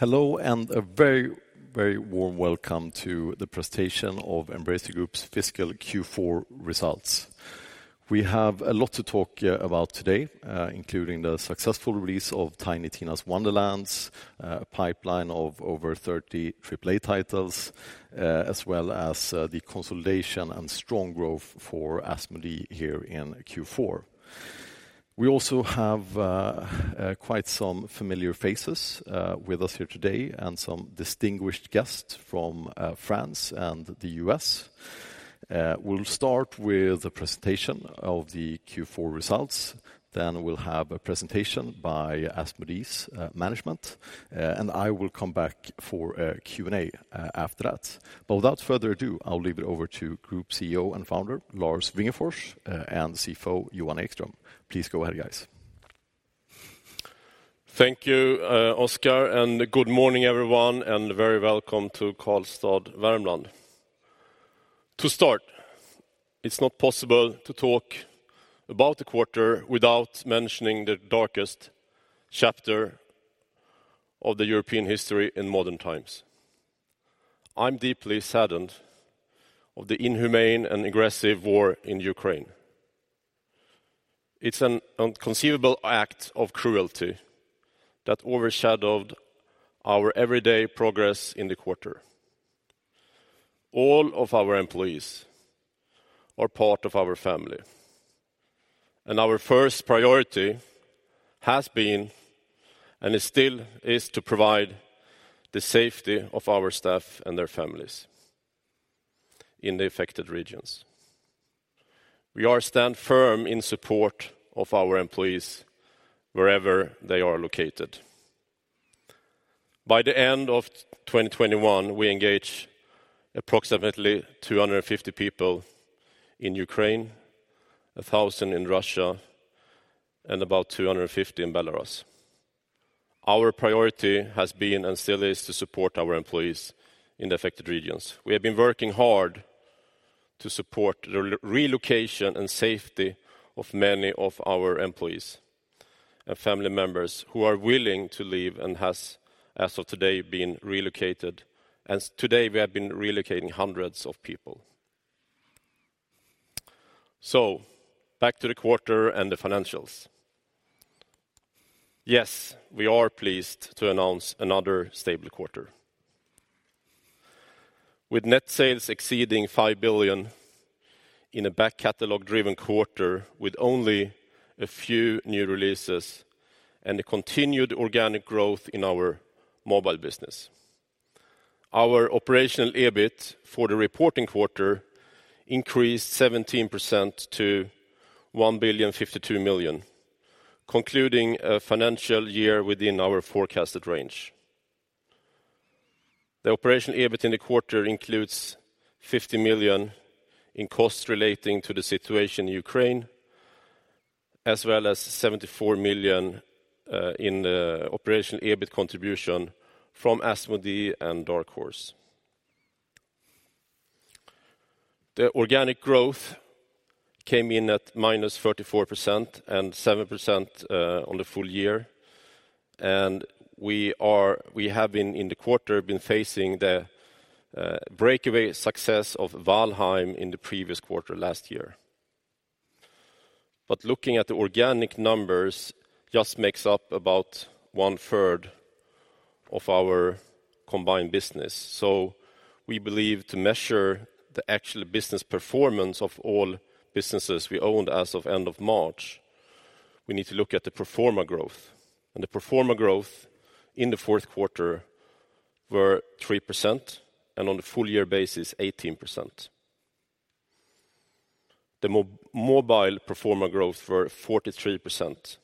Hello and a very, very warm welcome to the presentation of Embracer Group's fiscal Q4 results. We have a lot to talk about today, including the successful release of Tiny Tina's Wonderlands, pipeline of over 30 AAA titles, as well as the consolidation and strong growth for Asmodee here in Q4. We also have quite some familiar faces with us here today and some distinguished guests from France and the U.S. We'll start with the presentation of the Q4 results, then we'll have a presentation by Asmodee's management, and I will come back for a Q&A after that. Without further do, I'll leave it over to Group CEO and founder, Lars Wingefors, and CFO Johan Ekström. Please go ahead, guys. Thank you, Oscar, and good morning, everyone, and very welcome to Karlstad, Värmland. To start, it's not possible to talk about the quarter without mentioning the darkest chapter of the European history in modern times. I'm deeply saddened of the inhumane and aggressive war in Ukraine. It's an inconceivable act of cruelty that overshadowed our everyday progress in the quarter. All of our employees are part of our family, and our first priority has been, and it still is to provide the safety of our staff and their families in the affected regions. We stand firm in support of our employees wherever they are located. By the end of 2021, we engage approximately 250 people in Ukraine, 1,000 in Russia, and about 250 in Belarus. Our priority has been and still is to support our employees in the affected regions. We have been working hard to support the re-relocation and safety of many of our employees and family members who are willing to leave and has, as of today, been relocated, and today we have been relocating hundreds of people. Back to the quarter and the financials. Yes, we are pleased to announce another stable quarter with net sales exceeding 5 billion in a back catalog driven quarter with only a few new releases and a continued organic growth in our mobile business. Our operational EBIT for the reporting quarter increased 17% to 1,052 million, concluding a financial year within our forecasted range. The operational EBIT in the quarter includes 50 million in costs relating to the situation in Ukraine, as well as 74 million in the operational EBIT contribution from Asmodee and Dark Horse. The organic growth came in at -34% and 7% on the full year. We have been in the quarter facing the breakaway success of Valheim in the previous quarter last year. Looking at the organic numbers just makes up about one-third of our combined business. We believe to measure the actual business performance of all businesses we owned as of end of March, we need to look at the pro forma growth. The pro forma growth in the Q4 were 3%, and on a full year basis, 18%. The mobile pro forma growth were 43%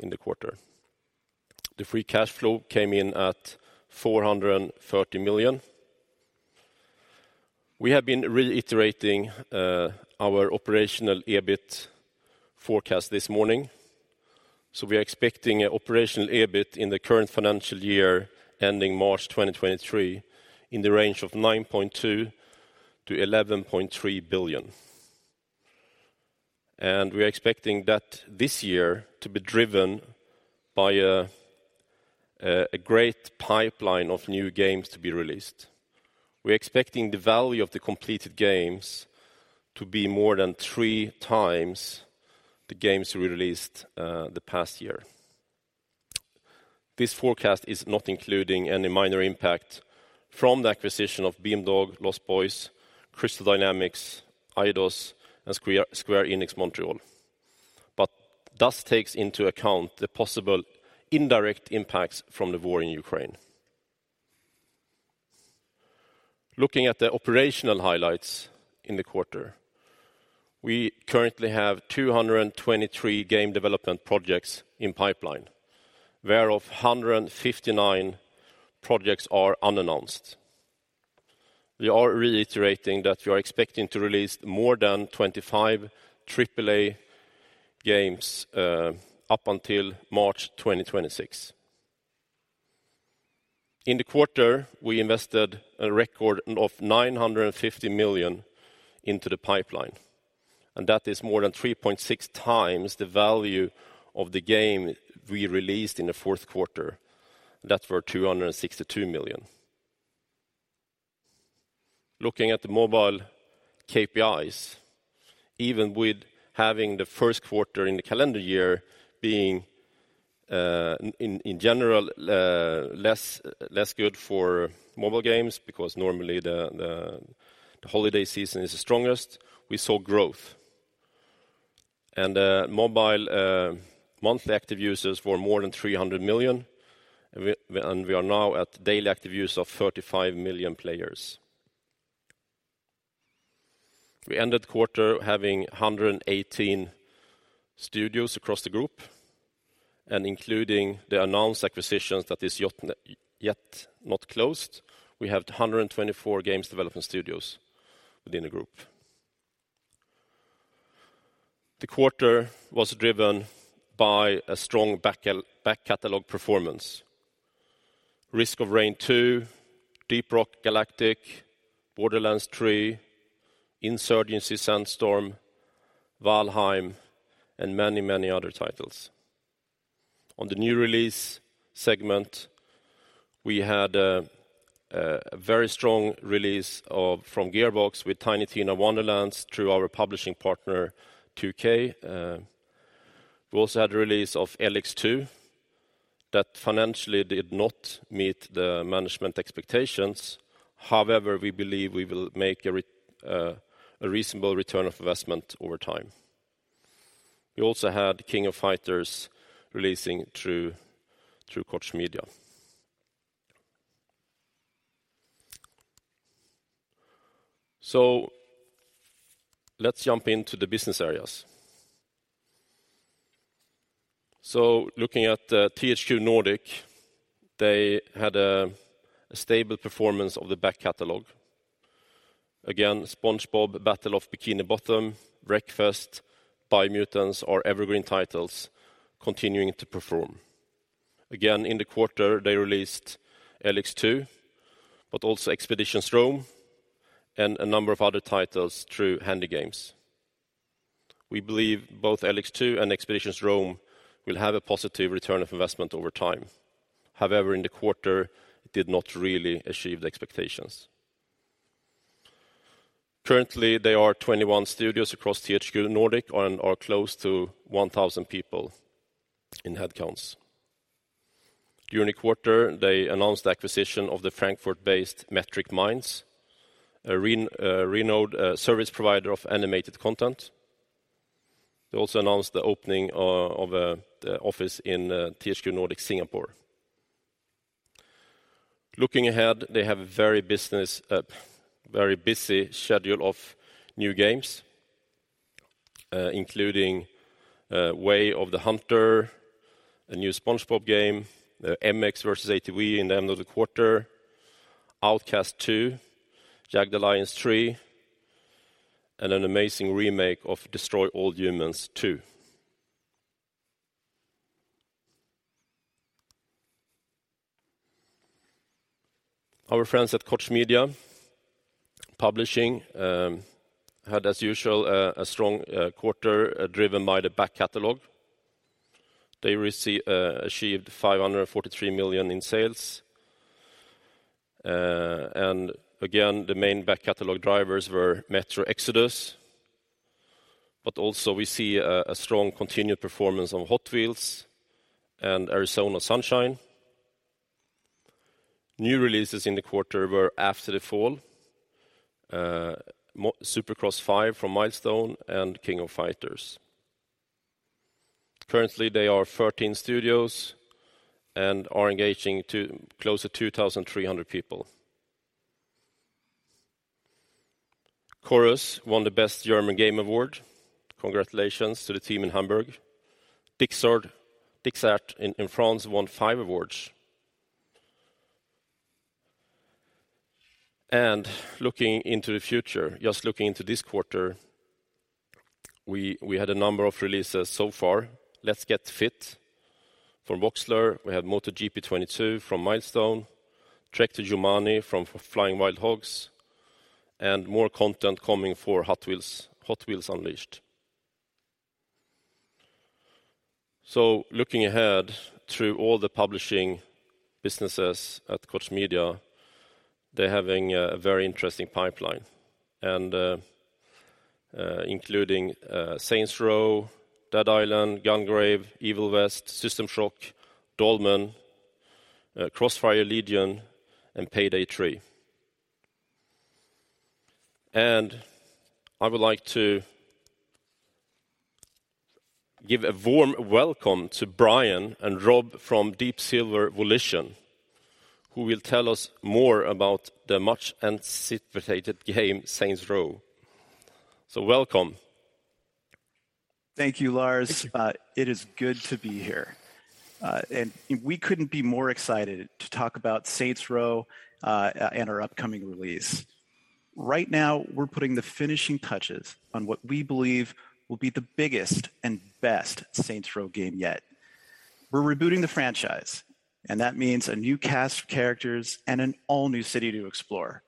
in the quarter. The free cash flow came in at 430 million. We have been reiterating our operational EBIT forecast this morning, so we are expecting operational EBIT in the current financial year ending March 2023 in the range of 9.2 billion-11.3 billion. We are expecting that this year to be driven by a great pipeline of new games to be released. We are expecting the value of the completed games to be more than 3 times the games we released the past year. This forecast is not including any minor impact from the acquisition of Beamdog, Lost Boys, Crystal Dynamics, Eidos-Montréal, and Square Enix Montréal, but thus takes into account the possible indirect impacts from the war in Ukraine. Looking at the operational highlights in the quarter, we currently have 223 game development projects in pipeline, whereof 159 projects are unannounced. We are reiterating that we are expecting to release more than 25 AAA games up until March 2026. In the quarter, we invested a record of 950 million into the pipeline, and that is more than 3.6 times the value of the game we released in the Q4. That were 262 million. Looking at the mobile KPIs, even with having the Q1 in the calendar year being in general less good for mobile games because normally the holiday season is the strongest, we saw growth. Mobile monthly active users were more than 300 million. We are now at daily active users of 35 million players. We ended the quarter having 118 studios across the group, and including the announced acquisitions that yet not closed, we have 124 game development studios within the group. The quarter was driven by a strong back catalog performance. Risk of Rain 2, Deep Rock Galactic, Borderlands 3, Insurgency: Sandstorm, Valheim, and many, many other titles. On the new release segment, we had a very strong release from Gearbox with Tiny Tina's Wonderlands through our publishing partner 2K. We also had the release of ELEX II that financially did not meet the management expectations. However, we believe we will make a reasonable return on investment over time. We also had The King of Fighters releasing through Koch Media. Let's jump into the business areas. Looking at THQ Nordic, they had stable performance of the back catalog. Again, SpongeBob SquarePants: Battle for Bikini Bottom, Wreckfest, Biomutant are evergreen titles continuing to perform. Again, in the quarter, they released ELEX II, but also Expeditions: Rome, and a number of other titles through HandyGames. We believe both ELEX II and Expeditions: Rome will have a positive return on investment over time. However, in the quarter, it did not really achieve the expectations. Currently, there are 21 studios across THQ Nordic and are close to 1,000 people in headcounts. During the quarter, they announced the acquisition of the Frankfurt-based Metric Minds, a renowned service provider of animated content. They also announced the opening of the office in THQ Nordic Singapore. Looking ahead, they have a very busy schedule of new games, including Way of the Hunter, a new SpongeBob game, MX vs. ATV at the end of the quarter, Outcast 2, Jagged Alliance 3, and an amazing remake of Destroy All Humans! 2. Our friends at Koch Media Publishing had as usual a strong quarter driven by the back catalog. They achieved 543 million in sales. Again, the main back catalog drivers were Metro Exodus, but also we see a strong continued performance on Hot Wheels and Arizona Sunshine. New releases in the quarter were After the Fall, Supercross 5 from Milestone, and King of Fighters. Currently, they are 13 studios and are engaging close to 2,300 people. Chorus won the Best German Game Award. Congratulations to the team in Hamburg. DigixArt in France won five awards. Looking into the future, just looking into this quarter, we had a number of releases so far. Let's Get Fit from Voxler. We had MotoGP 22 from Milestone, Trek to Yomi from Flying Wild Hog, and more content coming for Hot Wheels Unleashed. Looking ahead through all the publishing businesses at Koch Media, they're having a very interesting pipeline and including Saints Row, Dead Island, Gungrave, Evil West, System Shock, Dolmen, Crossfire Legion, and Payday 3. I would like to give a warm welcome to Brian and Rob from Deep Silver Volition, who will tell us more about the much-anticipated game, Saints Row. Welcome. Thank you, Lars. It is good to be here. We couldn't be more excited to talk about Saints Row and our upcoming release. Right now, we're putting the finishing touches on what we believe will be the biggest and best Saints Row game yet. We're rebooting the franchise, and that means a new cast of characters and an all-new city to explore.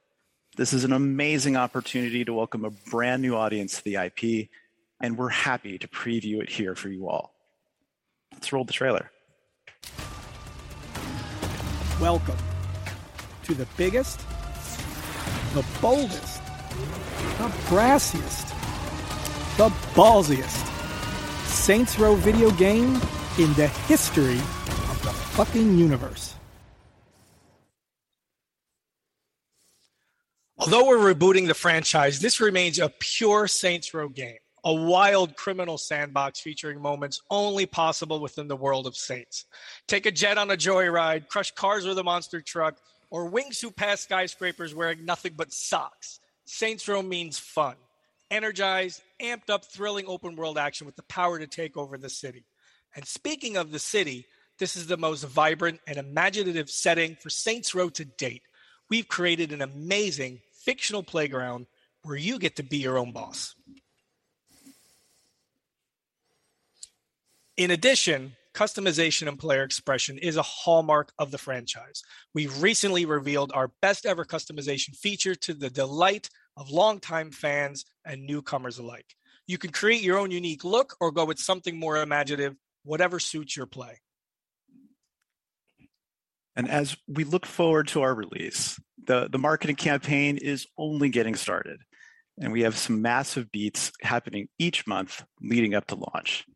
This is an amazing opportunity to welcome a brand new audience to the IP, and we're happy to preview it here for you all. Let's roll the trailer. Welcome to the biggest, the boldest, the brassiest, the ballsiest Saints Row video game in the history of the fucking universe. Although we're rebooting the franchise, this remains a pure Saints Row game. A wild criminal sandbox featuring moments only possible within the world of Saints. Take a jet on a joyride, crush cars with a monster truck, or wingsuit past skyscrapers wearing nothing but socks. Saints Row means fun, energized, amped up, thrilling open world action with the power to take over the city. Speaking of the city, this is the most vibrant and imaginative setting for Saints Row to date. We've created an amazing fictional playground where you get to be your own boss. In addition, customization and player expression is a hallmark of the franchise. We've recently revealed our best ever customization feature to the delight of longtime fans and newcomers alike. You can create your own unique look or go with something more imaginative, whatever suits your play. As we look forward to our release, the marketing campaign is only getting started, and we have some massive beats happening each month leading up to launch.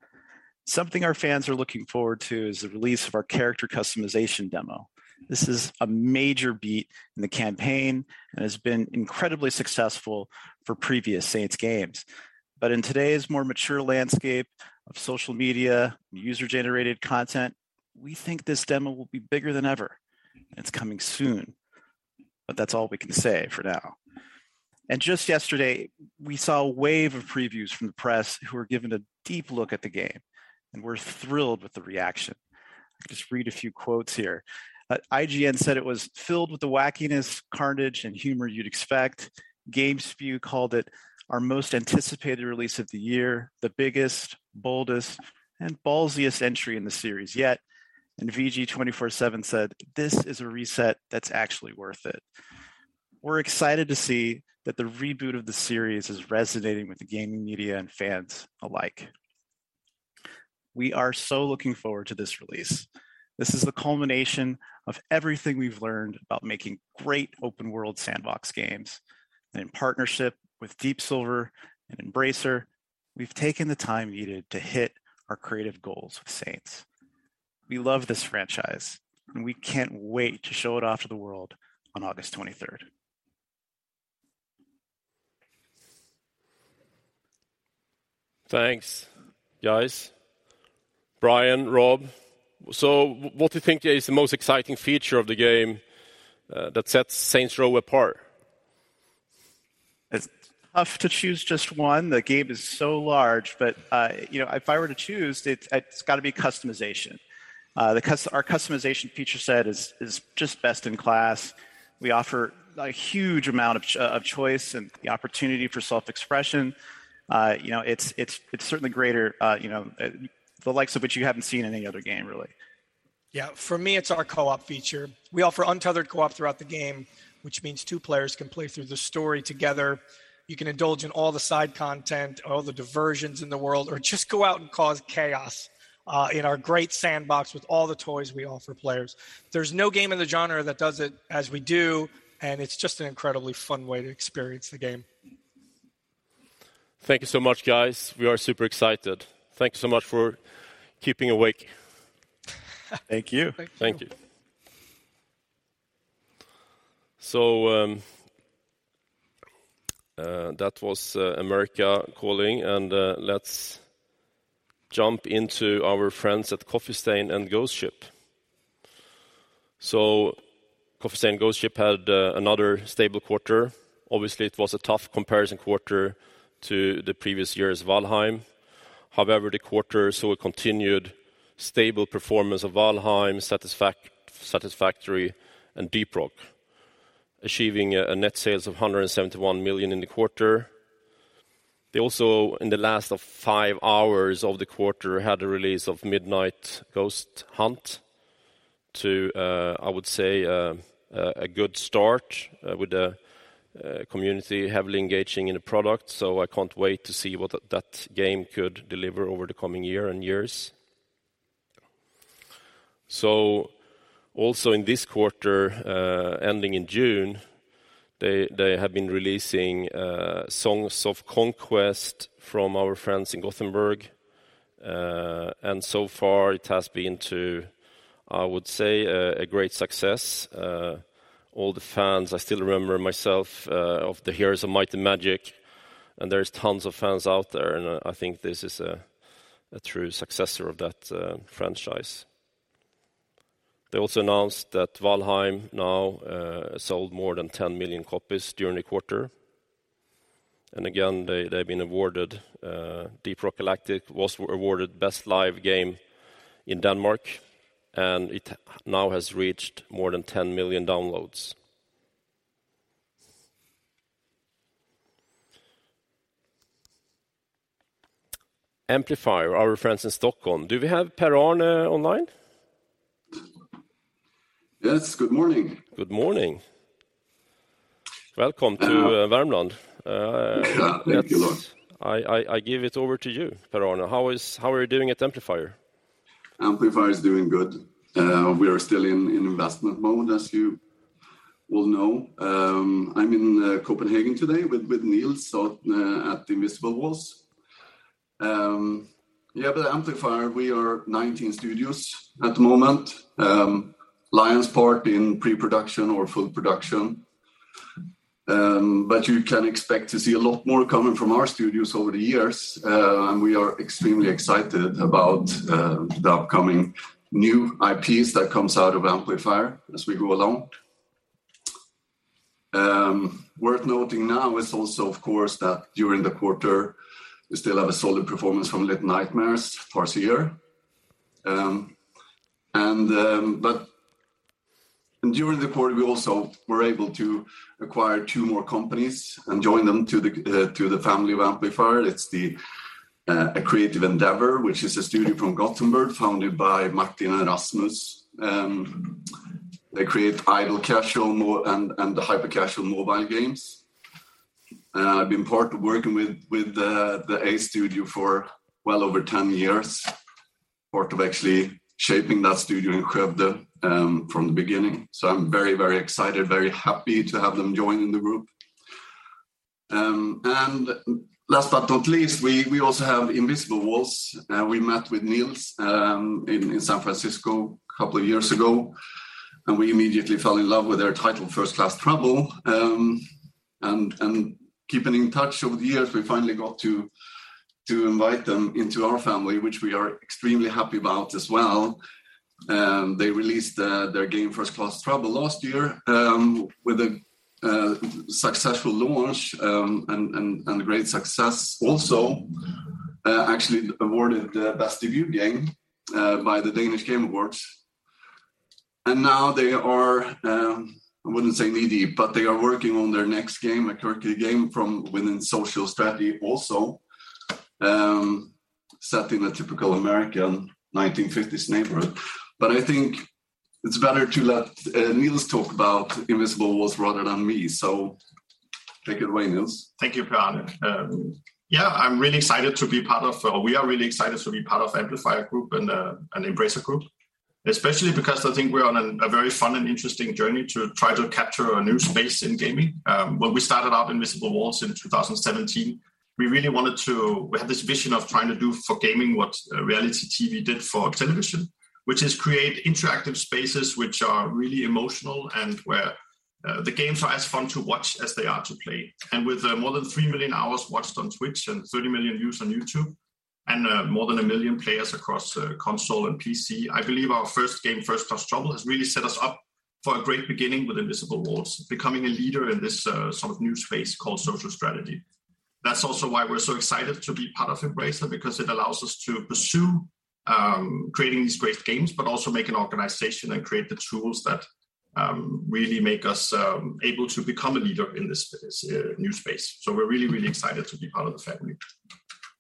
Something our fans are looking forward to is the release of our character customization demo. This is a major beat in the campaign and has been incredibly successful for previous Saints games. In today's more mature landscape of social media, user-generated content, we think this demo will be bigger than ever. It's coming soon, but that's all we can say for now. Just yesterday, we saw a wave of previews from the press, who were given a deep look at the game, and we're thrilled with the reaction. I'll just read a few quotes here. IGN said it was, "Filled with the wackiness, carnage, and humor you'd expect." GameSpot called it, "Our most anticipated release of the year. The biggest, boldest, and ballsiest entry in the series yet." VG247 said, "This is a reset that's actually worth it." We're excited to see that the reboot of the series is resonating with the gaming media and fans alike. We are so looking forward to this release. This is the culmination of everything we've learned about making great open world sandbox games. In partnership with Deep Silver and Embracer, we've taken the time needed to hit our creative goals with Saints. We love this franchise, and we can't wait to show it off to the world on August 23. Thanks, guys. Brian, Rob, what do you think is the most exciting feature of the game, that sets Saints Row apart? It's tough to choose just one. The game is so large, but you know, if I were to choose, it's gotta be customization. Our customization feature set is just best in class. We offer a huge amount of choice and the opportunity for self-expression. You know, it's certainly greater, you know, the likes of which you haven't seen in any other game, really. Yeah. For me, it's our co-op feature. We offer untethered co-op throughout the game, which means two players can play through the story together. You can indulge in all the side content, all the diversions in the world, or just go out and cause chaos in our great sandbox with all the toys we offer players. There's no game in the genre that does it as we do, and it's just an incredibly fun way to experience the game. Thank you so much, guys. We are super excited. Thank you so much for keeping awake. Thank you. Thank you. Thank you. That was America calling, and let's jump into our friends at Coffee Stain and Ghost Ship. Coffee Stain and Ghost Ship had another stable quarter. Obviously, it was a tough comparison quarter to the previous year's Valheim. However, the quarter saw a continued stable performance of Valheim, Satisfactory, and Deep Rock, achieving net sales of 171 million in the quarter. They also, in the last five hours of the quarter, had a release of Midnight Ghost Hunt to a good start with the community heavily engaging in the product. I can't wait to see what that game could deliver over the coming year and years. Also in this quarter ending in June, they have been releasing Songs of Conquest from our friends in Gothenburg, and so far it has been, I would say, a great success. All the fans, I still remember myself of the Heroes of Might and Magic, and there's tons of fans out there, and I think this is a true successor of that franchise. They also announced that Valheim now sold more than 10 million copies during the quarter. Again, they’ve been awarded, Deep Rock Galactic was awarded Best Live Game in Denmark, and it now has reached more than 10 million downloads. Amplifier, our friends in Stockholm. Do we have Per-Arne online? Yes, good morning. Good morning. Welcome to Värmland. Yeah. Thank you, Lars. I give it over to you, Per-Arne. How are you doing at Amplifier? Amplifier is doing good. We are still in investment mode, as you will know. I'm in Copenhagen today with Niels, so at Invisible Walls. Amplifier, we are 19 studios at the moment. Lion's share in pre-production or full production. You can expect to see a lot more coming from our studios over the years. We are extremely excited about the upcoming new IPs that comes out of Amplifier as we go along. Worth noting now is also, of course, that during the quarter, we still have a solid performance from Little Nightmares: Farseer. But during the quarter, we also were able to acquire 2 more companies and join them to the family of Amplifier. It's the A Creative Endeavor, which is a studio from Gothenburg founded by Martin and Rasmus. They create idle casual and hyper-casual mobile games. I've been part of working with the A studio for well over 10 years, part of actually shaping that studio in Skövde from the beginning. I'm very excited, very happy to have them join in the group. Last but not least, we also have Invisible Walls. We met with Niels in San Francisco a couple of years ago, and we immediately fell in love with their title First Class Trouble. Keeping in touch over the years, we finally got to invite them into our family, which we are extremely happy about as well. They released their game First Class Trouble last year with a successful launch and great success also, actually awarded the Best Debut Game by the Danish Game Awards. Now they are, I wouldn't say needy, but they are working on their next game, a quirky game from within social strategy also, set in a typical American 1950s neighborhood. I think it's better to let Niels talk about Invisible Walls rather than me. Take it away, Niels. Thank you, Per-Arne. Yeah, we are really excited to be part of Amplifier Group and Embracer Group, especially because I think we're on a very fun and interesting journey to try to capture a new space in gaming. When we started up Invisible Walls in 2017, we had this vision of trying to do for gaming what reality TV did for television, which is create interactive spaces which are really emotional and where the games are as fun to watch as they are to play. With more than 3 million hours watched on Twitch and 30 million views on YouTube and more than 1 million players across console and PC, I believe our first game, First Class Trouble, has really set us up for a great beginning with Invisible Walls, becoming a leader in this sort of new space called social strategy. That's also why we're so excited to be part of Embracer because it allows us to pursue creating these great games, but also make an organization and create the tools that really make us able to become a leader in this new space. We're really, really excited to be part of the family.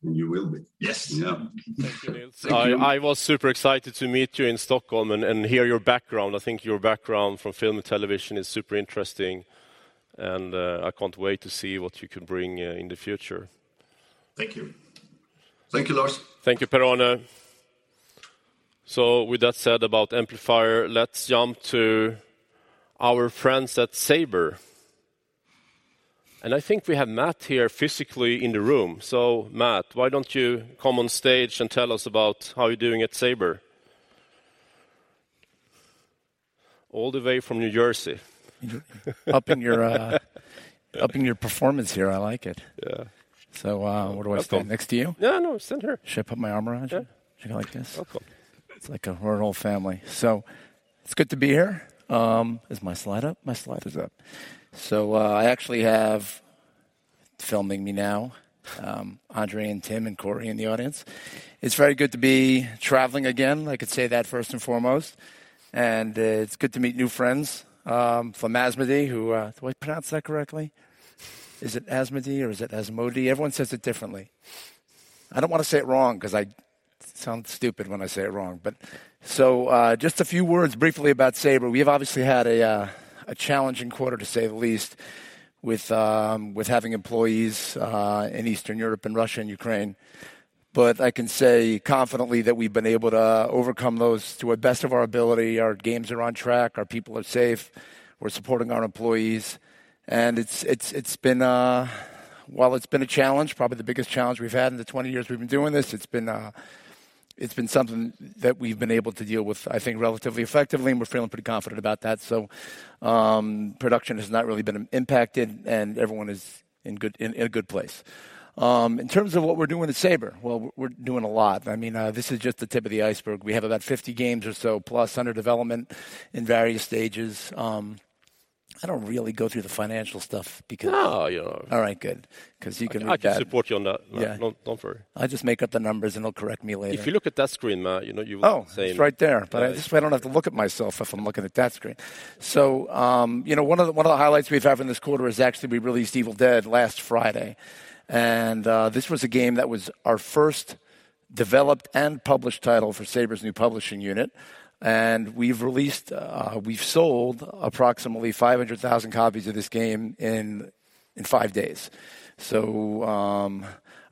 You will be. Yes. Yeah. Thank you, Niels. Thank you. I was super excited to meet you in Stockholm and hear your background. I think your background from film and television is super interesting, and I can't wait to see what you can bring in the future. Thank you. Thank you, Lars. Thank you, Per-Arne. With that said about Amplifier, let's jump to our friends at Saber. I think we have Matt here physically in the room. Matt, why don't you come on stage and tell us about how you're doing at Saber? All the way from New Jersey. Upping your performance here. I like it. Yeah. Where do I stand? Next to you? Yeah. No, stand here. Should I put my arm around you? Yeah. Should I go like this? Oh, cool. We're an old family. It's good to be here. Is my slide up? My slide is up. I actually have friends with me now, Andre and Tim and Corey in the audience. It's very good to be traveling again. I could say that first and foremost. It's good to meet new friends from Asmodee. Do I pronounce that correctly? Is it Asmodee or is it Asmodee? Everyone says it differently. I don't wanna say it wrong 'cause I sound stupid when I say it wrong. Just a few words briefly about Saber. We have obviously had a challenging quarter, to say the least, with having employees in Eastern Europe and Russia and Ukraine. I can say confidently that we've been able to overcome those to the best of our ability. Our games are on track, our people are safe, we're supporting our employees, and it's been, while it's been a challenge, probably the biggest challenge we've had in the 20 years we've been doing this, it's been something that we've been able to deal with, I think, relatively effectively, and we're feeling pretty confident about that. Production has not really been impacted and everyone is in a good place. In terms of what we're doing at Saber, well, we're doing a lot. I mean, this is just the tip of the iceberg. We have about 50 games or so, plus under development in various stages. I don't really go through the financial stuff because. No, you don't. All right, good. 'Cause you can read that. I can support you on that. Yeah. Don't worry. I just make up the numbers, and he'll correct me later. If you look at that screen, Matt, you know you will see. Oh, it's right there. But this way I don't have to look at myself if I'm looking at that screen. One of the highlights we've had in this quarter is actually we released Evil Dead last Friday. This was a game that was our first developed and published title for Saber's new publishing unit. We've sold approximately 500,000 copies of this game in five days.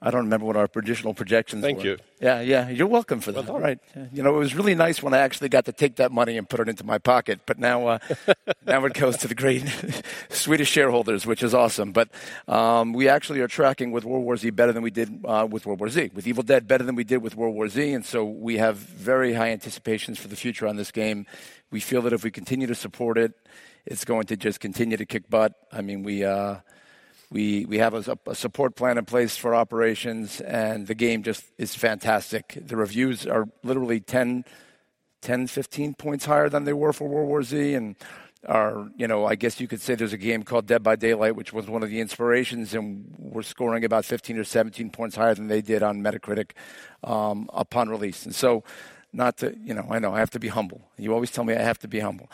I don't remember what our traditional projections were. Thank you. Yeah, yeah. You're welcome for that. Welcome. All right. You know, it was really nice when I actually got to take that money and put it into my pocket. Now it goes to the great Swedish shareholders, which is awesome. We actually are tracking with World War Z better than we did with World War Z. With Evil Dead better than we did with World War Z, we have very high anticipations for the future on this game. We feel that if we continue to support it's going to just continue to kick butt. I mean, we have a support plan in place for operations, and the game just is fantastic. The reviews are literally 10, 15 points higher than they were for World War Z. Our, you know, I guess you could say there's a game called Dead by Daylight, which was one of the inspirations, and we're scoring about 15 or 17 points higher than they did on Metacritic upon release. Not to, you know, I know, I have to be humble. You always tell me I have to be humble.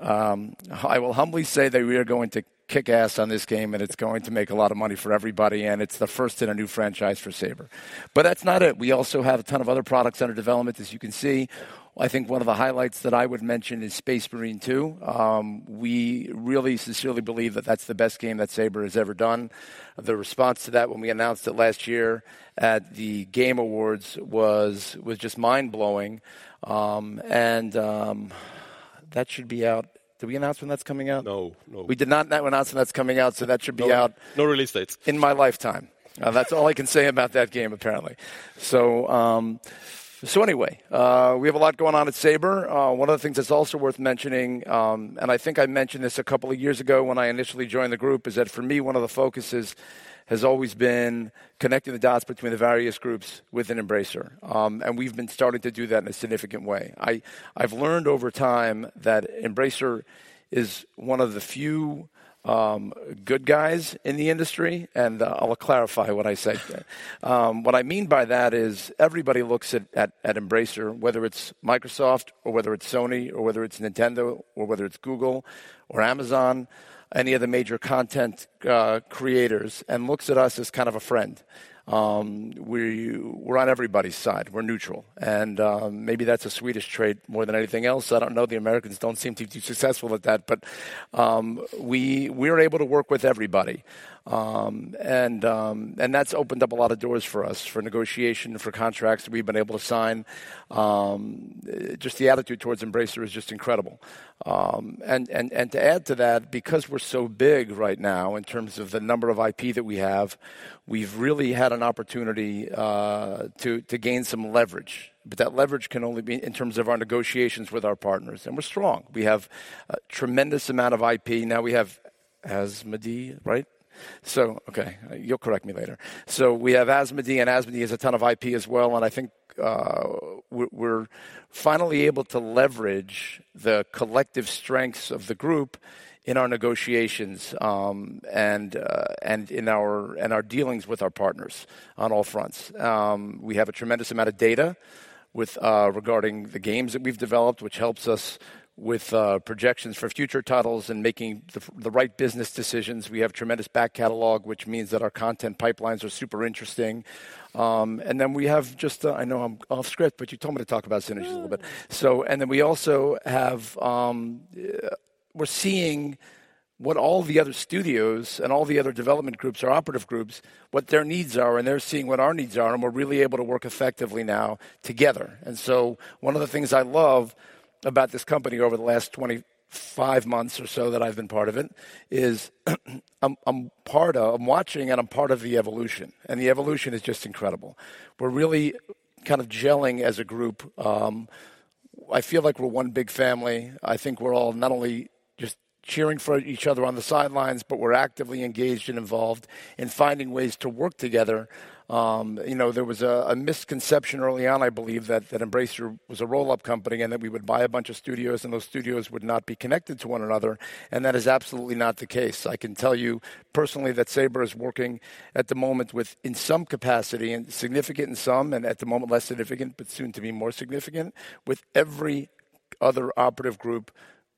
I will humbly say that we are going to kick ass on this game, and it's going to make a lot of money for everybody, and it's the first in a new franchise for Saber. That's not it. We also have a ton of other products under development, as you can see. I think one of the highlights that I would mention is Warhammer 40,000: Space Marine 2. We really sincerely believe that that's the best game that Saber has ever done. The response to that when we announced it last year at The Game Awards was just mind-blowing. That should be out. Did we announce when that's coming out? No. We did not announce when that's coming out, so that should be out, no release dates, in my lifetime. That's all I can say about that game, apparently. Anyway, we have a lot going on at Saber. One of the things that's also worth mentioning, and I think I mentioned this a couple of years ago when I initially joined the group, is that for me, one of the focuses has always been connecting the dots between the various groups within Embracer, and we've been starting to do that in a significant way. I've learned over time that Embracer is one of the few good guys in the industry, and I'll clarify what I said there. What I mean by that is everybody looks at Embracer, whether it's Microsoft or whether it's Sony or whether it's Nintendo or whether it's Google or Amazon, any of the major content creators, and looks at us as kind of a friend. We're on everybody's side. We're neutral, and maybe that's a Swedish trait more than anything else. I don't know, the Americans don't seem to be successful with that. We're able to work with everybody, and that's opened up a lot of doors for us for negotiation, for contracts we've been able to sign. Just the attitude towards Embracer is just incredible. To add to that, because we're so big right now in terms of the number of IP that we have, we've really had an opportunity to gain some leverage. That leverage can only be in terms of our negotiations with our partners, and we're strong. We have a tremendous amount of IP. Now we have Asmodee, right? Okay, you'll correct me later. We have Asmodee, and Asmodee has a ton of IP as well, and I think we're finally able to leverage the collective strengths of the group in our negotiations and in our dealings with our partners on all fronts. We have a tremendous amount of data with regard to the games that we've developed, which helps us with projections for future titles and making the right business decisions. We have tremendous back catalog, which means that our content pipelines are super interesting. We have just I know I'm off script, but you told me to talk about synergies a little bit. No, no. We also have we're seeing what all the other studios and all the other development groups or operative groups, what their needs are, and they're seeing what our needs are, and we're really able to work effectively now together. One of the things I love about this company over the last 25 months or so that I've been part of it is I'm watching and I'm part of the evolution, and the evolution is just incredible. We're really kind of gelling as a group. I feel like we're one big family. I think we're all not only just cheering for each other on the sidelines, but we're actively engaged and involved in finding ways to work together. You know, there was a misconception early on, I believe that Embracer was a roll-up company and that we would buy a bunch of studios and those studios would not be connected to one another, and that is absolutely not the case. I can tell you personally that Saber is working at the moment with, in some capacity, and significant in some, and at the moment less significant, but soon to be more significant, with every other operative group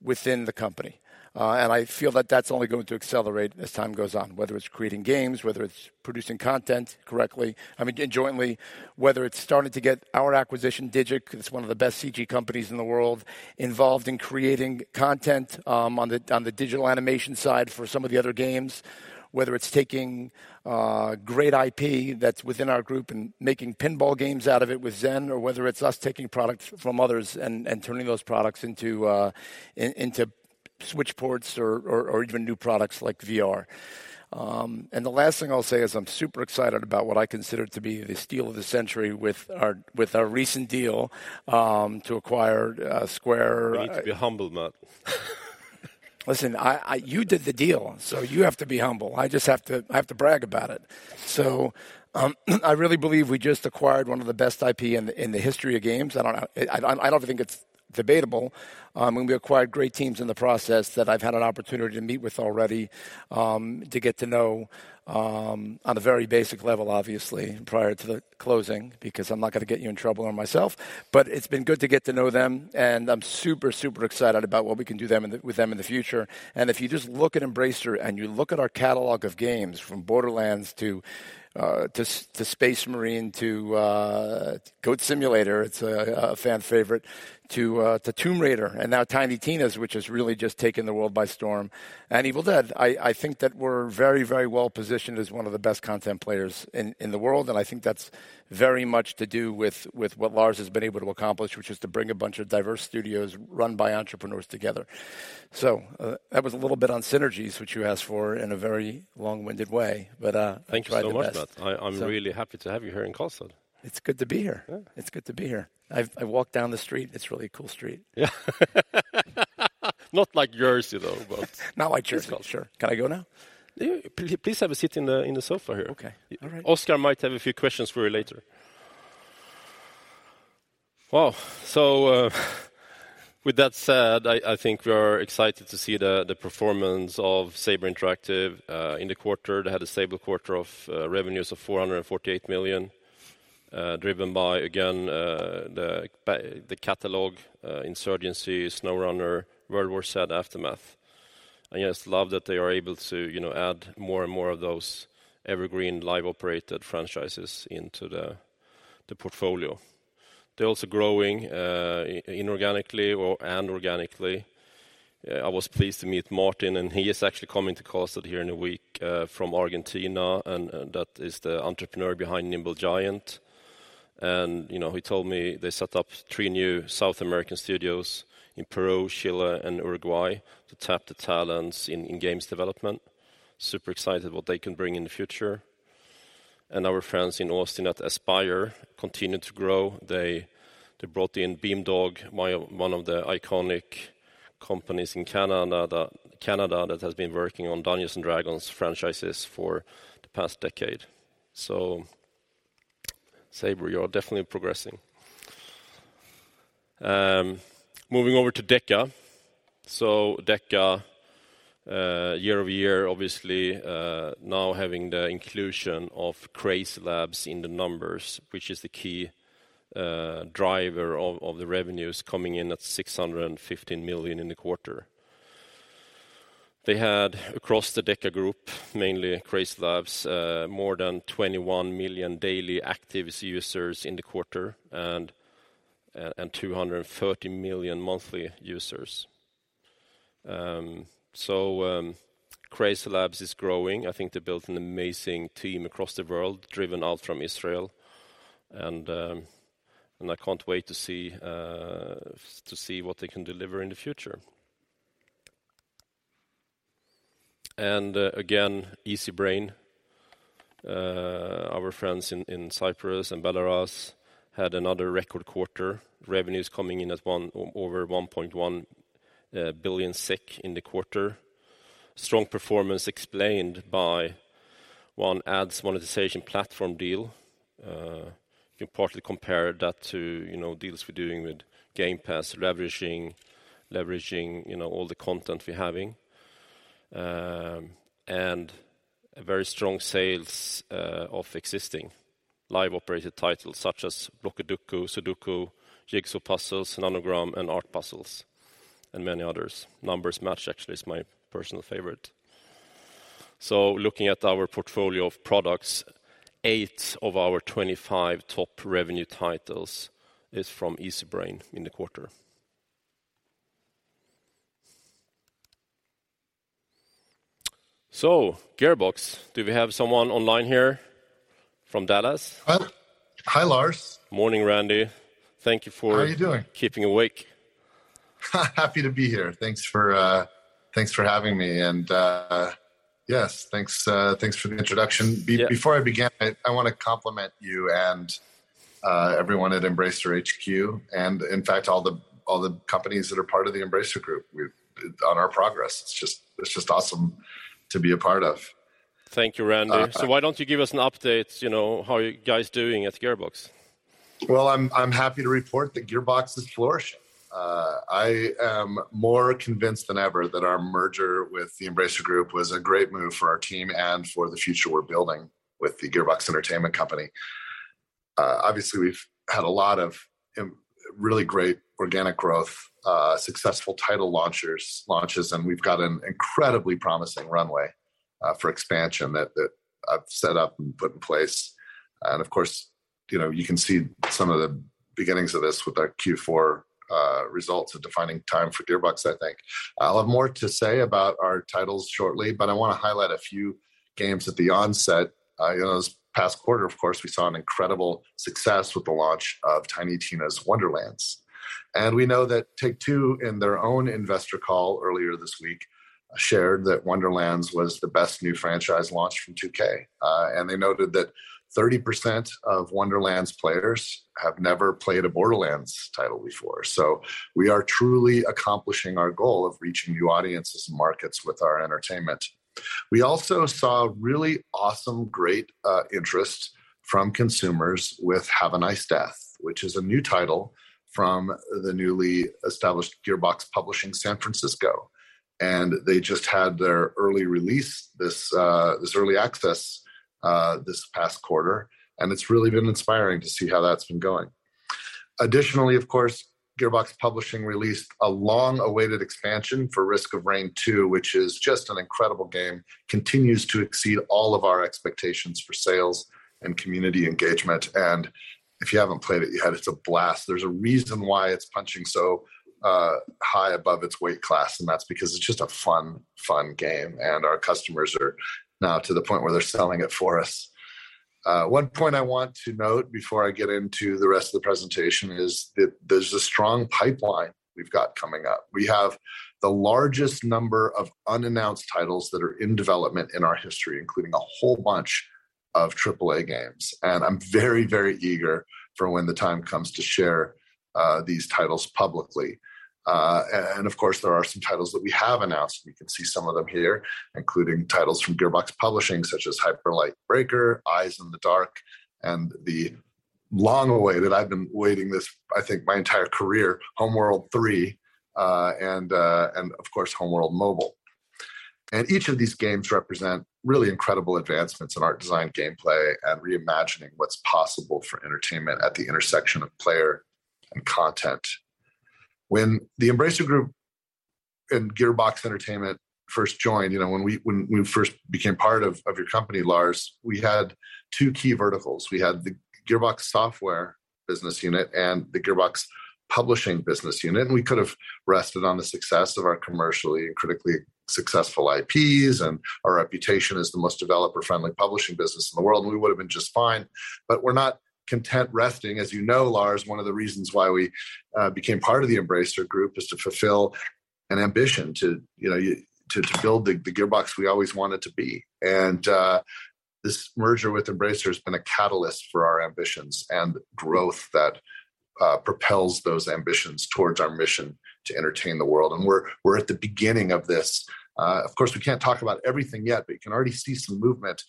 within the company. I feel that that's only going to accelerate as time goes on, whether it's creating games, whether it's producing content correctly. I mean, jointly, whether it's starting to get our acquisition, Digic, it's one of the best CG companies in the world, involved in creating content on the digital animation side for some of the other games, whether it's taking great IP that's within our group and making pinball games out of it with Zen, or whether it's us taking products from others and turning those products into Switch ports or even new products like VR. The last thing I'll say is I'm super excited about what I consider to be the steal of the century with our recent deal to acquire Square. You need to be humble, Matt. Listen, you did the deal, so you have to be humble. I just have to brag about it. I really believe we just acquired one of the best IP in the history of games. I don't know, I don't think it's debatable. We acquired great teams in the process that I've had an opportunity to meet with already, to get to know on a very basic level, obviously, prior to the closing, because I'm not gonna get you in trouble or myself. It's been good to get to know them, and I'm super excited about what we can do with them in the future. If you just look at Embracer, and you look at our catalog of games from Borderlands to Space Marine, to Goat Simulator, it's a fan favorite, to Tomb Raider and now Tiny Tina's, which has really just taken the world by storm, and Evil Dead, I think that we're very, very well-positioned as one of the best content players in the world. I think that's very much to do with what Lars has been able to accomplish, which is to bring a bunch of diverse studios run by entrepreneurs together. That was a little bit on synergies, which you asked for in a very long-winded way, but I tried my best. Thank you so much, Matt. So- I'm really happy to have you here in Karlstad. It's good to be here. Yeah. It's good to be here. I walked down the street. It's really a cool street. Yeah. Not like yours, you know, but Not like yours, for sure. Can I go now? Yeah. Please have a seat in the sofa here. Okay. All right. Oscar might have a few questions for you later. Wow. With that said, I think we are excited to see the performance of Saber Interactive in the quarter. They had a stable quarter of revenues of 448 million, driven by again the catalog, Insurgency, SnowRunner, World War Z: Aftermath. I just love that they are able to, you know, add more and more of those evergreen live operated franchises into the portfolio. They are also growing inorganically and organically. I was pleased to meet Martin, and he is actually coming to Karlstad here in a week from Argentina, and that is the entrepreneur behind Nimble Giant. You know, he told me they set up three new South American studios in Peru, Chile, and Uruguay to tap the talents in games development. Super excited what they can bring in the future. Our friends in Austin at Aspyr continue to grow. They brought in Beamdog, one of the iconic companies in Canada that has been working on Dungeons & Dragons franchises for the past decade. Saber, you are definitely progressing. Moving over to DECA. DECA, year over year, obviously, now having the inclusion of CrazyLabs in the numbers, which is the key driver of the revenues coming in at 615 million in the quarter. They had across the DECA Games group, mainly CrazyLabs, more than 21 million daily active users in the quarter and 230 million monthly users. CrazyLabs is growing. I think they built an amazing team across the world, driven out from Israel, and I can't wait to see what they can deliver in the future. Again, Easybrain, our friends in Cyprus and Belarus, had another record quarter. Revenues coming in at over 1.1 billion SEK in the quarter. Strong performance explained by one, ads monetization platform deal. You can partly compare that to deals we're doing with Game Pass, leveraging all the content we're having. Very strong sales of existing live operated titles such as Blockudoku, Sudoku, Jigsaw Puzzles, Nonogram, and Art Puzzles, and many others. Number Match actually is my personal favorite. Looking at our portfolio of products, 8 of our 25 top revenue titles is from Easybrain in the quarter. Gearbox, do we have someone online here from Dallas? Well, hi, Lars. Morning, Randy. Thank you for How are you doing? keeping awake. Happy to be here. Thanks for having me. Yes, thanks for the introduction. Yeah. Before I begin, I wanna compliment you and everyone at Embracer HQ, and in fact, all the companies that are part of the Embracer Group on our progress. It's just awesome to be a part of. Thank you, Randy. Uh. Why don't you give us an update, you know, how are you guys doing at Gearbox? Well, I'm happy to report that Gearbox is flourishing. I am more convinced than ever that our merger with the Embracer Group was a great move for our team and for the future we're building with the Gearbox Entertainment Company. Obviously, we've had a lot of really great organic growth, successful title launches, and we've got an incredibly promising runway for expansion that I've set up and put in place. Of course, you know, you can see some of the beginnings of this with our Q4 results, a defining time for Gearbox, I think. I'll have more to say about our titles shortly, but I wanna highlight a few games at the onset. You know, this past quarter, of course, we saw an incredible success with the launch of Tiny Tina's Wonderlands. We know that Take-Two in their own investor call earlier this week shared that Wonderlands was the best new franchise launch from 2K. They noted that 30% of Wonderlands players have never played a Borderlands title before. We are truly accomplishing our goal of reaching new audiences and markets with our entertainment. We also saw really awesome, great interest from consumers with Have a Nice Death, which is a new title from the newly established Gearbox Publishing San Francisco. They just had their early release this early access this past quarter, and it's really been inspiring to see how that's been going. Additionally, of course, Gearbox Publishing released a long-awaited expansion for Risk of Rain 2, which is just an incredible game. It continues to exceed all of our expectations for sales and community engagement. If you haven't played it yet, it's a blast. There's a reason why it's punching so high above its weight class, and that's because it's just a fun game, and our customers are now to the point where they're selling it for us. One point I want to note before I get into the rest of the presentation is that there's a strong pipeline we've got coming up. We have the largest number of unannounced titles that are in development in our history, including a whole bunch of AAA games. I'm very, very eager for when the time comes to share these titles publicly. Of course, there are some titles that we have announced, and you can see some of them here, including titles from Gearbox Publishing such as Hyper Light Breaker, Eyes in the Dark, and the long awaited. I've been waiting for this, I think, my entire career, Homeworld 3, and of course, Homeworld Mobile. Each of these games represent really incredible advancements in art, design, gameplay, and reimagining what's possible for entertainment at the intersection of player and content. When the Embracer Group and Gearbox Entertainment first joined, you know, when we first became part of your company, Lars, we had two key verticals. We had the Gearbox Software business unit and the Gearbox Publishing business unit. We could have rested on the success of our commercially and critically successful IPs and our reputation as the most developer-friendly publishing business in the world, and we would've been just fine. We're not content resting. As you know, Lars, one of the reasons why we became part of the Embracer Group is to fulfill an ambition to, you know, to build the Gearbox we always wanted to be. This merger with Embracer has been a catalyst for our ambitions and growth that propels those ambitions towards our mission to entertain the world. We're at the beginning of this. Of course, we can't talk about everything yet, but you can already see some movement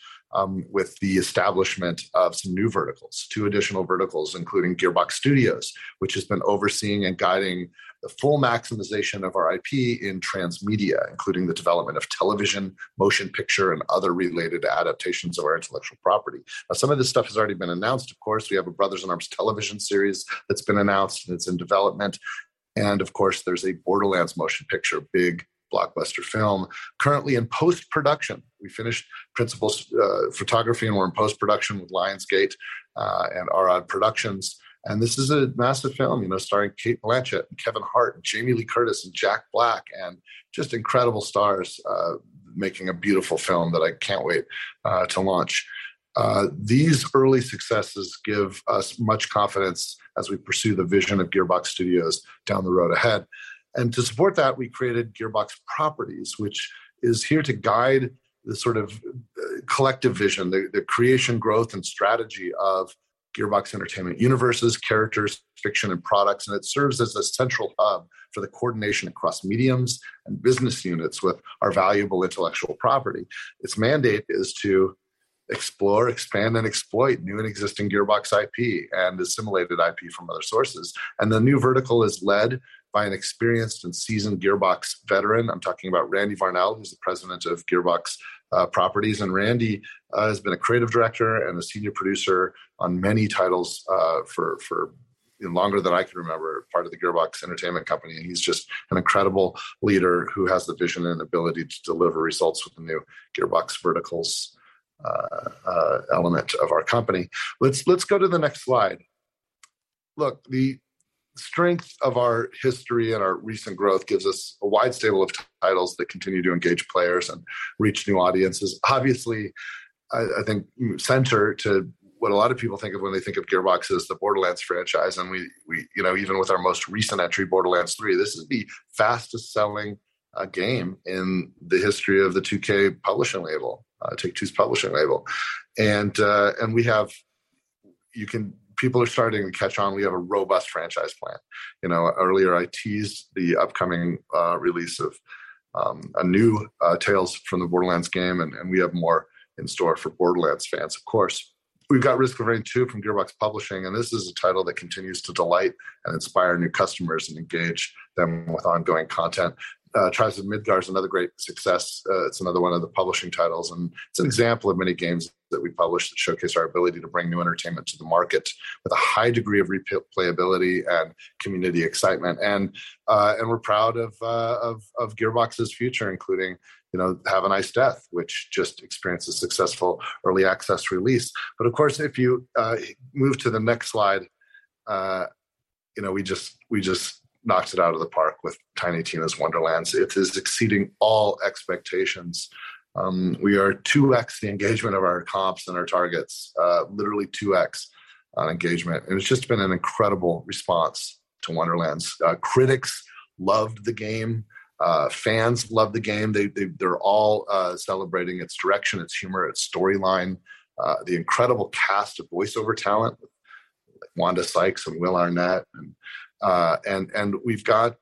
with the establishment of some new verticals. Two additional verticals, including Gearbox Studios, which has been overseeing and guiding the full maximization of our IP in transmedia, including the development of television, motion picture, and other related adaptations of our intellectual property. Now, some of this stuff has already been announced, of course. We have a Brothers in Arms television series that's been announced, and it's in development. Of course, there's a Borderlands motion picture, big blockbuster film currently in post-production. We finished principal photography, and we're in post-production with Lionsgate and Arad Productions. This is a massive film, you know, starring Cate Blanchett and Kevin Hart and Jamie Lee Curtis and Jack Black and just incredible stars making a beautiful film that I can't wait to launch. These early successes give us much confidence as we pursue the vision of Gearbox Studios down the road ahead. To support that, we created Gearbox Properties, which is here to guide the sort of collective vision, the creation, growth, and strategy of Gearbox Entertainment universes, characters, fiction, and products. It serves as a central hub for the coordination across mediums and business units with our valuable intellectual property. Its mandate is to explore, expand, and exploit new and existing Gearbox IP and assimilated IP from other sources. The new vertical is led by an experienced and seasoned Gearbox veteran. I'm talking about Randy Varnell, who's the President of Gearbox Properties. Randy has been a creative director and a senior producer on many titles, for longer than I can remember, part of the Gearbox Entertainment Company. He's just an incredible leader who has the vision and ability to deliver results with the new Gearbox verticals, element of our company. Let's go to the next slide. Look, the strength of our history and our recent growth gives us a wide stable of titles that continue to engage players and reach new audiences. Obviously, I think central to what a lot of people think of when they think of Gearbox is the Borderlands franchise. We, you know, even with our most recent entry, Borderlands 3, this is the fastest-selling game in the history of the 2K publishing label, Take-Two's publishing label. People are starting to catch on. We have a robust franchise plan. You know, earlier I teased the upcoming release of a new Tales from the Borderlands game, and we have more in store for Borderlands fans, of course. We've got Risk of Rain 2 from Gearbox Publishing, and this is a title that continues to delight and inspire new customers and engage them with ongoing content. Tribes of Midgard's another great success. It's another one of the publishing titles, and it's an example of many games that we publish that showcase our ability to bring new entertainment to the market with a high degree of replayability and community excitement. We're proud of Gearbox's future, including, you know, Have a Nice Death, which just experienced a successful early access release. Of course, if you move to the next slide, you know, we just knocked it out of the park with Tiny Tina's Wonderlands. It is exceeding all expectations. We are 2x the engagement of our comps and our targets, literally 2x on engagement. It has just been an incredible response to Wonderlands. Critics loved the game, fans loved the game. They are all celebrating its direction, its humor, its storyline, the incredible cast of voiceover talent like Wanda Sykes and Will Arnett. And we've got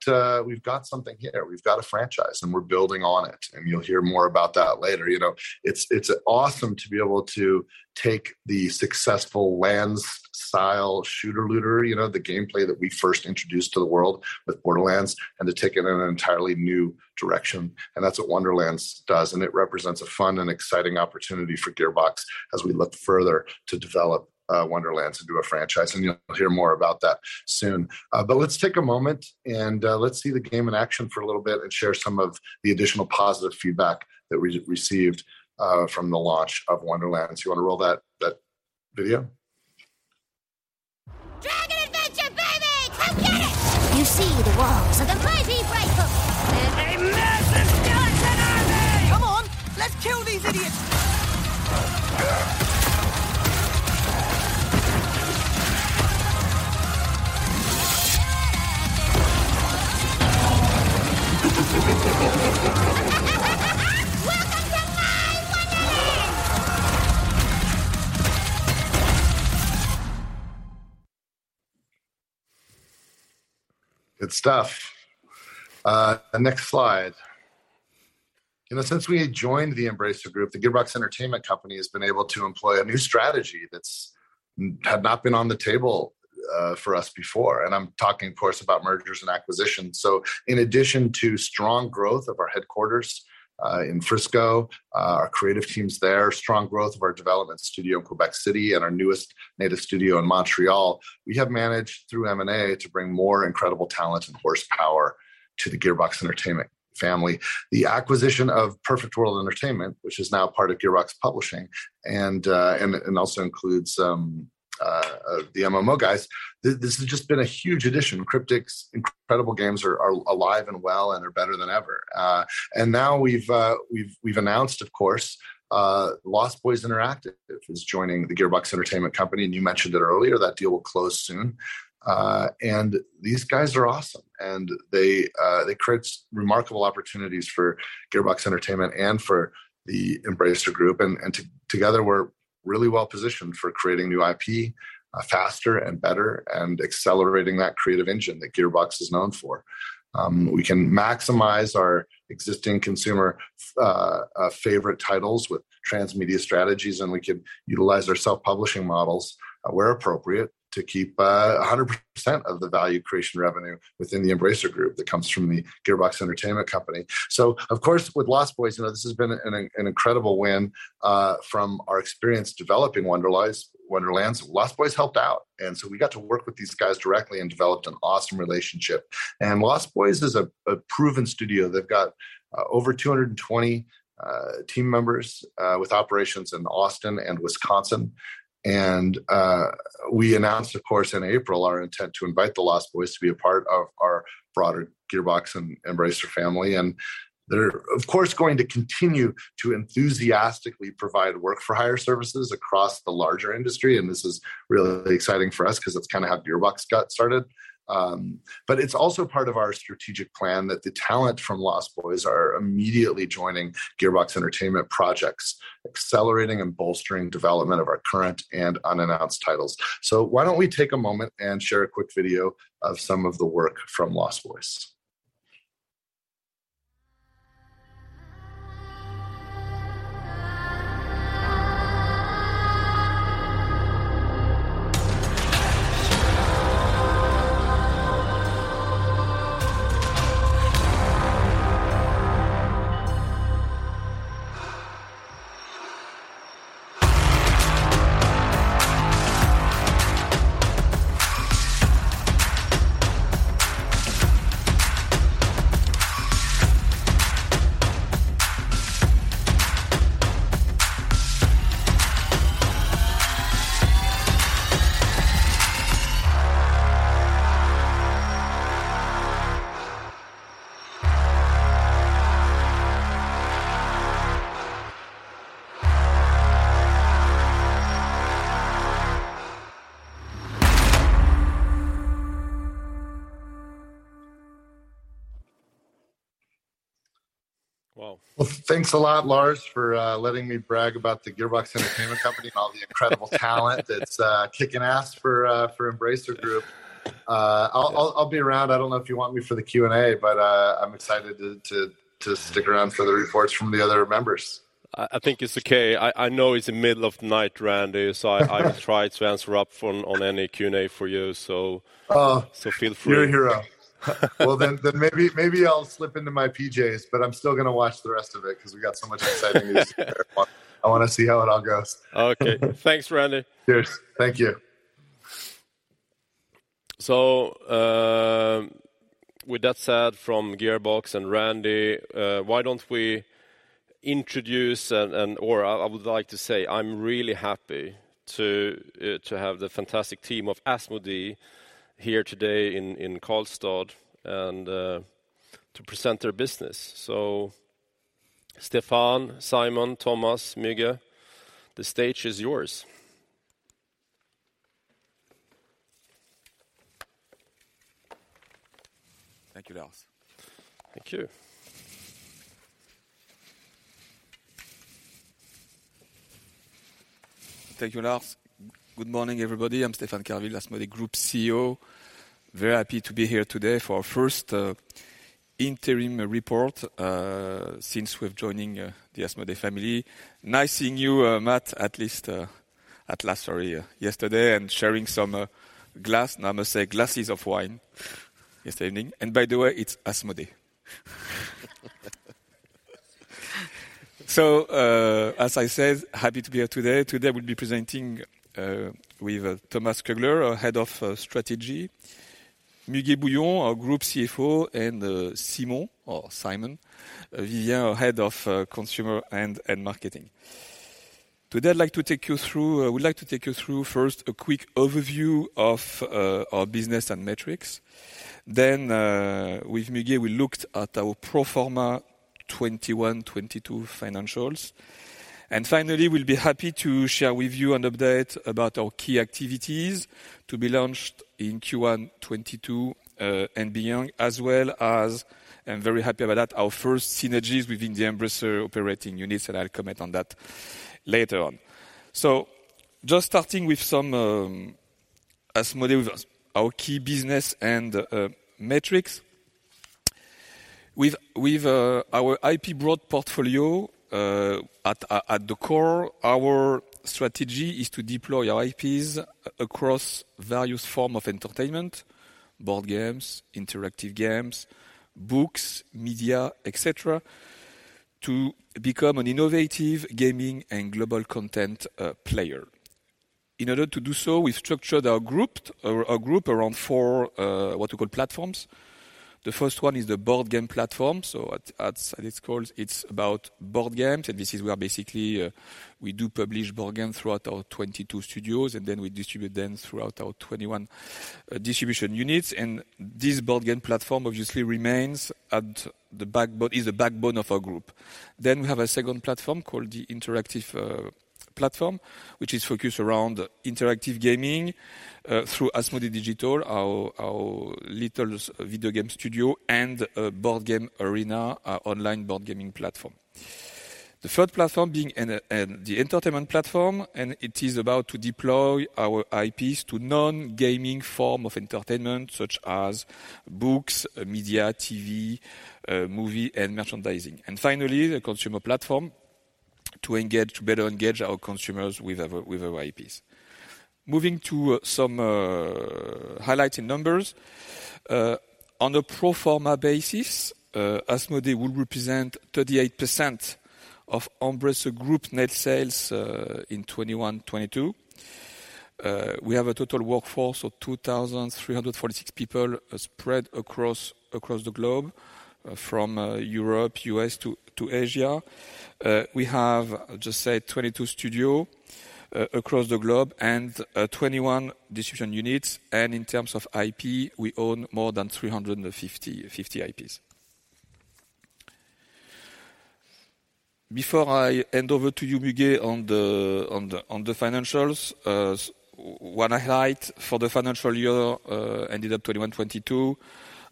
something here. We've got a franchise, and we're building on it, and you'll hear more about that later. You know, it's awesome to be able to take the successful Borderlands-style shooter-looter, you know, the gameplay that we first introduced to the world with Borderlands, and to take it in an entirely new direction, and that's what Wonderlands does, and it represents a fun and exciting opportunity for Gearbox as we look further to develop Wonderlands into a franchise. You'll hear more about that soon. Let's take a moment and let's see the game in action for a little bit and share some of the additional positive feedback that we received from the launch of Wonderlands. You want to roll that video? Dragon adventure, baby. Come get it. You see, the world's the craziest. There's a massive skeleton army. Come on, let's kill these idiots. Welcome to my Wonderland. Good stuff. Next slide. You know, since we had joined the Embracer Group, the Gearbox Entertainment Company has been able to employ a new strategy that's had not been on the table, for us before, and I'm talking of course about mergers and acquisitions. In addition to strong growth of our headquarters, in Frisco, our creative teams there, strong growth of our development studio in Quebec City and our newest native studio in Montreal. We have managed through M&A to bring more incredible talent and horsepower to the Gearbox Entertainment family. The acquisition of Perfect World Entertainment, which is now part of Gearbox Publishing and also includes the MMO guys. This has just been a huge addition. Cryptic's incredible games are alive and well and are better than ever. Now we've announced, of course, Lost Boys Interactive is joining the Gearbox Entertainment Company, and you mentioned it earlier, that deal will close soon. These guys are awesome, and they create remarkable opportunities for Gearbox Entertainment and for the Embracer Group. Together, we're really well positioned for creating new IP faster and better and accelerating that creative engine that Gearbox is known for. We can maximize our existing consumer favorite titles with transmedia strategies, and we can utilize our self-publishing models where appropriate to keep 100% of the value creation revenue within the Embracer Group that comes from the Gearbox Entertainment Company. Of course, with Lost Boys, you know, this has been an incredible win. From our experience developing Wonderlands, Lost Boys helped out, and so we got to work with these guys directly and developed an awesome relationship. Lost Boys is a proven studio. They've got over 220 team members with operations in Austin and Wisconsin. We announced, of course, in April our intent to invite the Lost Boys to be a part of our broader Gearbox and Embracer family. They're, of course, going to continue to enthusiastically provide work-for-hire services across the larger industry, and this is really exciting for us because that's kind of how Gearbox got started. It's also part of our strategic plan that the talent from Lost Boys are immediately joining Gearbox Entertainment projects, accelerating and bolstering development of our current and unannounced titles. Why don't we take a moment and share a quick video of some of the work from Lost Boys. Whoa. Well, thanks a lot, Lars, for letting me brag about the Gearbox Entertainment Company and all the incredible talent that's kicking ass for Embracer Group. I'll be around. I don't know if you want me for the Q&A, but I'm excited to stick around for the reports from the other members. I think it's okay. I know it's the middle of the night, Randy. I will try to answer on any Q&A for you. Oh Feel free. You're a hero. Well, then maybe I'll slip into my PJs, but I'm still gonna watch the rest of it because we got so much exciting news here. I wanna see how it all goes. Okay. Thanks, Randy. Cheers. Thank you. With that said from Gearbox and Randy, why don't we introduce, or I would like to say I'm really happy to have the fantastic team of Asmodee here today in Karlstad and to present their business. Stéphane, Simon, Thomas, Müge, the stage is yours. Thank you, Lars. Thank you. Thank you, Lars. Good morning, everybody. I'm Stéphane Carville, Asmodee Group CEO. Very happy to be here today for our first interim report since we're joining the Asmodee family. Nice seeing you, Matt, yesterday and sharing some glasses of wine yesterday evening. By the way, it's Asmodee. As I said, happy to be here today. Today, we'll be presenting with Thomas Koegler, our head of strategy, Müge Bouillon, our group CFO, and Simon Jönsson, our head of consumer and marketing. We'd like to take you through first a quick overview of our business and metrics. Then, with Müge, we looked at our pro forma 2021, 2022 financials. Finally, we'll be happy to share with you an update about our key activities to be launched in Q1 2022, and beyond, as well as, I'm very happy about that, our first synergies within the Embracer Group operating units, and I'll comment on that later on. Just starting with some Asmodee, our key business and metrics. With our broad IP portfolio at the core, our strategy is to deploy our IPs across various forms of entertainment, board games, interactive games, books, media, et cetera, to become an innovative gaming and global content player. In order to do so, we structured our group around four what we call platforms. The first one is the board game platform. It's about board games, and this is where basically we do publish board games throughout our 22 studios, and then we distribute them throughout our 21 distribution units. This board game platform obviously is the backbone of our group. We have a second platform called the interactive platform, which is focused around interactive gaming through Asmodee Digital, our little video game studio and Board Game Arena, our online board gaming platform. The third platform being the entertainment platform, and it is about to deploy our IPs to non-gaming form of entertainment such as books, media, TV, movie, and merchandising. Finally, the consumer platform to engage, to better engage our consumers with our IPs. Moving to some highlighted numbers. On a pro forma basis, Asmodee will represent 38% of Embracer Group net sales in 2021-2022. We have a total workforce of 2,346 people spread across the globe, from Europe, U.S. to Asia. We have just said 22 studios across the globe and 21 distribution units. In terms of IP, we own more than 350 IPs. Before I hand over to you, Müge, on the financials, one highlight for the financial year ended 2021-2022,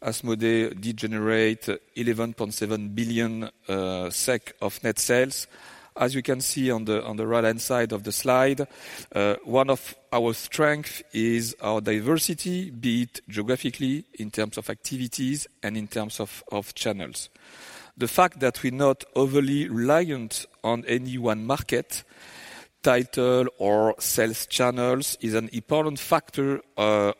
Asmodee did generate 11.7 billion SEK of net sales. As you can see on the right-hand side of the slide, one of our strength is our diversity, be it geographically, in terms of activities, and in terms of channels. The fact that we're not overly reliant on any one market, title, or sales channels is an important factor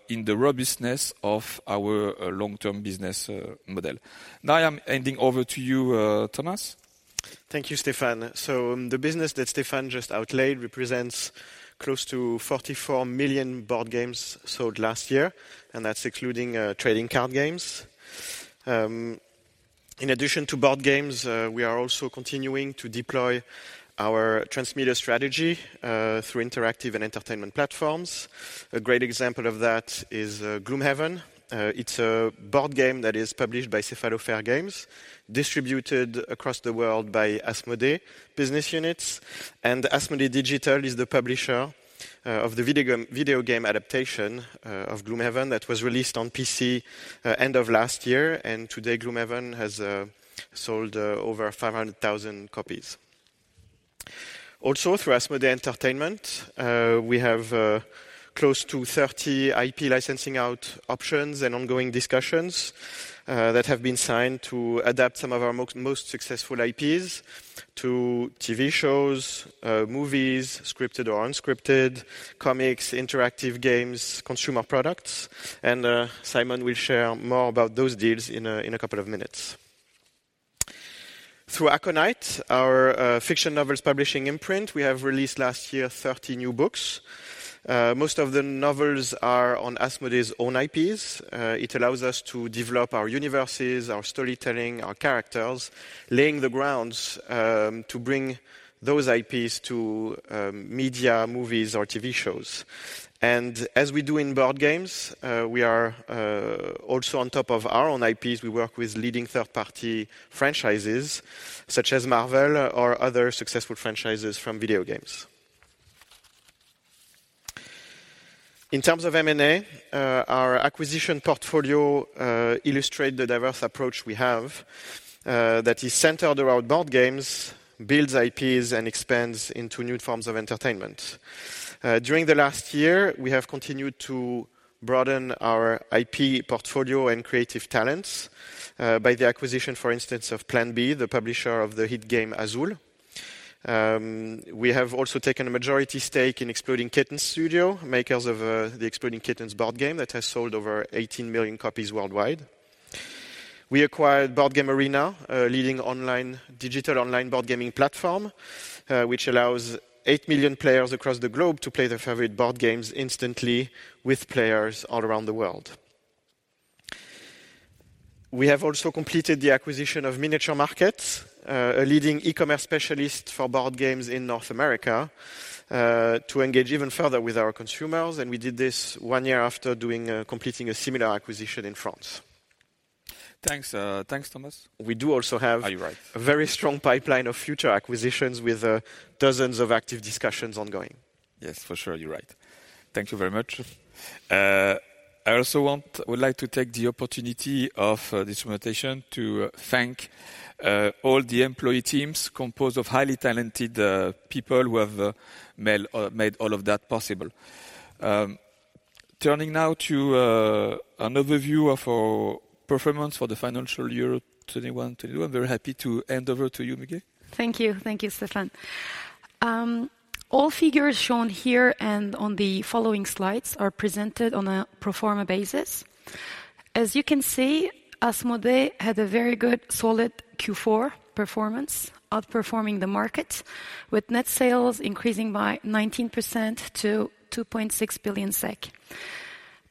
in the robustness of our long-term business model. Now I am handing over to you, Thomas. Thank you, Stéphane. The business that Stéphane just outlined represents close to 44 million board games sold last year, and that's excluding trading card games. In addition to board games, we are also continuing to deploy our transmedia strategy through interactive and entertainment platforms. A great example of that is Gloomhaven. It's a board game that is published by Cephalofair Games, distributed across the world by Asmodee business units. Asmodee Digital is the publisher of the video game adaptation of Gloomhaven that was released on PC end of last year. Today, Gloomhaven has sold over 500,000 copies. Through Asmodee Entertainment, we have close to 30 IP licensing out options and ongoing discussions that have been signed to adapt some of our most successful IPs to TV shows, movies, scripted or unscripted, comics, interactive games, consumer products. Simon will share more about those deals in a couple of minutes. Through Aconyte, our fiction novels publishing imprint, we have released last year 30 new books. Most of the novels are on Asmodee's own IPs. It allows us to develop our universes, our storytelling, our characters, laying the grounds to bring those IPs to media, movies or TV shows. As we do in board games, we are also on top of our own IPs, we work with leading third-party franchises such as Marvel or other successful franchises from video games. In terms of M&A, our acquisition portfolio illustrate the diverse approach we have that is centered around board games, builds IPs, and expands into new forms of entertainment. During the last year, we have continued to broaden our IP portfolio and creative talents by the acquisition, for instance, of Plan B, the publisher of the hit game Azul. We have also taken a majority stake in Exploding Kittens Studio, makers of the Exploding Kittens board game that has sold over 18 million copies worldwide. We acquired Board Game Arena, a leading online digital board gaming platform which allows 8 million players across the globe to play their favorite board games instantly with players all around the world. We have also completed the acquisition of Miniature Market, a leading e-commerce specialist for board games in North America, to engage even further with our consumers, and we did this one year after completing a similar acquisition in France. Thanks, Thomas. We do also have. Are you right? A very strong pipeline of future acquisitions with dozens of active discussions ongoing. Yes, for sure. You're right. Thank you very much. I also would like to take the opportunity of this presentation to thank all the employee teams composed of highly talented people who have made all of that possible. Turning now to an overview of our performance for the financial year 2021-2022. I'm very happy to hand over to you, Müge. Thank you. Thank you, Stéphane. All figures shown here and on the following slides are presented on a pro forma basis. As you can see, Asmodee had a very good, solid Q4 performance, outperforming the market, with net sales increasing by 19% to 2.6 billion SEK.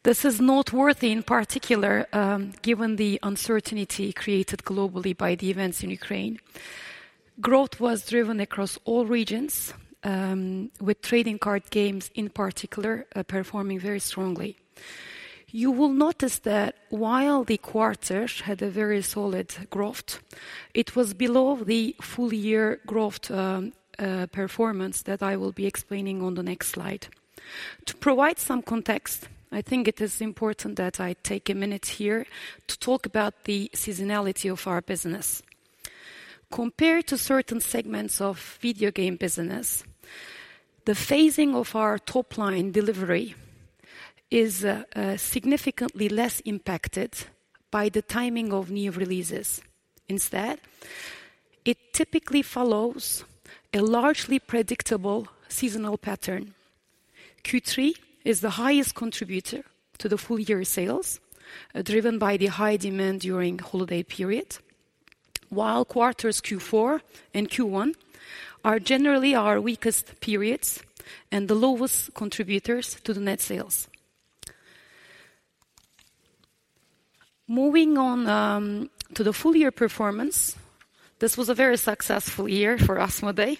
This is noteworthy in particular, given the uncertainty created globally by the events in Ukraine. Growth was driven across all regions, with trading card games in particular performing very strongly. You will notice that while the quarter had a very solid growth, it was below the full year growth performance that I will be explaining on the next slide. To provide some context, I think it is important that I take a minute here to talk about the seasonality of our business. Compared to certain segments of video game business, the phasing of our top-line delivery is significantly less impacted by the timing of new releases. Instead, it typically follows a largely predictable seasonal pattern. Q3 is the highest contributor to the full-year sales, driven by the high demand during holiday period, while quarters Q4 and Q1 are generally our weakest periods and the lowest contributors to the net sales. Moving on to the full-year performance, this was a very successful year for Asmodee,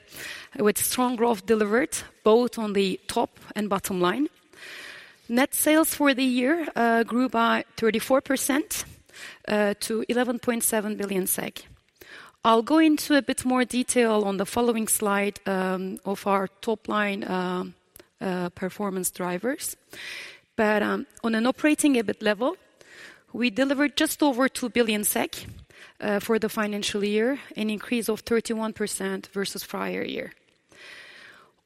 with strong growth delivered both on the top and bottom line. Net sales for the year grew by 34% to 11.7 billion. I'll go into a bit more detail on the following slide of our top-line performance drivers. On an operating EBIT level, we delivered just over 2 billion SEK for the financial year, an increase of 31% versus prior year.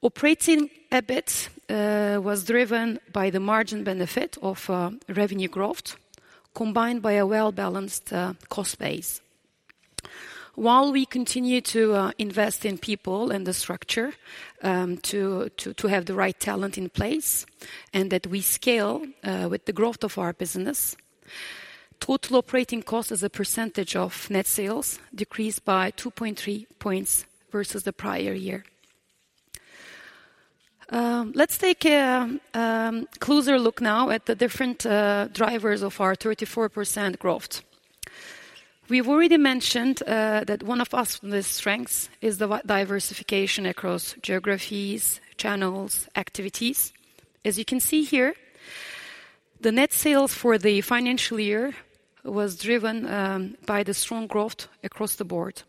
Operating EBIT was driven by the margin benefit of revenue growth, combined by a well-balanced cost base. While we continue to invest in people and the structure to have the right talent in place, and that we scale with the growth of our business, total operating cost as a percentage of net sales decreased by 2.3 points versus the prior year. Let's take a closer look now at the different drivers of our 34% growth. We've already mentioned that one of Asmodee's strengths is the diversification across geographies, channels, activities. As you can see here, the net sales for the financial year was driven by the strong growth across the board.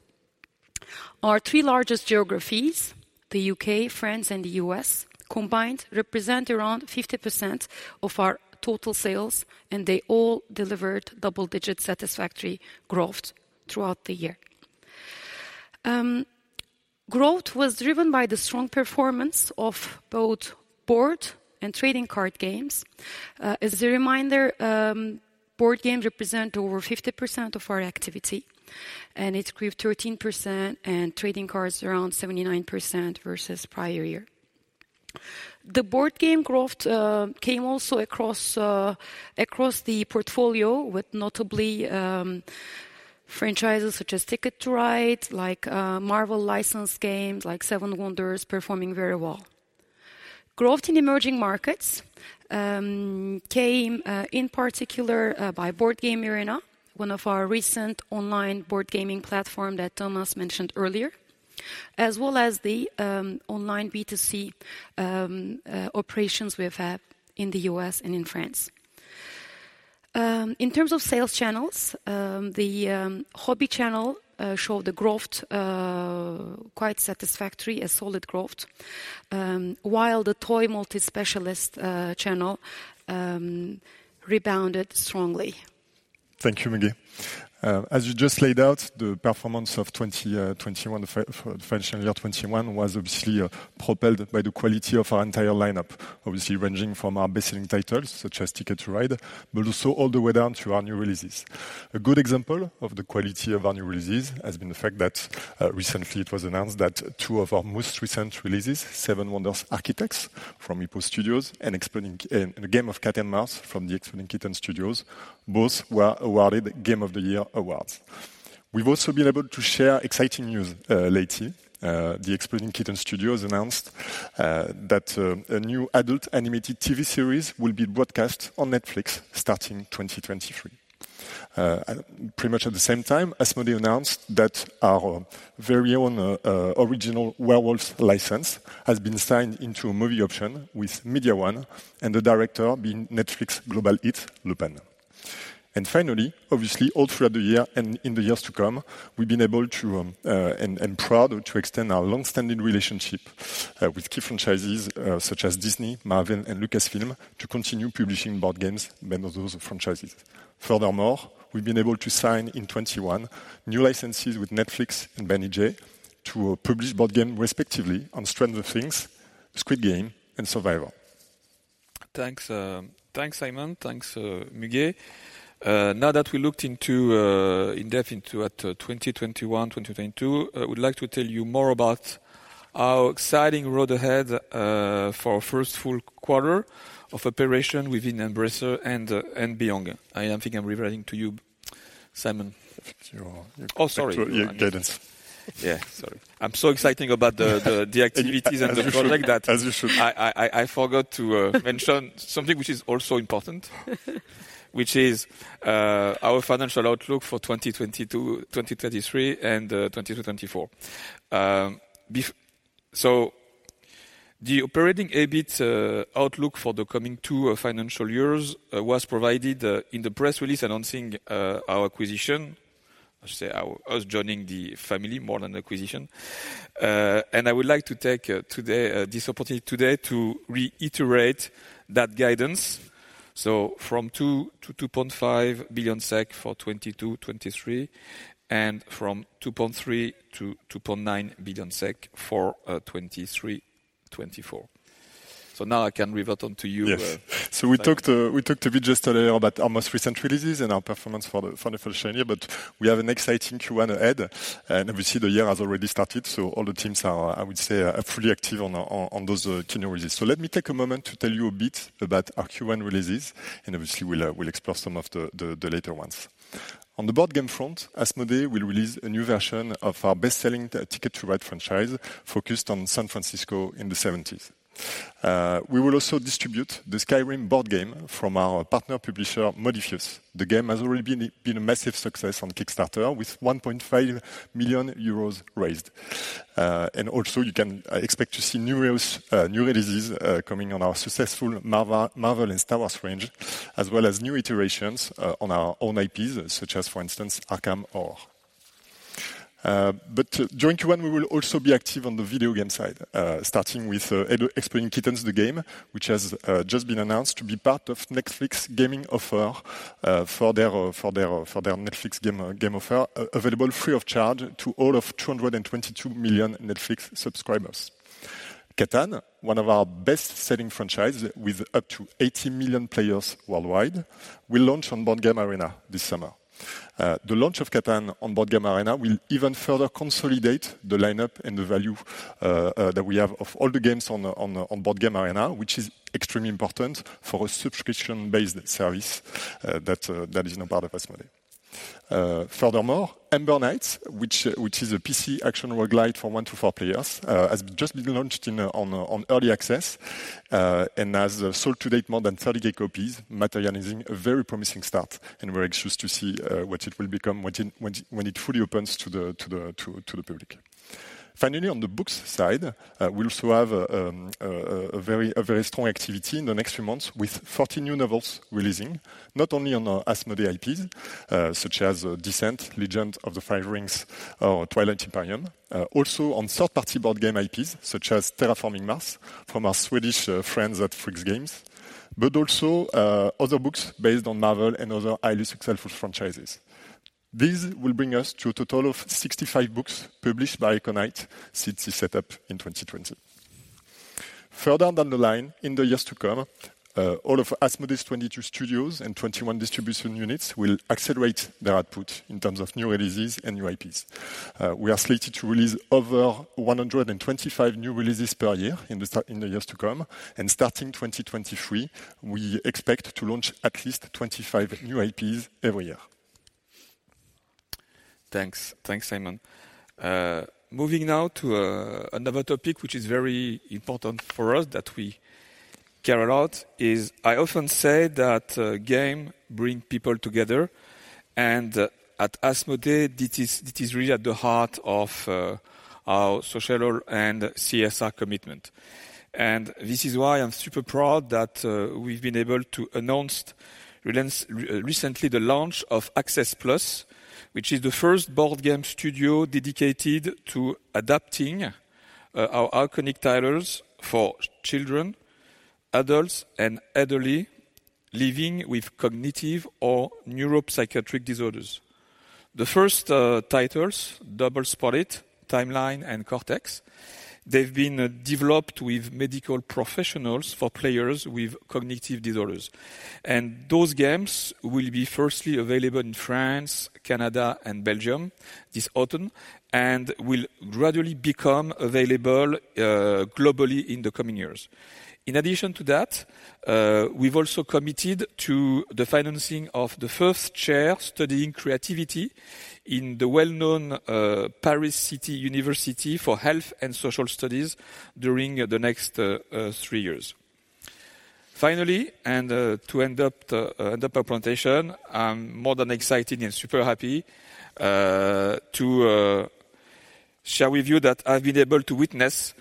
Our three largest geographies, the U.K., France, and the U.S., combined represent around 50% of our total sales, and they all delivered double-digit satisfactory growth throughout the year. Growth was driven by the strong performance of both board and trading card games. As a reminder, board games represent over 50% of our activity, and it grew 13% and trading cards around 79% versus prior year. The board game growth came also across the portfolio with notably franchises such as Ticket to Ride, like, Marvel license games, like Seven Wonders performing very well. Growth in emerging markets came in particular by Board Game Arena, one of our recent online board gaming platform that Thomas mentioned earlier, as well as the online B2C operations we have had in the U.S. and in France. In terms of sales channels, the hobby channel showed a growth quite satisfactory, a solid growth, while the toy multi-specialist channel rebounded strongly. Thank you, Müge. As you just laid out, the performance of 21 financial year 21 was obviously propelled by the quality of our entire lineup. Obviously ranging from our best-selling titles such as Ticket to Ride, but also all the way down to our new releases. A good example of the quality of our new releases has been the fact that recently it was announced that two of our most recent releases, 7 Wonders Architects from Repos Production and A Game of Cat & Mouth from Exploding Kittens, both were awarded Game of the Year awards. We've also been able to share exciting news lately. Exploding Kittens announced that a new adult animated TV series will be broadcast on Netflix starting 2023. Pretty much at the same time, Asmodee announced that our very own original Werewolves license has been signed into a movie option with Mediawan and the director being Netflix global hit, Lupin. Finally, obviously, all throughout the year and in the years to come, we've been able to and proud to extend our long-standing relationship with key franchises such as Disney, Marvel, and Lucasfilm to continue publishing board games under those franchises. Furthermore, we've been able to sign in 2021 new licenses with Netflix and Banijay to publish board game respectively on Stranger Things, Squid Game, and Survivor. Thanks, Simon. Thanks, Müge. Now that we looked in depth into 2021, 2022, I would like to tell you more about our exciting road ahead for our first full quarter of operation within Embracer and beyond. I think I'm reverting to you, Simon. It's your- Oh, sorry. Your guidance. Yeah. Sorry. I'm so exciting about the activities and the project that As you should. I forgot to mention something which is also important. Which is our financial outlook for 2022, 2023, and 2024. The operational EBIT outlook for the coming two financial years was provided in the press release announcing our acquisition. I say us joining the family more than acquisition. I would like to take this opportunity today to reiterate that guidance. From 2-2.5 billion SEK for 2022-2023, and from 2.3-2.9 billion SEK for 2023-2024. Now I can hand over to you. Yes. We talked a bit just earlier about our most recent releases and our performance for the financial year, but we have an exciting Q1 ahead. Obviously the year has already started, so all the teams are, I would say, fully active on those new releases. Let me take a moment to tell you a bit about our Q1 releases, and obviously we'll explore some of the later ones. On the board game front, Asmodee will release a new version of our best-selling Ticket to Ride franchise focused on San Francisco in the 1970s. We will also distribute the Skyrim board game from our partner publisher, Modiphius. The game has already been a massive success on Kickstarter with 1.5 million euros raised. You can expect to see numerous new releases coming on our successful Marvel and Star Wars range, as well as new iterations on our own IPs, such as for instance, Arkham Horror. During Q1, we will also be active on the video game side, starting with Exploding Kittens, the game, which has just been announced to be part of Netflix gaming offer for their Netflix game offer available free of charge to all of 222 million Netflix subscribers. Catan, one of our best-selling franchise with up to 80 million players worldwide, will launch on Board Game Arena this summer. The launch of Catan on Board Game Arena will even further consolidate the lineup and the value that we have of all the games on Board Game Arena, which is extremely important for a subscription-based service that is now part of Asmodee. Furthermore, Ember Knights, which is a PC action roguelike for one to four players, has just been launched in early access and has sold to date more than 30K copies, materializing a very promising start, and we're anxious to see what it will become when it fully opens to the public. Finally, on the books side, we also have a very strong activity in the next few months with 40 new novels releasing not only on our Asmodee IPs, such as Descent: Legend of the Five Rings or Twilight Imperium, also on third-party board game IPs such as Terraforming Mars from our Swedish friends at FryxGames. Also, other books based on Marvel and other highly successful franchises. This will bring us to a total of 65 books published by Aconyte since the setup in 2020. Further down the line in the years to come, all of Asmodee's 22 studios and 21 distribution units will accelerate their output in terms of new releases and new IPs. We are slated to release over 125 new releases per year in the years to come, and starting 2023, we expect to launch at least 25 new IPs every year. Thanks. Thanks, Simon. Moving now to another topic which is very important for us that we care a lot is I often say that game bring people together and at Asmodee, this is really at the heart of our social and CSR commitment. This is why I'm super proud that we've been able to announce recently the launch of Access+, which is the first board game studio dedicated to adapting our iconic titles for children, adults, and elderly living with cognitive or neuropsychiatric disorders. The first titles, Spot It!, Timeline, and Cortex, they've been developed with medical professionals for players with cognitive disorders. Those games will be firstly available in France, Canada, and Belgium this autumn and will gradually become available globally in the coming years. In addition to that, we've also committed to the financing of the first chair studying creativity in the well-known Université Paris Cité during the next 3 years. Finally, to end our presentation, I'm more than excited and super happy to share with you that I've been able to witness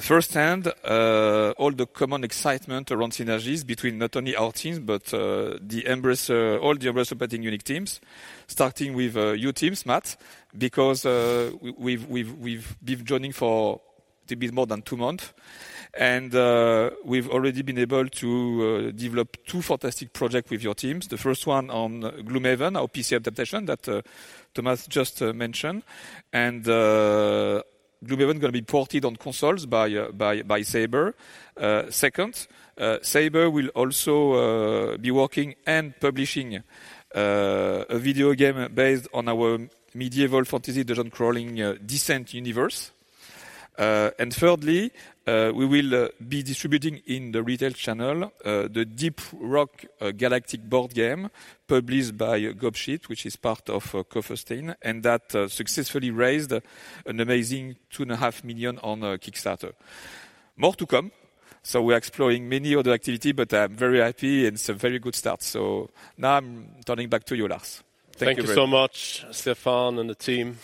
firsthand all the common excitement around synergies between not only our teams, but the Embracer, all the Embracer-operated unique teams, starting with your teams, Matt, because we've been joining for a little bit more than 2 months, and we've already been able to develop 2 fantastic projects with your teams. The first one on Gloomhaven, our PC adaptation that Thomas just mentioned. Gloomhaven is gonna be ported on consoles by Saber. Second, Saber will also be working and publishing a video game based on our medieval fantasy dungeon crawling Descent universe. Thirdly, we will be distributing in the retail channel the Deep Rock Galactic board game published by Ghost Ship, which is part of Coffee Stain, and that successfully raised an amazing $2.5 million on Kickstarter. More to come. We are exploring many other activities, but I'm very happy, and it's a very good start. Now I'm turning back to you, Lars. Thank you very much. Thank you so much, Stéphane and the team.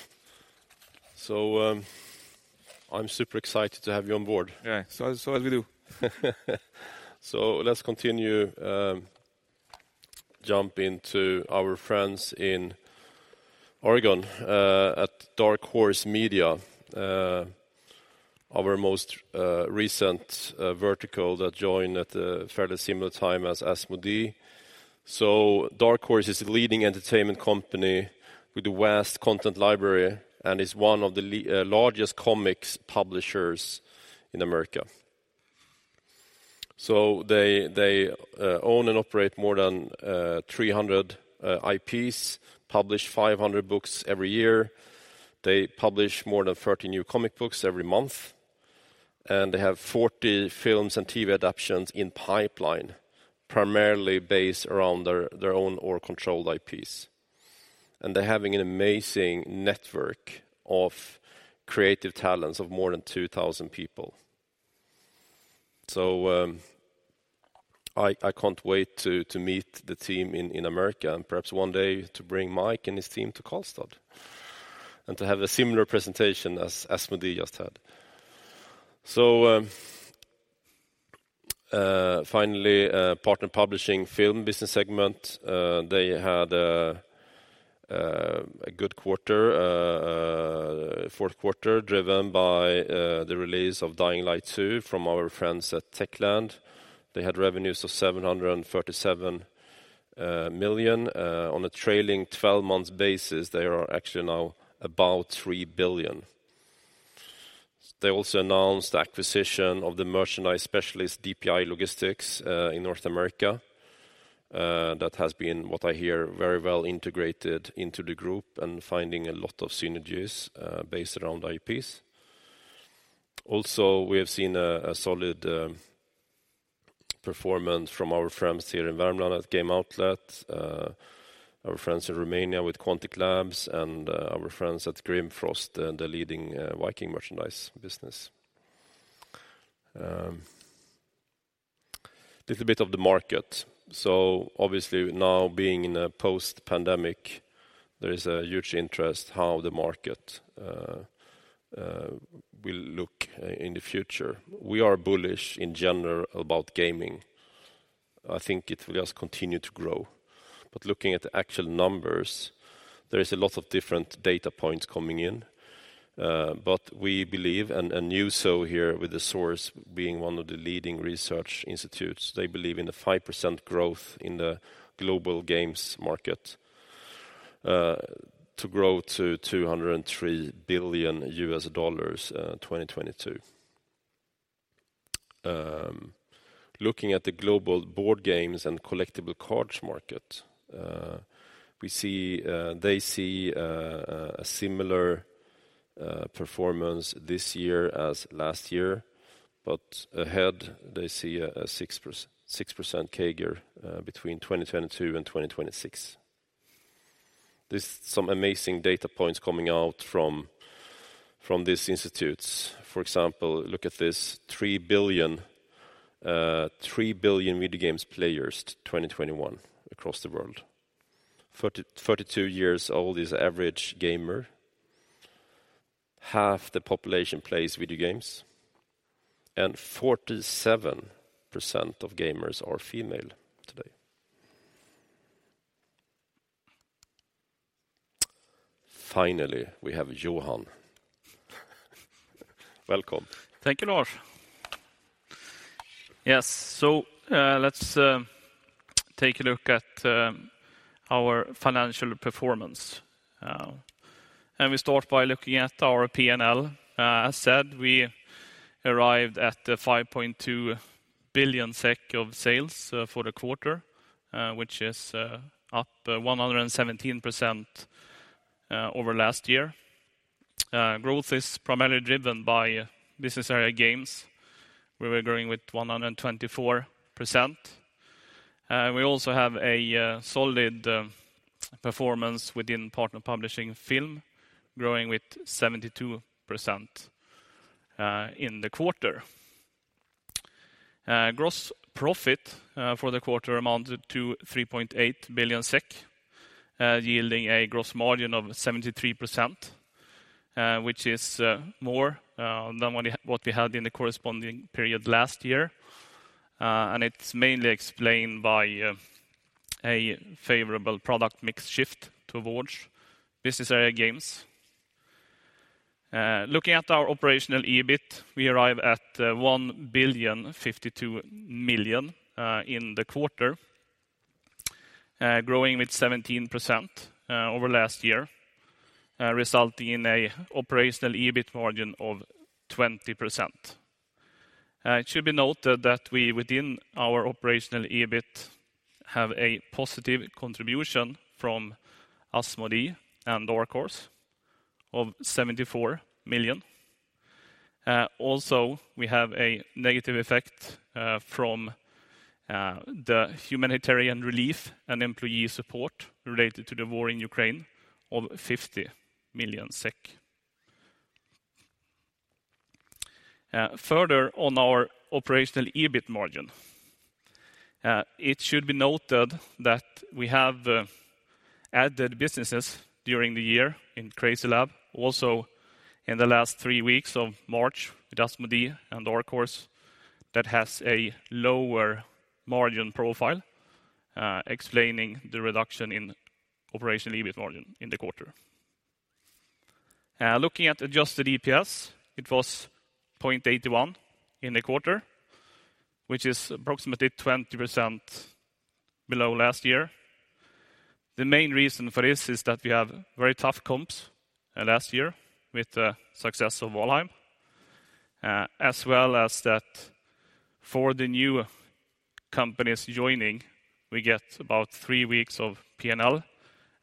I'm super excited to have you on board. Yeah. As we do. Let's continue, jump into our friends in Oregon at Dark Horse Media, our most recent vertical that joined at a fairly similar time as Asmodee. Dark Horse is a leading entertainment company with a vast content library and is one of the largest comics publishers in America. They own and operate more than 300 IPs, publish 500 books every year. They publish more than 30 new comic books every month, and they have 40 films and TV adaptations in the pipeline, primarily based around their own or controlled IPs. They're having an amazing network of creative talents of more than 2,000 people. I can't wait to meet the team in America and perhaps one day to bring Mike and his team to Karlstad and to have a similar presentation as Asmodee just had. Finally, partner publishing film business segment, they had a good Q4, driven by the release of Dying Light 2 from our friends at Techland. They had revenues of 737 million. On a trailing twelve months basis, they are actually now about 3 billion. They also announced the acquisition of the merchandise specialist DPI Merchandising in North America. That has been, what I hear, very well integrated into the group and finding a lot of synergies based around IPs. We have seen a solid performance from our friends here in Värmland at Game Outlet, our friends in Romania with Quantic Lab and our friends at Grimfrost, the leading Viking merchandise business. A little bit of the market. Obviously now being in a post-pandemic, there is a huge interest in how the market will look in the future. We are bullish in general about gaming. I think it will just continue to grow. Looking at the actual numbers, there is a lot of different data points coming in. We believe, and you see here with the source being one of the leading research institutes, they believe in the 5% growth in the global games market to grow to $203 billion, 2022. Looking at the global board games and collectible cards market, we see they see a similar performance this year as last year, but ahead they see a 6% CAGR between 2022 and 2026. There's some amazing data points coming out from these institutes. For example, look at this, 3 billion video game players in 2021 across the world. 42 years old is the average gamer. Half the population plays video games, and 47% of gamers are female today. Finally, we have Johan Ekström. Welcome. Thank you, Lars. Yes. Let's take a look at our financial performance. We start by looking at our P&L. As said, we arrived at 5.2 billion SEK of sales for the quarter, which is up 117% over last year. Growth is primarily driven by business area Games, where we're growing with 124%. We also have a solid performance within Partner Publishing & Film, growing with 72% in the quarter. Gross profit for the quarter amounted to 3.8 billion SEK, yielding a gross margin of 73%, which is more than what we had in the corresponding period last year. It's mainly explained by a favorable product mix shift towards business area games. Looking at our operational EBIT, we arrive at 1,052 million in the quarter, growing with 17% over last year, resulting in a operational EBIT margin of 20%. It should be noted that we, within our operational EBIT, have a positive contribution from Asmodee and Orcs of 74 million. Also, we have a negative effect from the humanitarian relief and employee support related to the war in Ukraine of 50 million SEK. Further on our operational EBIT margin, it should be noted that we have added businesses during the year in CrazyLabs. Also, in the last three weeks of March with Asmodee and Onoma that has a lower margin profile, explaining the reduction in operational EBIT margin in the quarter. Looking at adjusted EPS, it was 0.81 in the quarter, which is approximately 20% below last year. The main reason for this is that we have very tough comps last year with the success of Valheim, as well as that for the new companies joining, we get about three weeks of P&L,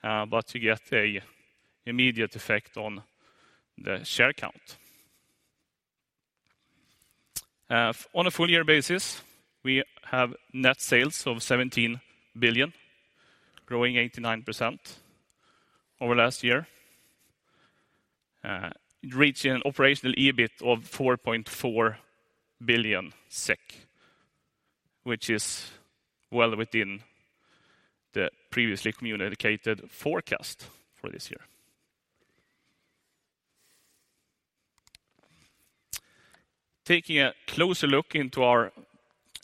but you get a immediate effect on the share count. On a full year basis, we have net sales of 17 billion, growing 89% over last year. It reached an operational EBIT of 4.4 billion SEK, which is well within the previously communicated forecast for this year. Taking a closer look into our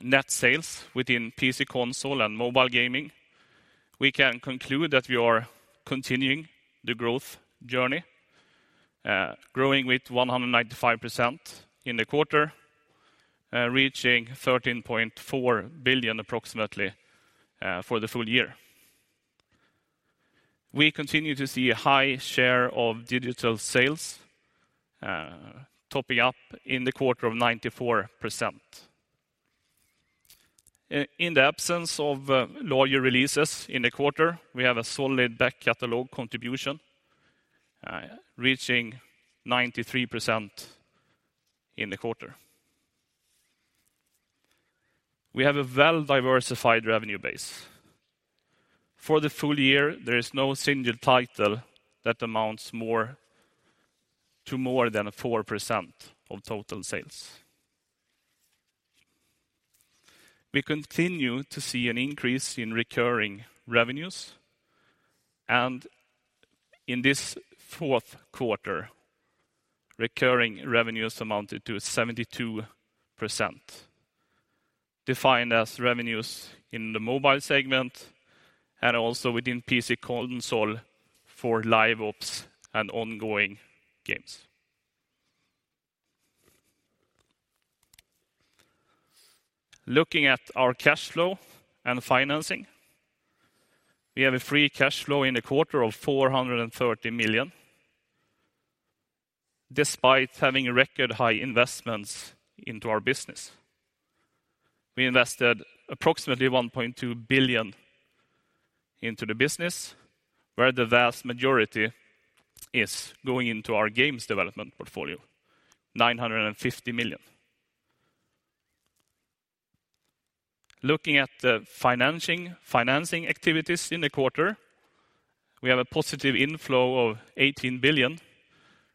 net sales within PC console and mobile gaming, we can conclude that we are continuing the growth journey, growing with 195% in the quarter, reaching 13.4 billion approximately for the full year. We continue to see a high share of digital sales, topping 94% in the quarter. In the absence of major releases in the quarter, we have a solid back catalog contribution, reaching 93% in the quarter. We have a well-diversified revenue base. For the full year, there is no single title that amounts to more than 4% of total sales. We continue to see an increase in recurring revenues, and in this Q4, recurring revenues amounted to 72%, defined as revenues in the mobile segment and also within PC console for live ops and ongoing games. Looking at our cash flow and financing, we have a free cash flow in the quarter of 430 million, despite having record high investments into our business. We invested approximately 1.2 billion into the business, where the vast majority is going into our games development portfolio, 950 million. Looking at the financing activities in the quarter, we have a positive inflow of 18 billion,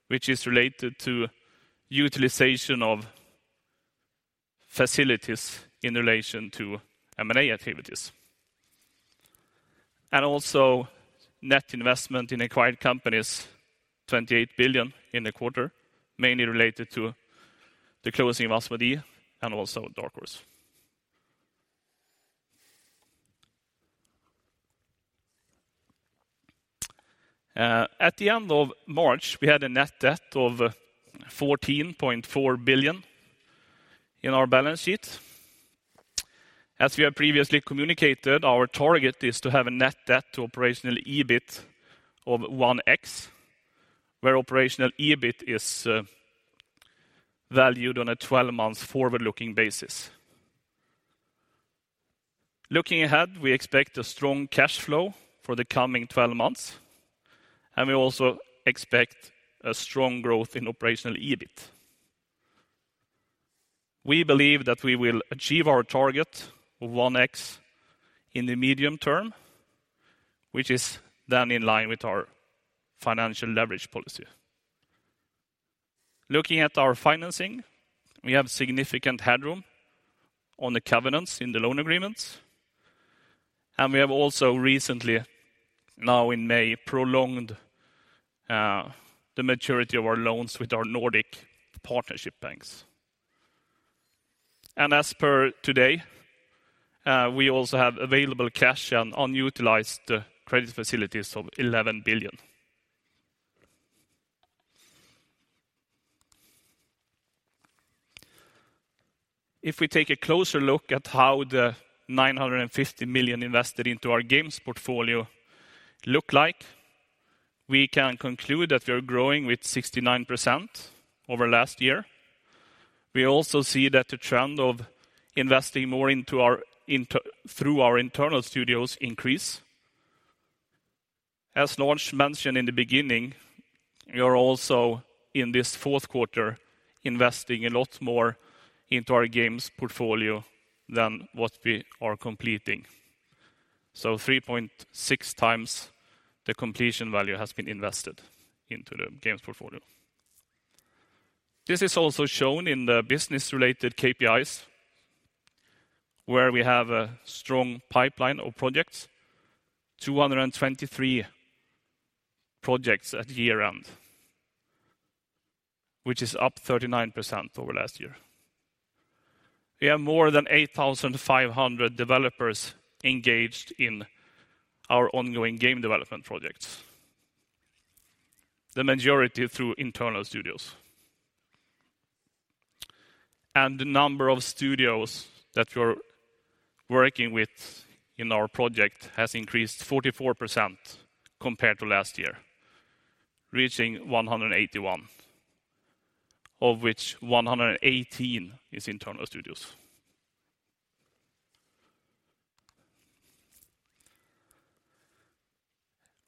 which is related to utilization of facilities in relation to M&A activities. Also net investment in acquired companies, 28 billion in the quarter, mainly related to the closing of Asmodee and also Dark Horse. At the end of March, we had a net debt of 14.4 billion in our balance sheet. As we have previously communicated, our target is to have a net debt to operational EBIT of 1x, where operational EBIT is valued on a 12-month forward-looking basis. Looking ahead, we expect a strong cash flow for the coming 12 months, and we also expect a strong growth in operational EBIT. We believe that we will achieve our target of 1x in the medium term, which is then in line with our financial leverage policy. Looking at our financing, we have significant headroom on the covenants in the loan agreements, and we have also recently, now in May, prolonged the maturity of our loans with our Nordic partnership banks. As per today, we also have available cash on unutilized credit facilities of SEK 11 billion. If we take a closer look at how the 950 million invested into our games portfolio look like, we can conclude that we are growing with 69% over last year. We also see that the trend of investing more into our internal studios increase. As Lars mentioned in the beginning, we are also in this Q4 investing a lot more into our games portfolio than what we are completing. 3.6x the completion value has been invested into the games portfolio. This is also shown in the business-related KPIs, where we have a strong pipeline of projects, 223 projects at year-end, which is up 39% over last year. We have more than 8,500 developers engaged in our ongoing game development projects, the majority through internal studios. The number of studios that we're working with in our project has increased 44% compared to last year, reaching 181, of which 118 is internal studios.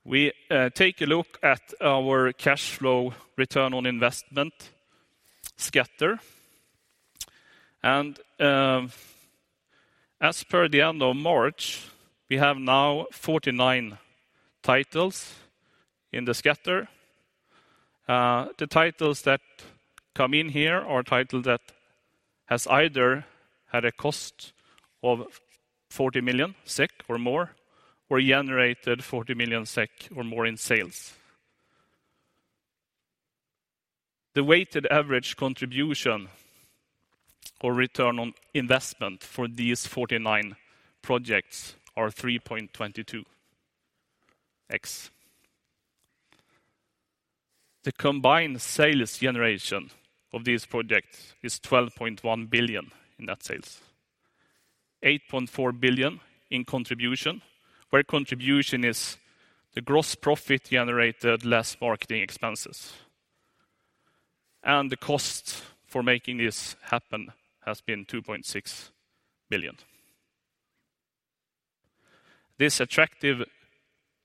We take a look at our cash flow return on investment scatter. As per the end of March, we have now 49 titles in the scatter. The titles that come in here are title that has either had a cost of 40 million SEK or more or generated 40 million SEK or more in sales. The weighted average contribution or return on investment for these 49 projects are 3.22x. The combined sales generation of these projects is 12.1 billion in net sales, 8.4 billion in contribution, where contribution is the gross profit generated less marketing expenses. The cost for making this happen has been 2.6 billion. This attractive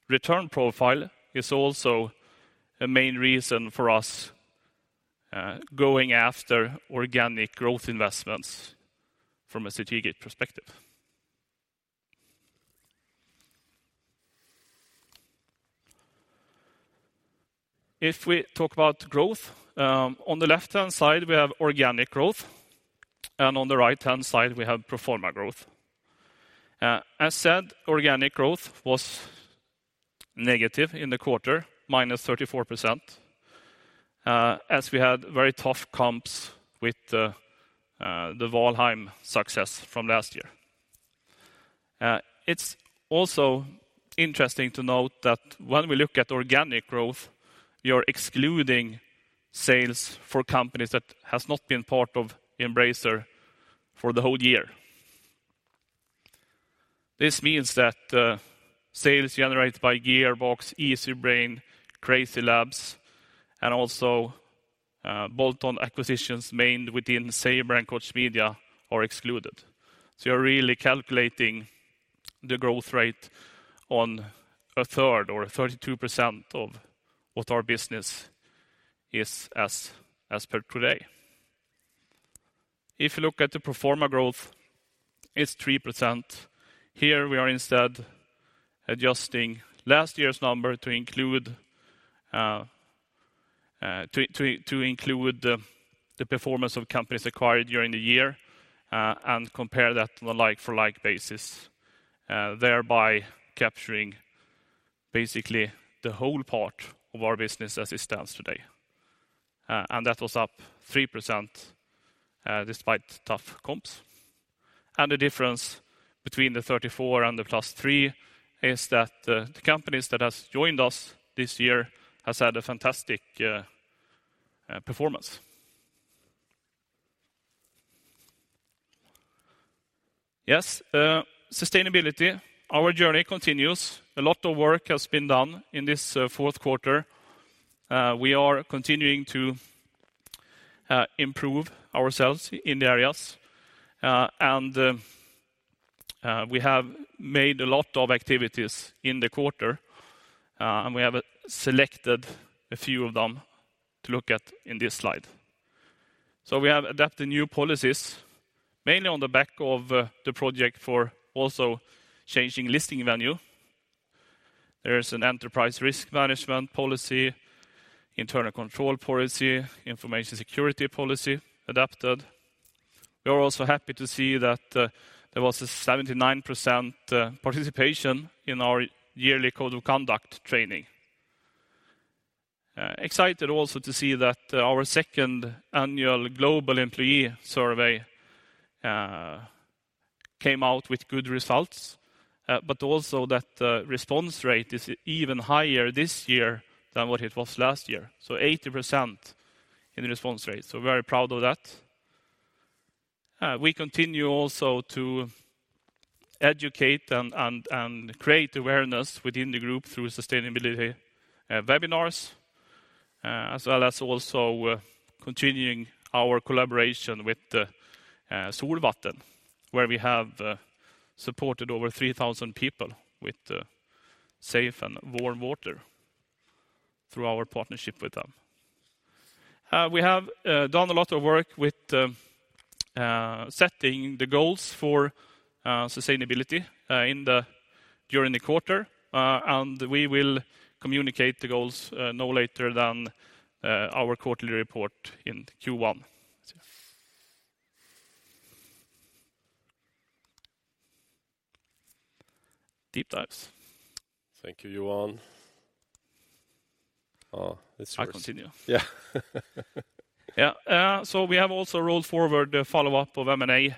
return profile is also a main reason for us, going after organic growth investments from a strategic perspective. If we talk about growth, on the left-hand side, we have organic growth, and on the right-hand side, we have pro forma growth. As said, organic growth was negative in the quarter, -34%, as we had very tough comps with the Valheim success from last year. It's also interesting to note that when we look at organic growth, you're excluding sales for companies that has not been part of Embracer for the whole year. This means that, sales generated by Gearbox, Easybrain, CrazyLabs, and also, bolt-on acquisitions made within Saber and Koch Media are excluded. You're really calculating the growth rate on a third or 32% of what our business is as per today. If you look at the pro forma growth, it's 3%. Here we are instead adjusting last year's number to include the performance of companies acquired during the year and compare that to a like-for-like basis, thereby capturing basically the whole part of our business as it stands today. That was up 3% despite tough comps. The difference between the 34 and the +3 is that the companies that has joined us this year has had a fantastic performance. Yes, sustainability, our journey continues. A lot of work has been done in this Q4. We are continuing to improve ourselves in the areas. We have made a lot of activities in the quarter, and we have selected a few of them to look at in this slide. We have adapted new policies, mainly on the back of the project for also changing listing venue. There is an enterprise risk management policy, internal control policy, information security policy adapted. We are also happy to see that there was a 79% participation in our yearly code of conduct training. Excited also to see that our second annual global employee survey came out with good results, but also that the response rate is even higher this year than what it was last year. 80% in the response rate, so very proud of that. We continue also to educate and create awareness within the group through sustainability webinars, as well as continuing our collaboration with Solvatten, where we have supported over 3,000 people with safe and warm water through our partnership with them. We have done a lot of work with setting the goals for sustainability during the quarter. We will communicate the goals no later than our quarterly report in Q1. Deep dives. Thank you, Johan. It's yours. I continue. Yeah. Yeah. So we have also rolled forward the follow-up of M&A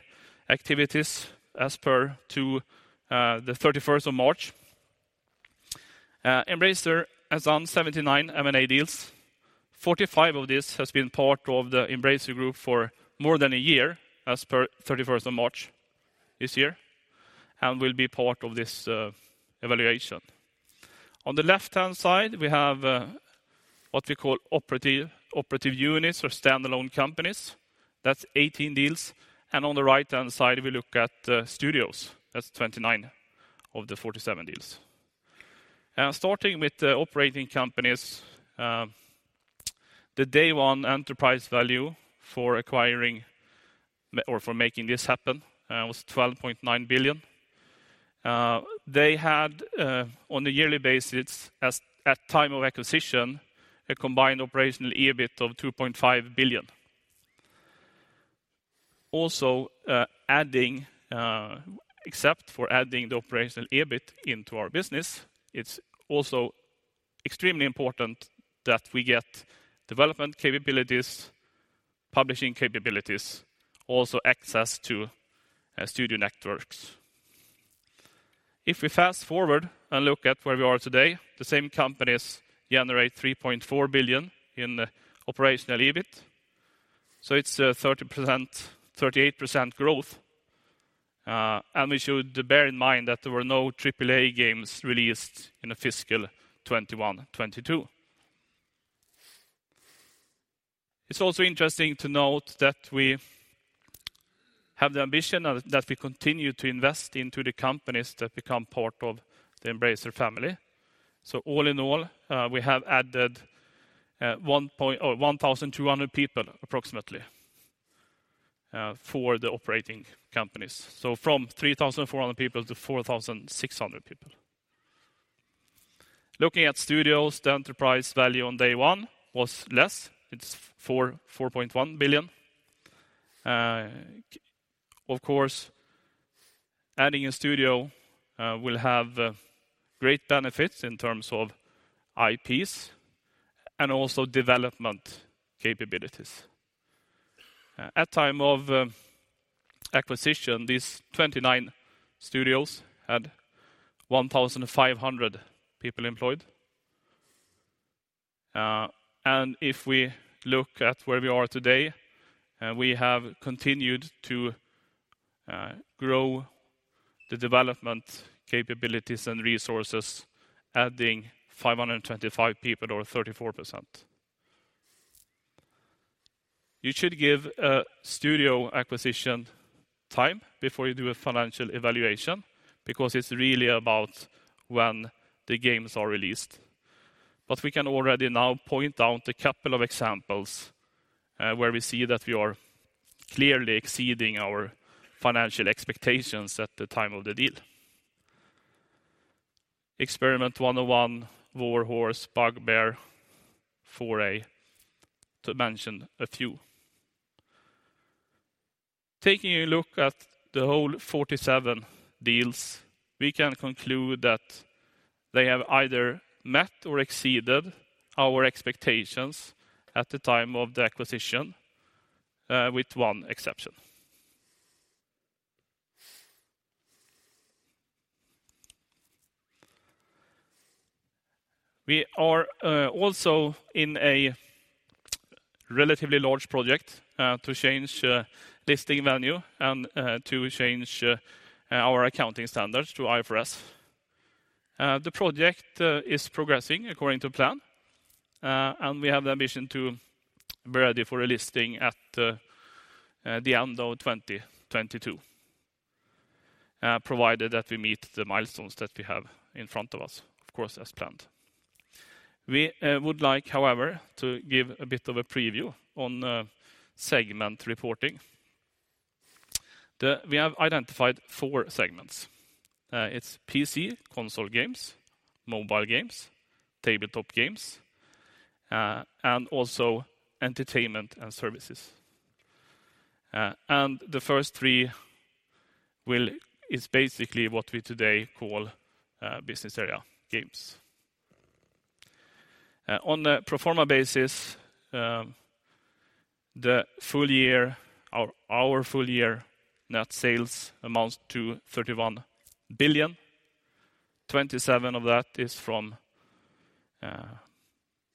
activities as per the 31st of March. Embracer has done 79 M&A deals. Forty-five of this has been part of the Embracer Group for more than a year as per 31st of March this year and will be part of this evaluation. On the left-hand side, we have what we call operative units or standalone companies. That's 18 deals. On the right-hand side, we look at studios. That's 29 of the 47 deals. Starting with the operating companies, the day one enterprise value for acquiring or for making this happen was 12.9 billion. They had on a yearly basis at time of acquisition a combined operational EBIT of 2.5 billion. Except for adding the operational EBIT into our business, it's also extremely important that we get development capabilities, publishing capabilities, also access to studio networks. If we fast-forward and look at where we are today, the same companies generate 3.4 billion in operational EBIT. It's a 38% growth, and we should bear in mind that there were no AAA games released in the fiscal 2021, 2022. It's also interesting to note that we have the ambition and that we continue to invest into the companies that become part of the Embracer family. All in all, we have added one thousand two hundred people approximately for the operating companies. From 3,400 people to 4,600 people. Looking at studios, the enterprise value on day one was less. It's 4.41 billion. Of course, adding a studio will have great benefits in terms of IPs and also development capabilities. At time of acquisition, these 29 studios had 1,500 people employed and if we look at where we are today, we have continued to grow the development capabilities and resources, adding 525 people or 34%. You should give a studio acquisition time before you do a financial evaluation because it's really about when the games are released. We can already now point out a couple of examples, where we see that we are clearly exceeding our financial expectations at the time of the deal. Experiment 101, Warhorse, Bugbear, 4A, to mention a few. Taking a look at the whole 47 deals, we can conclude that they have either met or exceeded our expectations at the time of the acquisition, with one exception. We are also in a relatively large project to change listing venue and to change our accounting standards to IFRS. The project is progressing according to plan, and we have the ambition to be ready for a listing at the end of 2022, provided that we meet the milestones that we have in front of us, of course, as planned. We would like, however, to give a bit of a preview on segment reporting. We have identified four segments. It's PC, console games, mobile games, tabletop games, and also entertainment and services. The first three is basically what we today call business area games. On a pro forma basis, our full year net sales amounts to 31 billion. 27 of that is from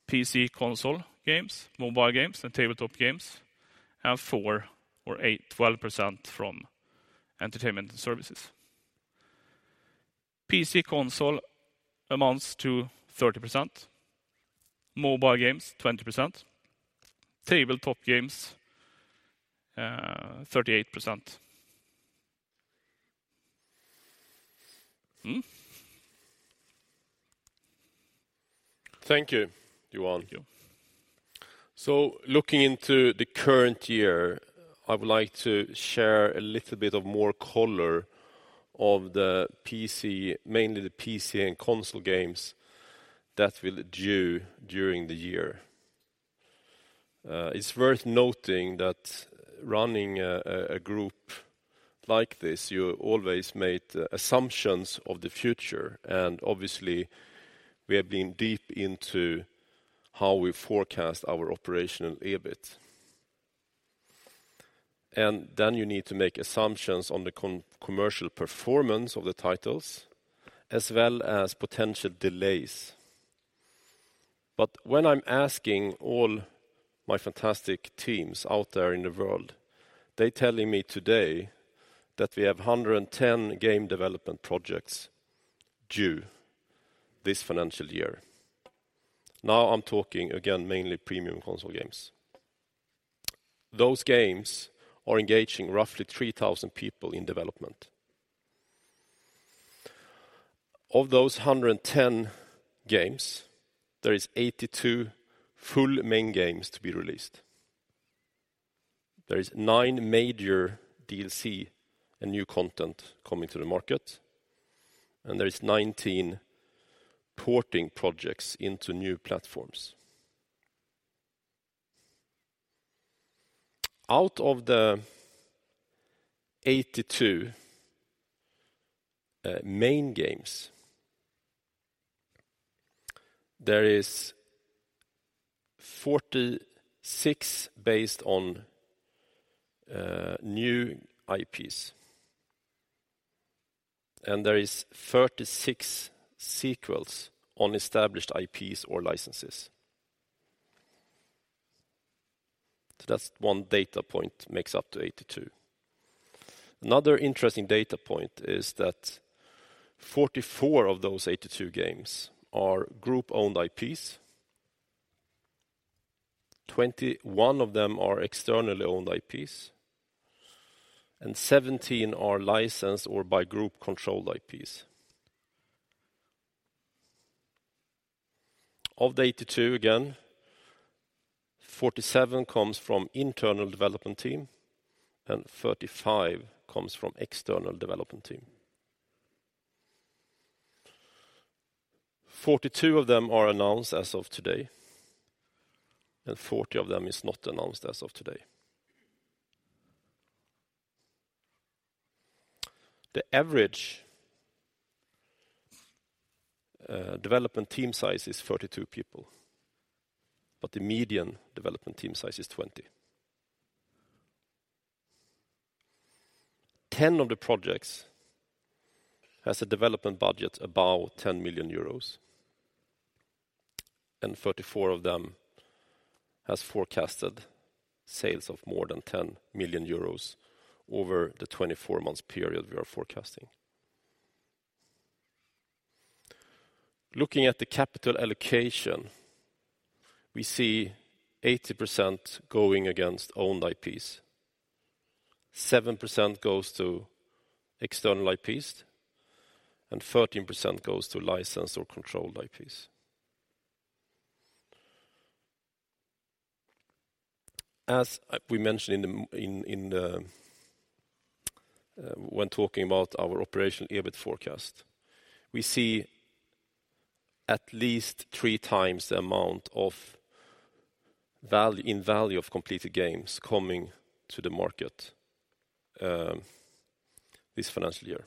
PC console games, mobile games, and tabletop games, and 4 billion, 12% from entertainment and services. PC console amounts to 30%, mobile games 20%, tabletop games 38%. Thank you, Johan. Thank you. Looking into the current year, I would like to share a little bit more color on the PC, mainly the PC and console games that are due during the year. It's worth noting that running a group like this, you always make the assumptions about the future, and obviously we have been deep into how we forecast our operational EBIT. Then you need to make assumptions on the commercial performance of the titles as well as potential delays. When I'm asking all my fantastic teams out there in the world, they're telling me today that we have 110 game development projects due this financial year. Now I'm talking again mainly premium console games. Those games are engaging roughly 3,000 people in development. Of those 110 games, there are 82 full main games to be released. There is 9 major DLC and new content coming to the market, and there is 19 porting projects into new platforms. Out of the 82 main games, there is 46 based on new IPs, and there is 36 sequels on established IPs or licenses. That's one data point makes up to 82. Another interesting data point is that 44 of those 82 games are group-owned IPs. 21 of them are externally owned IPs, and 17 are licensed or by group-controlled IPs. Of the 82, again, 47 comes from internal development team, and 35 comes from external development team. 42 of them are announced as of today, and 40 of them is not announced as of today. The average development team size is 32 people, but the median development team size is 20. 10 of the projects has a development budget about 10 million euros, and 34 of them has forecasted sales of more than 10 million euros over the 24 months period we are forecasting. Looking at the capital allocation, we see 80% going against owned IPs, 7% goes to external IPs, and 13% goes to licensed or controlled IPs. As we mentioned when talking about our operational EBIT forecast, we see at least three times the amount of value of completed games coming to the market this financial year.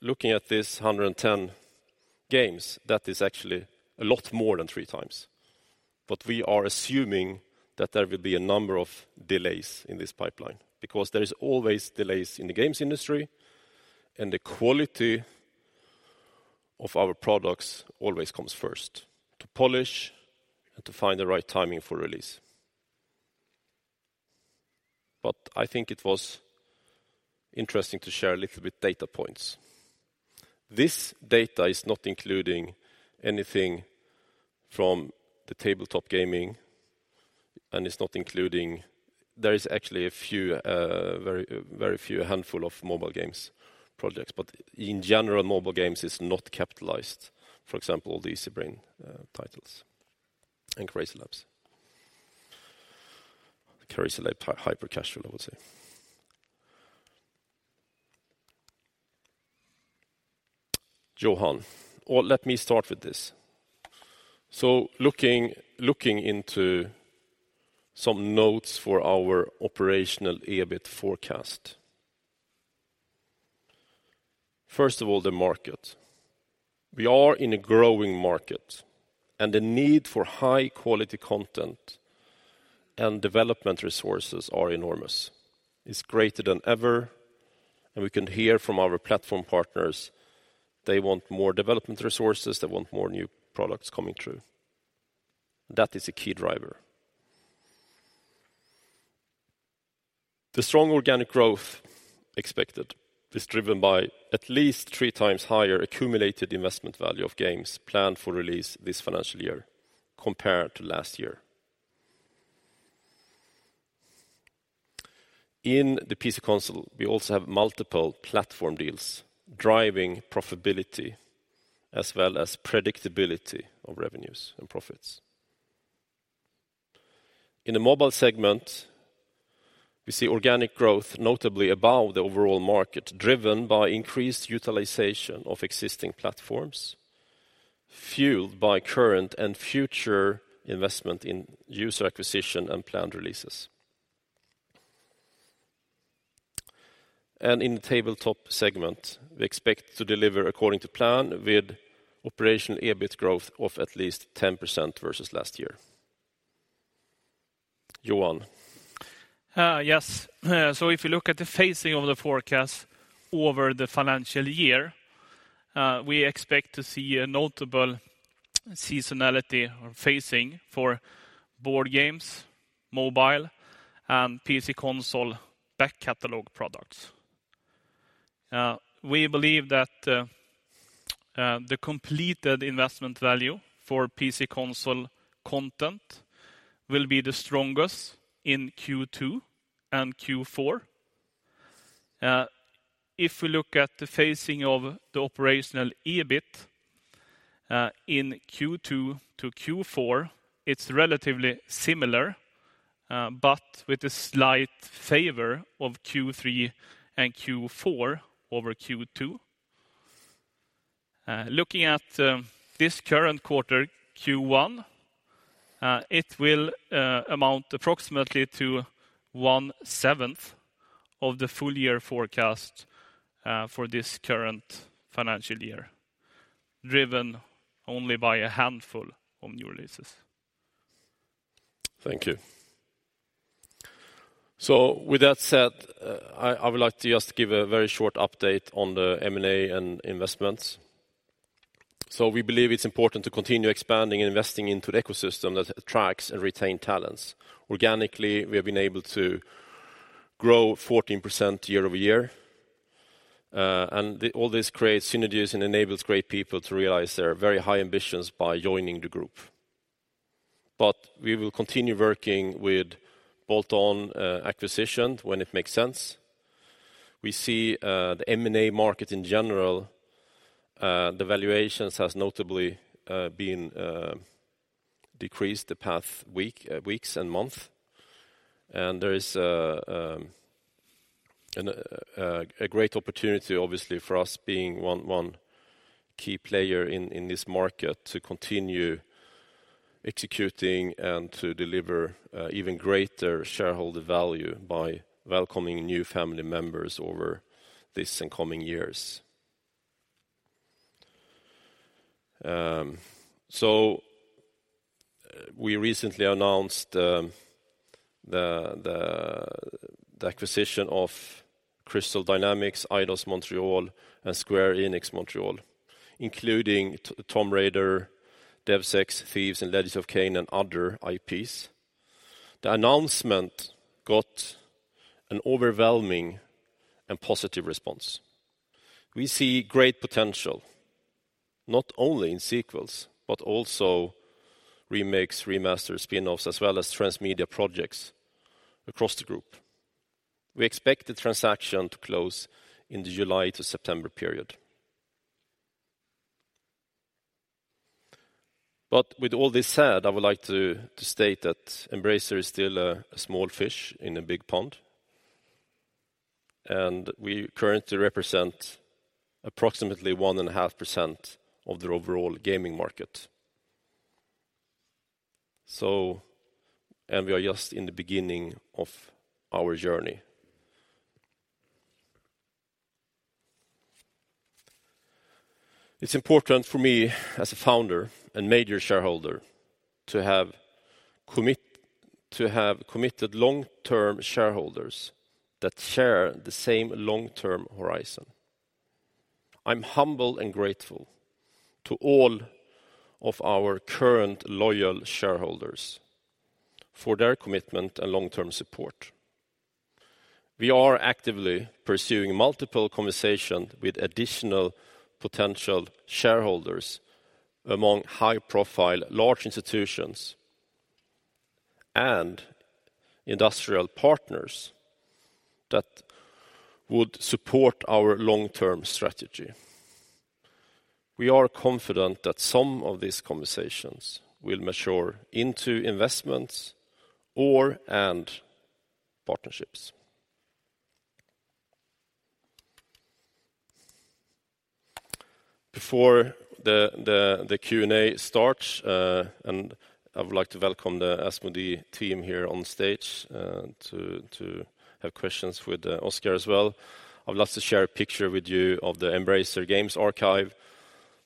Looking at these 110 games, that is actually a lot more than three times. We are assuming that there will be a number of delays in this pipeline because there is always delays in the games industry, and the quality of our products always comes first to polish and to find the right timing for release. I think it was interesting to share a little bit data points. This data is not including anything from the tabletop gaming, and it's not including. There is actually a few, very few handful of mobile games projects. In general, mobile games is not capitalized. For example, the Easybrain titles and CrazyLabs. CrazyLabs top hyper-casual, I would say. Johan. Or let me start with this. Looking into some notes for our operational EBIT forecast. First of all, the market. We are in a growing market, and the need for high quality content and development resources are enormous. It's greater than ever, and we can hear from our platform partners they want more development resources, they want more new products coming through. That is a key driver. The strong organic growth expected is driven by at least three times higher accumulated investment value of games planned for release this financial year compared to last year. In the PC console, we also have multiple platform deals driving profitability as well as predictability of revenues and profits. In the mobile segment, we see organic growth notably above the overall market, driven by increased utilization of existing platforms, fueled by current and future investment in user acquisition and planned releases. In the tabletop segment, we expect to deliver according to plan with operational EBIT growth of at least 10% versus last year. Johan. If you look at the phasing of the forecast over the financial year, we expect to see a notable seasonality or phasing for board games, mobile, and PC console back catalog products. We believe that the completed investment value for PC console content will be the strongest in Q2 and Q4. If we look at the phasing of the operational EBIT in Q2 to Q4, it's relatively similar, but with a slight favor of Q3 and Q4 over Q2. Looking at this current quarter, Q1, it will amount approximately to one-seventh of the full year forecast for this current financial year, driven only by a handful of new releases. Thank you. With that said, I would like to just give a very short update on the M&A and investments. We believe it's important to continue expanding and investing into the ecosystem that attracts and retain talents. Organically, we have been able to grow 14% year-over-year, and all this creates synergies and enables great people to realize their very high ambitions by joining the group. We will continue working with bolt-on acquisition when it makes sense. We see the M&A market in general, the valuations has notably been decreased the past week, weeks, and month. There is a great opportunity, obviously, for us being one key player in this market to continue executing and to deliver even greater shareholder value by welcoming new family members over this and coming years. We recently announced the acquisition of Crystal Dynamics, Eidos-Montréal, and Square Enix Montréal, including Tomb Raider, Deus Ex, Thief, and Legacy of Kain, and other IPs. The announcement got an overwhelming and positive response. We see great potential not only in sequels, but also remakes, remasters, spin-offs, as well as transmedia projects across the group. We expect the transaction to close in the July to September period. With all this said, I would like to state that Embracer is still a small fish in a big pond, and we currently represent approximately 1.5% of the overall gaming market. We are just in the beginning of our journey. It's important for me as a founder and major shareholder to have committed long-term shareholders that share the same long-term horizon. I'm humble and grateful to all of our current loyal shareholders for their commitment and long-term support. We are actively pursuing multiple conversation with additional potential shareholders among high-profile large institutions and industrial partners that would support our long-term strategy. We are confident that some of these conversations will mature into investments or/and partnerships. Before the Q&A starts, I would like to welcome the Asmodee team here on stage to have questions with Oscar as well. I'd love to share a picture with you of the Embracer Games Archive,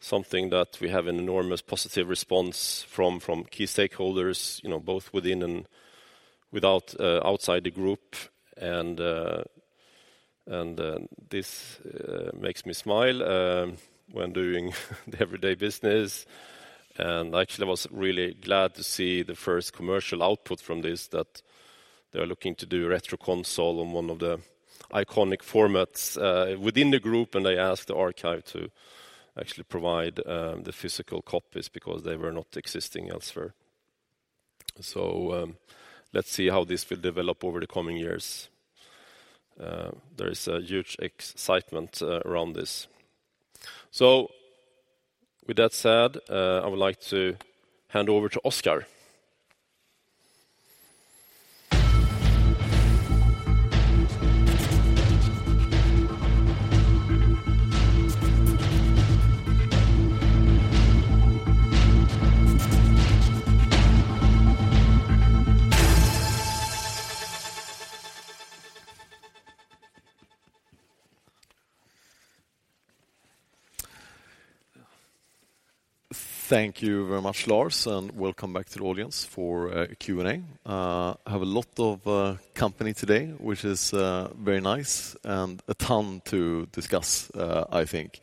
something that we have an enormous positive response from key stakeholders, you know, both within and without outside the group. This makes me smile when doing the everyday business. Actually, I was really glad to see the first commercial output from this, that they are looking to do a retro console on one of the iconic formats within the group, and they asked the archive to actually provide the physical copies because they were not existing elsewhere. Let's see how this will develop over the coming years. There is a huge excitement around this. With that said, I would like to hand over to Oscar. Thank you very much, Lars, and welcome back to the audience for Q&A. Have a lot of company today, which is very nice and a ton to discuss, I think.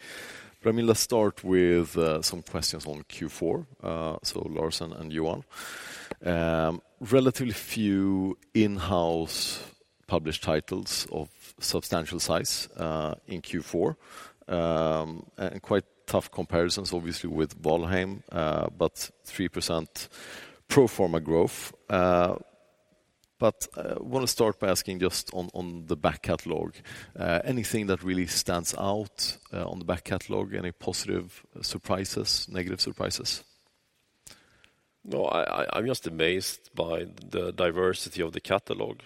I mean, let's start with some questions on Q4. Lars and Johan, relatively few in-house published titles of substantial size in Q4. And quite tough comparisons obviously with Valheim, but 3% pro forma growth. Wanna start by asking just on the back catalog, anything that really stands out on the back catalog? Any positive surprises, negative surprises? No, I'm just amazed by the diversity of the catalog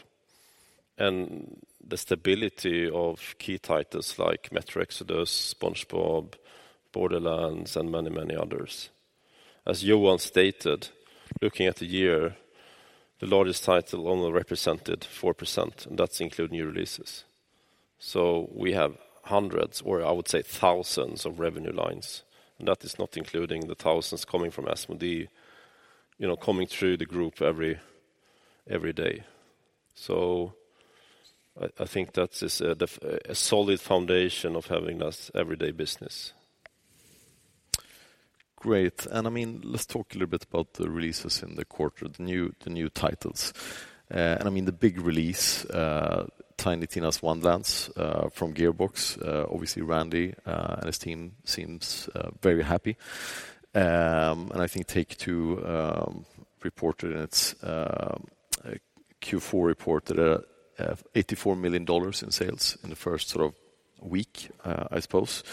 and the stability of key titles like Metro Exodus, SpongeBob, Borderlands, and many, many others. As Johan stated, looking at the year, the largest title only represented 4%, and that's including new releases. We have hundreds, or I would say thousands, of revenue lines, and that is not including the thousands coming from Asmodee, you know, coming through the group every day. I think that is a solid foundation of having this everyday business. Great. I mean, let's talk a little bit about the releases in the quarter, the new titles. I mean, the big release, Tiny Tina's Wonderlands from Gearbox. Obviously Randy and his team seems very happy. I think Take-Two reported in its Q4 report that $84 million in sales in the first sort of week, I suppose.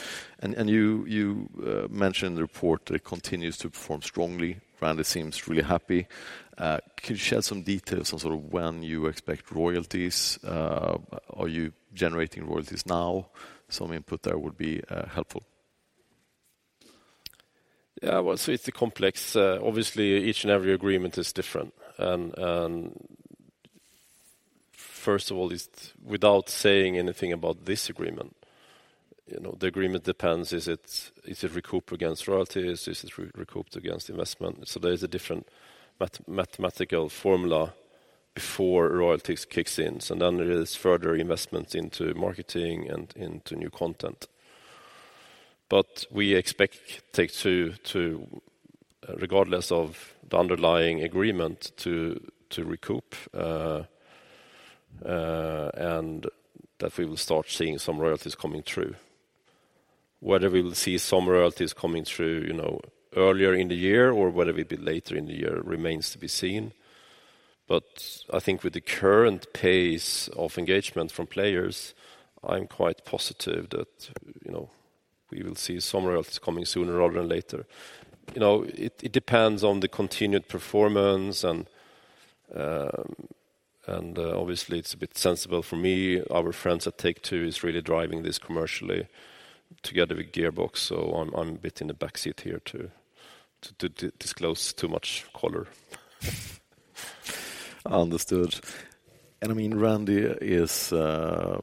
You mentioned the product continues to perform strongly. Randy seems really happy. Can you share some details on sort of when you expect royalties? Are you generating royalties now? Some input there would be helpful. Yeah. Well, it's complex. Obviously each and every agreement is different and first of all, without saying anything about this agreement, you know, the agreement depends, is it recouped against royalties? Is it recouped against investment? There is a different mathematical formula before royalties kicks in. Then there is further investments into marketing and into new content. We expect Take-Two to, regardless of the underlying agreement, to recoup and that we will start seeing some royalties coming through. Whether we will see some royalties coming through, you know, earlier in the year or whether it be later in the year remains to be seen. I think with the current pace of engagement from players, I'm quite positive that, you know, we will see some royalties coming sooner rather than later. You know, it depends on the continued performance and obviously it's a bit sensitive for me. Our friends at Take-Two is really driving this commercially together with Gearbox, so I'm a bit in the back seat here to disclose too much color. Understood. I mean, Randy is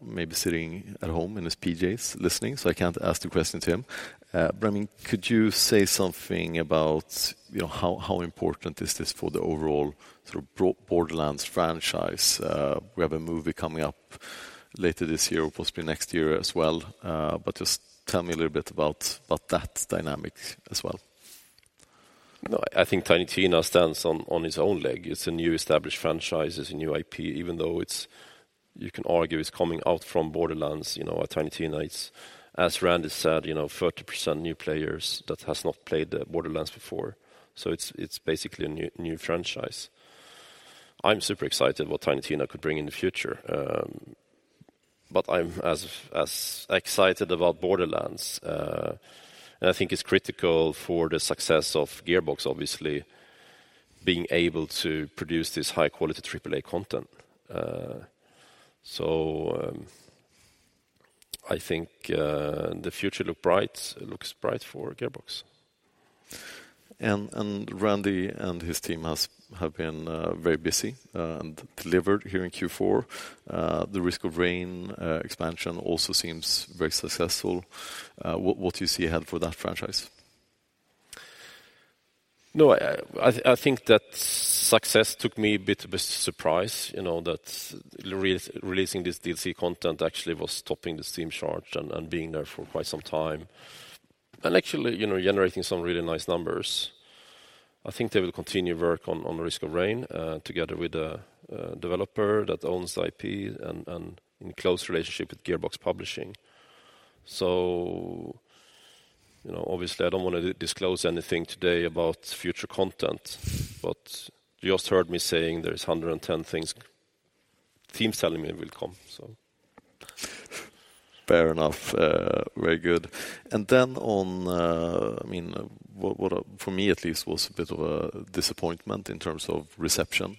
maybe sitting at home in his PJs listening, so I can't ask the question to him. But I mean, could you say something about, you know, how important is this for the overall sort of Borderlands franchise? We have a movie coming up later this year, possibly next year as well, but just tell me a little bit about that dynamic as well. No, I think Tiny Tina stands on its own leg. It's a new established franchise. It's a new IP. Even though it's you can argue it's coming out from Borderlands, you know, Tiny Tina, it's as Randy said, you know, 30% new players that has not played Borderlands before. It's basically a new franchise. I'm super excited what Tiny Tina could bring in the future, but I'm as excited about Borderlands. I think it's critical for the success of Gearbox, obviously, being able to produce this high-quality AAA content. I think the future looks bright for Gearbox. Randy and his team have been very busy and delivered here in Q4. The Risk of Rain expansion also seems very successful. What do you see ahead for that franchise? No, I think that success took me a bit by surprise, you know, that re-releasing this DLC content actually was topping the Steam charts and being there for quite some time and actually, you know, generating some really nice numbers. I think they will continue work on Risk of Rain together with the developer that owns the IP and in close relationship with Gearbox Publishing. You know, obviously I don't want to disclose anything today about future content, but you just heard me saying there is 110 things the team's telling me will come. Fair enough. Very good. On, I mean, what for me at least was a bit of a disappointment in terms of reception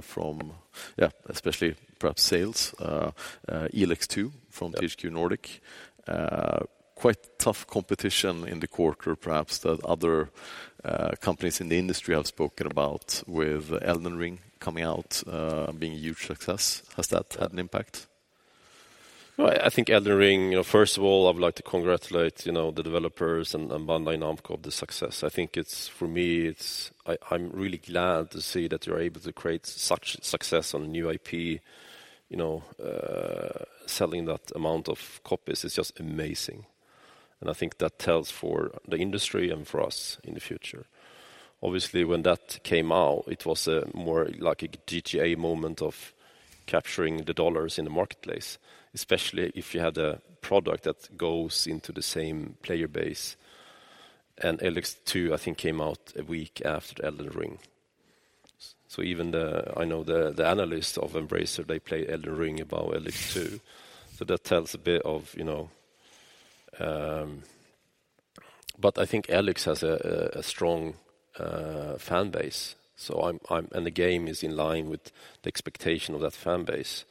from, yeah, especially perhaps sales, ELEX II from THQ Nordic. Quite tough competition in the quarter, perhaps, that other companies in the industry have spoken about with Elden Ring coming out, being a huge success. Has that had an impact? Well, I think Elden Ring, you know, first of all, I would like to congratulate, you know, the developers and Bandai Namco of the success. I think it's, for me, I'm really glad to see that they are able to create such success on new IP. You know, selling that amount of copies is just amazing, and I think that tells for the industry and for us in the future. Obviously, when that came out, it was more like a GTA moment of capturing the dollars in the marketplace, especially if you had a product that goes into the same player base. ELEX II, I think, came out a week after Elden Ring. So even the, I know the analysts of Embracer, they play Elden Ring above ELEX II. That tells a bit of, but I think ELEX has a strong fan base. The game is in line with the expectation of that fan base.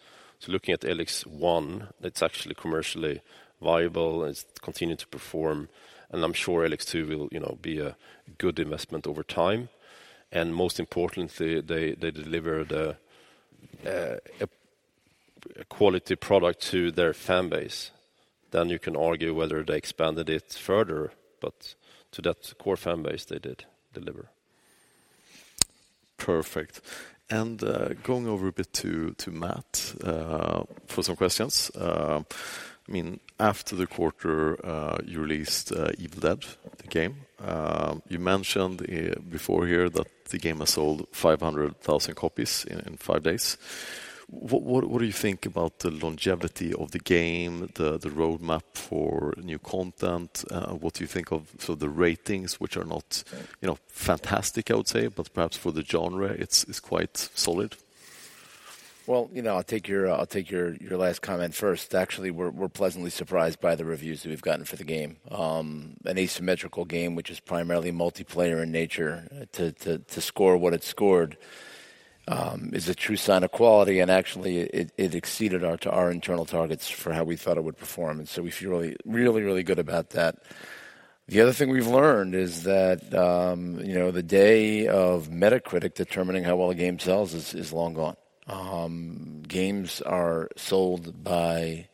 Looking at ELEX I, it's actually commercially viable, and it's continued to perform, and I'm sure ELEX II will, you know, be a good investment over time. Most importantly, they deliver a quality product to their fan base. You can argue whether they expanded it further, but to that core fan base, they did deliver. Perfect. Going over a bit to Matthew Karch for some questions. I mean, after the quarter, you released Evil Dead: The Game. You mentioned before here that the game has sold 500,000 copies in five days. What do you think about the longevity of the game, the roadmap for new content? What do you think of the ratings, which are not, you know, fantastic, I would say, but perhaps for the genre it's quite solid. Well, you know, I'll take your last comment first. Actually, we're pleasantly surprised by the reviews that we've gotten for the game. An asymmetrical game which is primarily multiplayer in nature to score what it scored is a true sign of quality, and actually it exceeded our internal targets for how we thought it would perform. We feel really good about that. The other thing we've learned is that, you know, the day of Metacritic determining how well a game sells is long gone. Games are sold by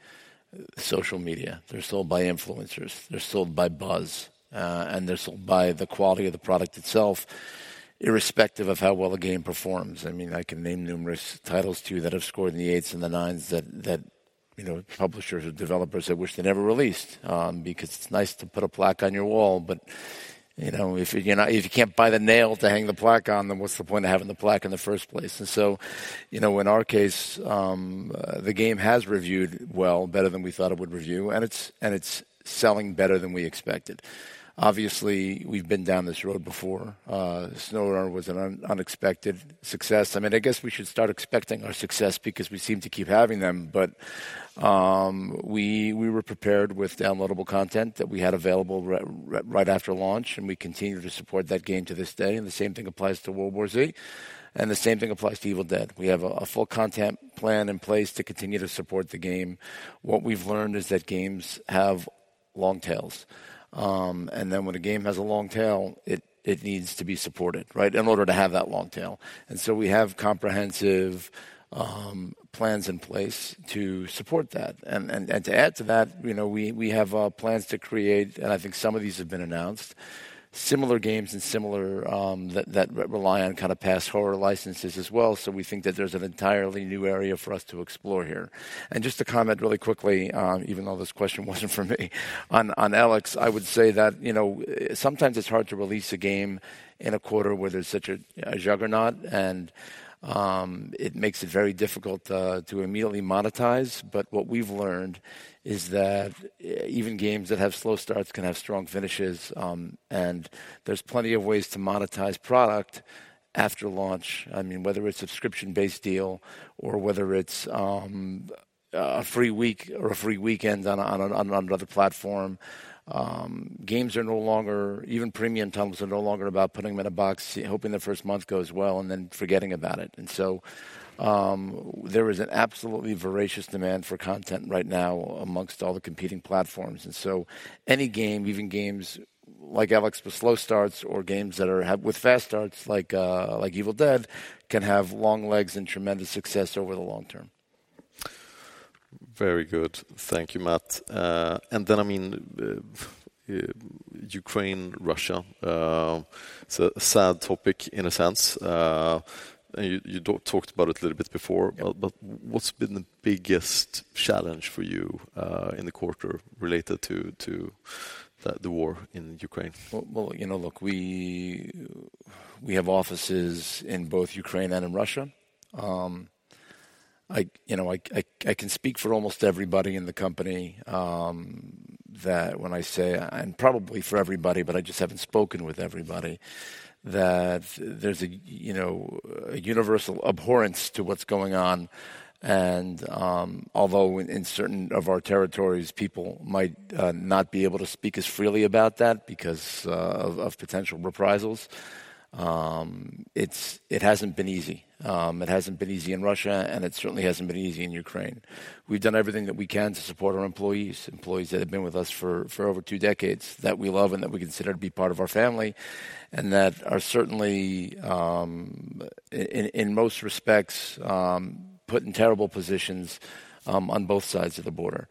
social media. They're sold by influencers. They're sold by buzz, and they're sold by the quality of the product itself, irrespective of how well a game performs. I mean, I can name numerous titles to you that have scored in the 8s and the 9s that you know, publishers or developers have wished they never released, because it's nice to put a plaque on your wall, but you know, if you can't buy the nail to hang the plaque on, then what's the point of having the plaque in the first place? You know, in our case, the game has reviewed well, better than we thought it would review, and it's selling better than we expected. Obviously, we've been down this road before. SnowRunner was an unexpected success. I mean, I guess we should start expecting our success because we seem to keep having them. We were prepared with downloadable content that we had available right after launch, and we continue to support that game to this day. The same thing applies to World War Z, and the same thing applies to Evil Dead. We have a full content plan in place to continue to support the game. What we've learned is that games have long tails. Then when a game has a long tail, it needs to be supported, right? In order to have that long tail. We have comprehensive plans in place to support that. To add to that, you know, we have plans to create, and I think some of these have been announced, similar games and similar that rely on kind of past horror licenses as well. We think that there's an entirely new area for us to explore here. Just to comment really quickly, even though this question wasn't for me, on ELEX, I would say that sometimes it's hard to release a game in a quarter where there's such a juggernaut, and it makes it very difficult to immediately monetize. What we've learned is that even games that have slow starts can have strong finishes. There's plenty of ways to monetize product after launch. I mean, whether it's subscription-based deal or whether it's a free week or a free weekend on another platform, games are no longer, even premium titles are no longer about putting them in a box, hoping the first month goes well, and then forgetting about it. There is an absolutely voracious demand for content right now among all the competing platforms. Any game, even games like ELEX with slow starts or games that have fast starts like Evil Dead, can have long legs and tremendous success over the long term. Very good. Thank you, Matt. I mean, Ukraine, Russia, it's a sad topic in a sense. You talked about it a little bit before. Yeah. What's been the biggest challenge for you in the quarter related to the war in Ukraine? Well, you know, look, we have offices in both Ukraine and in Russia. You know, I can speak for almost everybody in the company that when I say, and probably for everybody, but I just haven't spoken with everybody, that there's you know, a universal abhorrence to what's going on. Although in certain of our territories, people might not be able to speak as freely about that because of potential reprisals, it hasn't been easy. It hasn't been easy in Russia, and it certainly hasn't been easy in Ukraine. We've done everything that we can to support our employees that have been with us for over two decades, that we love and that we consider to be part of our family, and that are certainly in most respects put in terrible positions on both sides of the border.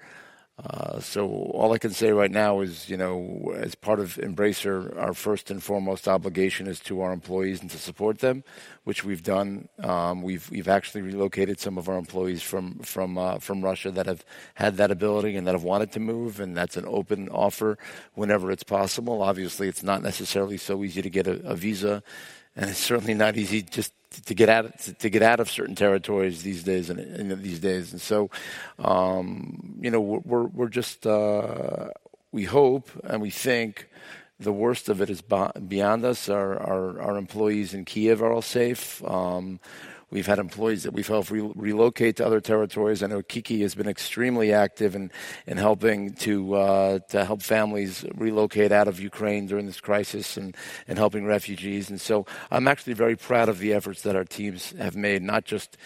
All I can say right now is, you know, as part of Embracer, our first and foremost obligation is to our employees and to support them, which we've done. We've actually relocated some of our employees from Russia that have had that ability and that have wanted to move, and that's an open offer whenever it's possible. Obviously, it's not necessarily so easy to get a visa, and it's certainly not easy just to get out of certain territories these days, you know, these days. We're just we hope and we think the worst of it is behind us. Our employees in Kyiv are all safe. We've had employees that we've helped relocate to other territories. I know Kiki has been extremely active in helping to help families relocate out of Ukraine during this crisis and helping refugees. I'm actually very proud of the efforts that our teams have made, not just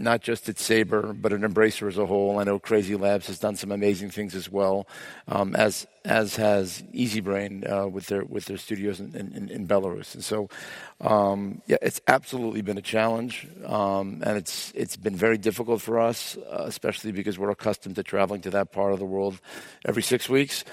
at Saber, but at Embracer as a whole. I know CrazyLabs has done some amazing things as well, as has Easybrain, with their studios in Belarus. It's absolutely been a challenge, and it's been very difficult for us, especially because we're accustomed to traveling to that part of the world every six weeks.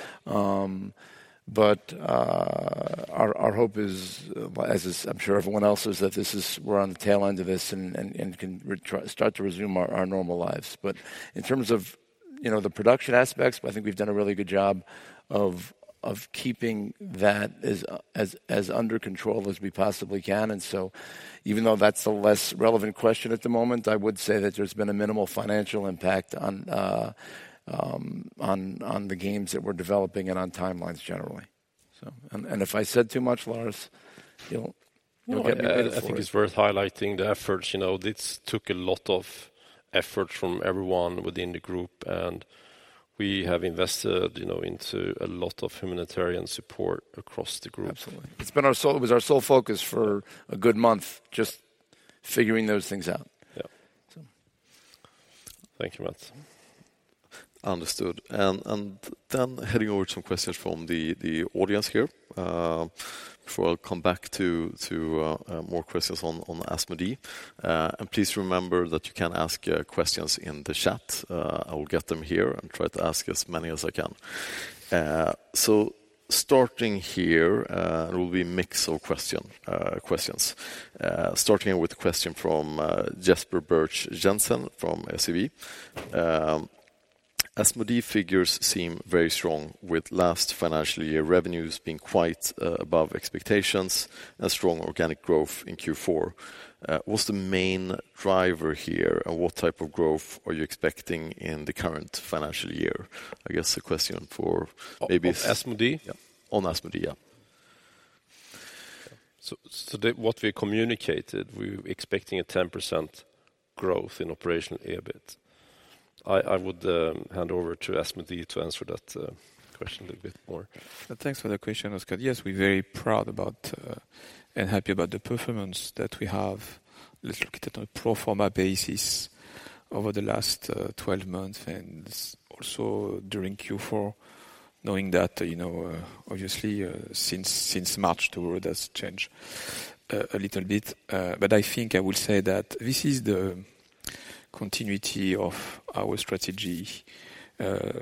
Our hope is, as is I'm sure everyone else's, that we're on the tail end of this and can start to resume our normal lives. In terms of, you know, the production aspects, I think we've done a really good job of keeping that as under control as we possibly can. Even though that's a less relevant question at the moment, I would say that there's been a minimal financial impact on the games that we're developing and on timelines generally, so. If I said too much, Lars, you know, you can edit for it. No, I think it's worth highlighting the efforts. You know, this took a lot of effort from everyone within the group, and we have invested, you know, into a lot of humanitarian support across the group. Absolutely. It was our sole focus for a good month, just figuring those things out. Yeah. Thank you, Matt. Understood. Then heading over some questions from the audience here, before I come back to more questions on Asmodee. Please remember that you can ask questions in the chat. I will get them here and try to ask as many as I can. Starting here, will be a mix of questions. Starting with a question from Jesper Birch-Jensen from SEB. Asmodee figures seem very strong with last financial year revenues being quite above expectations and strong organic growth in Q4. What's the main driver here, and what type of growth are you expecting in the current financial year? I guess a question for maybe- Of Asmodee? On Asmodee, yeah. What we communicated, we're expecting a 10% growth in operational EBIT. I would hand over to Asmodee to answer that question a little bit more. Thanks for the question, Oscar. Yes, we're very proud about and happy about the performance that we have, looked at on a pro forma basis over the last 12 months and also during Q4, knowing that, you know, obviously, since March, the world has changed a little bit. I think I will say that this is the continuity of our strategy,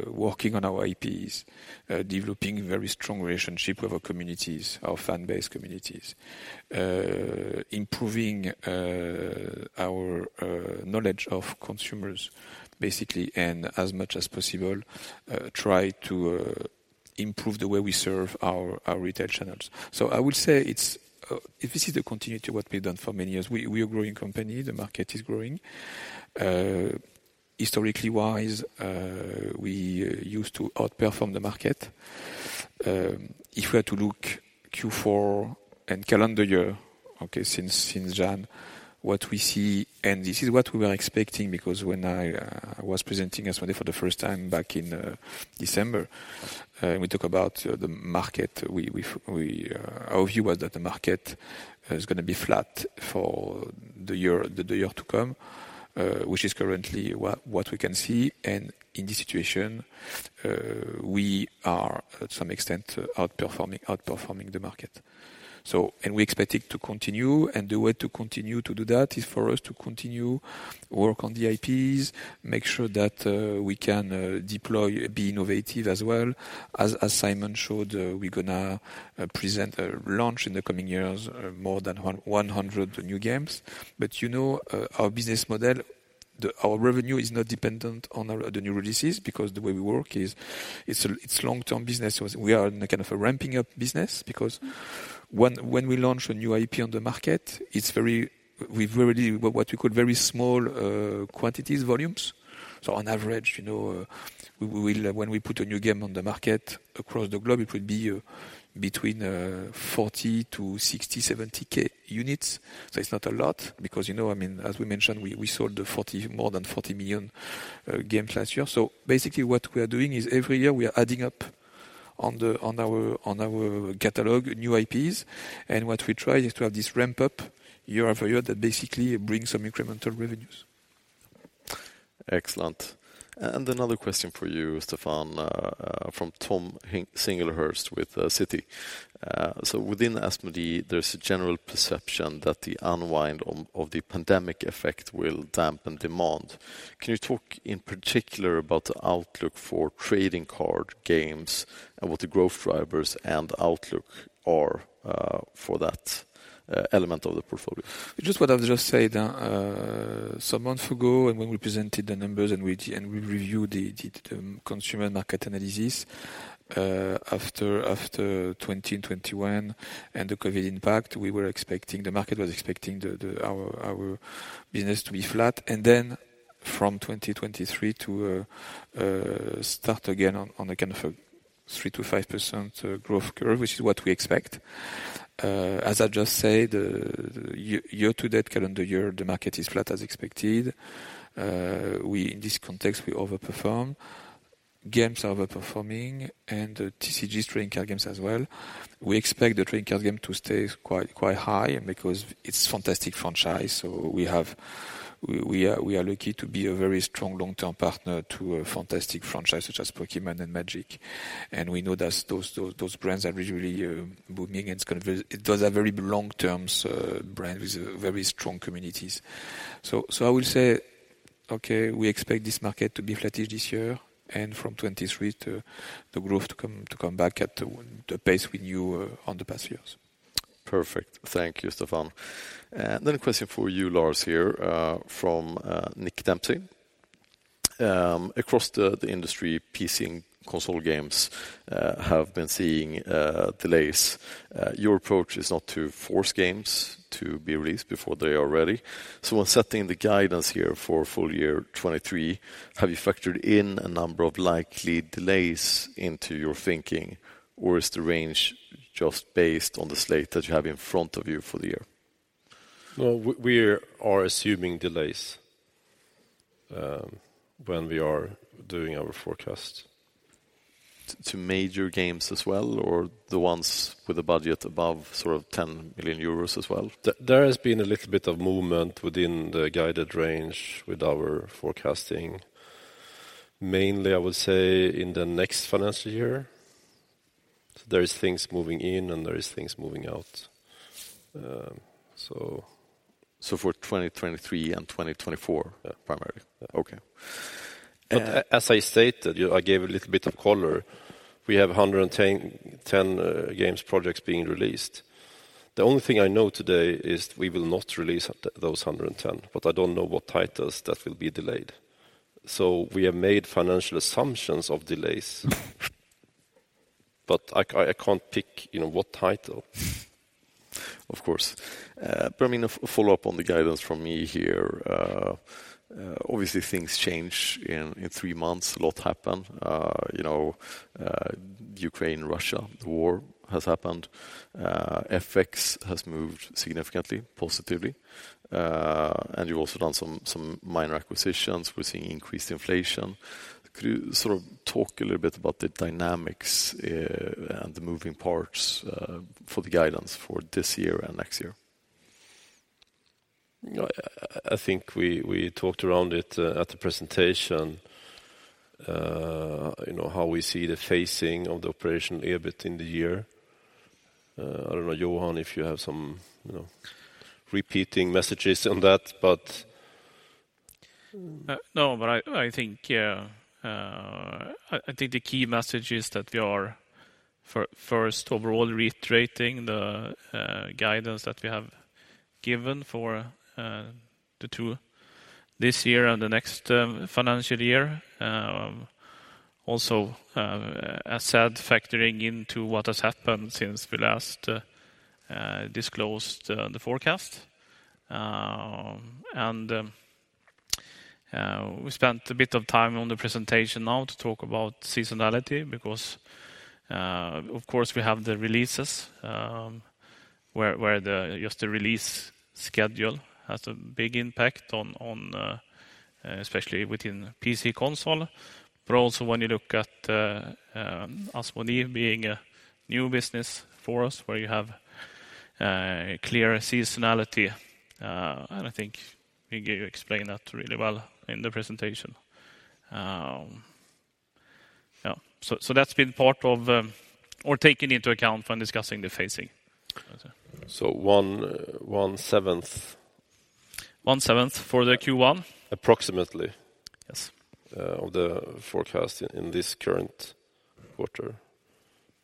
working on our IPs, developing very strong relationship with our communities, our fan base communities. Improving our knowledge of consumers, basically, and as much as possible, try to improve the way we serve our retail channels. I would say it's if this is the continuity of what we've done for many years, we are a growing company. The market is growing. Historically-wise, we used to outperform the market. If we are to look at Q4 and calendar year, since January, what we see, and this is what we were expecting, because when I was presenting Asmodee for the first time back in December, we talk about the market. Our view was that the market is gonna be flat for the year, the year to come, which is currently what we can see. In this situation, we are at some extent outperforming the market. We expect it to continue, and the way to continue to do that is for us to continue work on the IPs, make sure that we can deploy, be innovative as well. As Simon showed, we're gonna present a launch in the coming years, more than 100 new games. You know, our business model, our revenue is not dependent on the new releases because the way we work is it's long-term business. We are in a kind of a ramping up business because when we launch a new IP on the market, it's very small quantities, volumes. So on average, you know, we will. When we put a new game on the market across the globe, it will be between 40 to 60-70K units. So it's not a lot because, you know, I mean, as we mentioned, we sold more than 40 million games last year. So basically what we are doing is every year we are adding up on our catalog new IPs. What we try is to have this ramp up year over year that basically brings some incremental revenues. Excellent. Another question for you, Stéphane, from Thomas Singlehurst with Citi. So within Asmodee, there's a general perception that the unwind of the pandemic effect will dampen demand. Can you talk in particular about the outlook for trading card games and what the growth drivers and outlook are for that element of the portfolio? Just what I've just said, some months ago, and when we presented the numbers and we reviewed the consumer market analysis, after 2020 and 2021 and the COVID impact, we were expecting, the market was expecting our business to be flat. From 2023 to start again on a kind of a 3%-5% growth curve, which is what we expect. As I just said, year-to-date calendar year, the market is flat as expected. In this context, we overperform. Games are overperforming and TCGs, trading card games as well. We expect the trading card game to stay quite high because it's fantastic franchise. We are lucky to be a very strong long-term partner to a fantastic franchise such as Pokémon and Magic. We know that those brands are usually booming. Those are very long-term brands with very strong communities. I will say we expect this market to be flattish this year and from 2023 the growth to come back at the pace we knew in the past years. Perfect. Thank you, Stéphane. Another question for you, Lars, here from Nick Dempsey. Across the industry, PC and console games have been seeing delays. Your approach is not to force games to be released before they are ready. When setting the guidance here for full year 2023, have you factored in a number of likely delays into your thinking, or is the range just based on the slate that you have in front of you for the year? No, we are assuming delays when we are doing our forecast. To major games as well, or the ones with a budget above sort of 10 million euros as well? There has been a little bit of movement within the guided range with our forecasting. Mainly, I would say in the next financial year. There is things moving in, and there is things moving out. So for 2023 and 2024 Yeah primarily. Yeah. Okay. As I stated, you know, I gave a little bit of color. We have 110 games projects being released. The only thing I know today is we will not release those 110, but I don't know what titles that will be delayed. We have made financial assumptions of delays, but I can't pick, you know, what title. Of course. I mean, a follow-up on the guidance from me here. Obviously things change in three months, a lot happened. You know, Ukraine, Russia, the war has happened. FX has moved significantly positively. And you've also done some minor acquisitions. We're seeing increased inflation. Could you sort of talk a little bit about the dynamics and the moving parts for the guidance for this year and next year? You know, I think we talked around it at the presentation, you know, how we see the phasing of the operational EBIT in the year. I don't know, Johan, if you have some, you know, repeating messages on that, but. No, but I think the key message is that we are first overall reiterating the guidance that we have given for FY24 this year and the next financial year. Also, as said, factoring into what has happened since we last disclosed the forecast. We spent a bit of time on the presentation now to talk about seasonality because of course we have the releases where just the release schedule has a big impact on especially within PC and console. Also when you look at Asmodee being a new business for us, where you have clear seasonality and I think we explained that really well in the presentation. Yeah. That's been part of, or taken into account when discussing the phasing. 1/7. 1/7 for the Q1. Approximately. Yes. Of the forecast in this current quarter.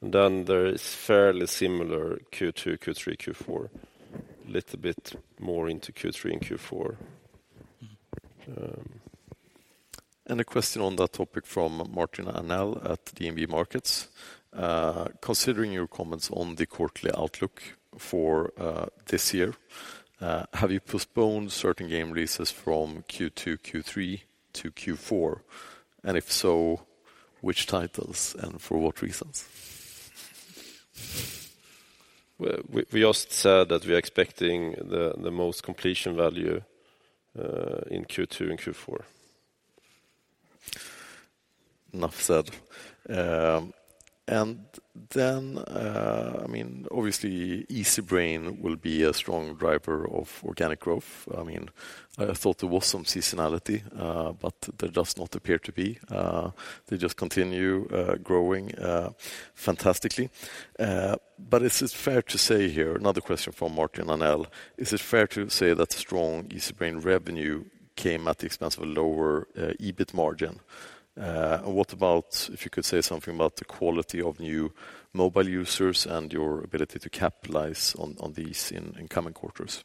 Then there is fairly similar Q2, Q3, Q4. Little bit more into Q3 and Q4. Mm-hmm. A question on that topic from Martin Arnell at DNB Markets. Considering your comments on the quarterly outlook for this year, have you postponed certain game releases from Q2, Q3 to Q4? If so, which titles and for what reasons? We just said that we are expecting the most completion value in Q2 and Q4. Enough said. I mean, obviously, Easybrain will be a strong driver of organic growth. I mean, I thought there was some seasonality, but there does not appear to be. They just continue growing fantastically. Is it fair to say here, another question from Martin Arnell, is it fair to say that strong Easybrain revenue came at the expense of a lower EBIT margin? What about if you could say something about the quality of new mobile users and your ability to capitalize on these in coming quarters?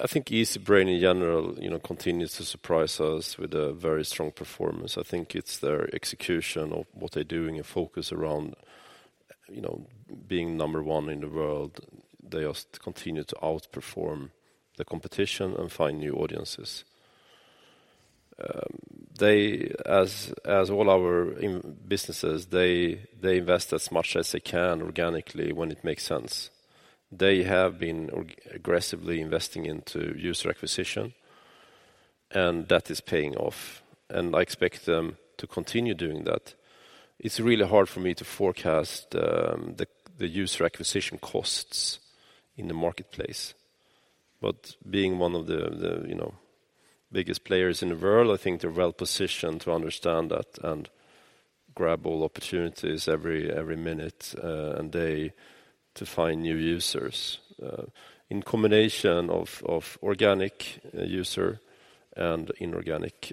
I think Easybrain in general, you know, continues to surprise us with a very strong performance. I think it's their execution of what they're doing and focus around, you know, being number one in the world. They just continue to outperform the competition and find new audiences. They, as all our businesses, invest as much as they can organically when it makes sense. They have been aggressively investing into user acquisition, and that is paying off, and I expect them to continue doing that. It's really hard for me to forecast the user acquisition costs in the marketplace. Being one of the you know biggest players in the world, I think they're well-positioned to understand that and grab all opportunities every minute and day to find new users in combination of organic user and inorganic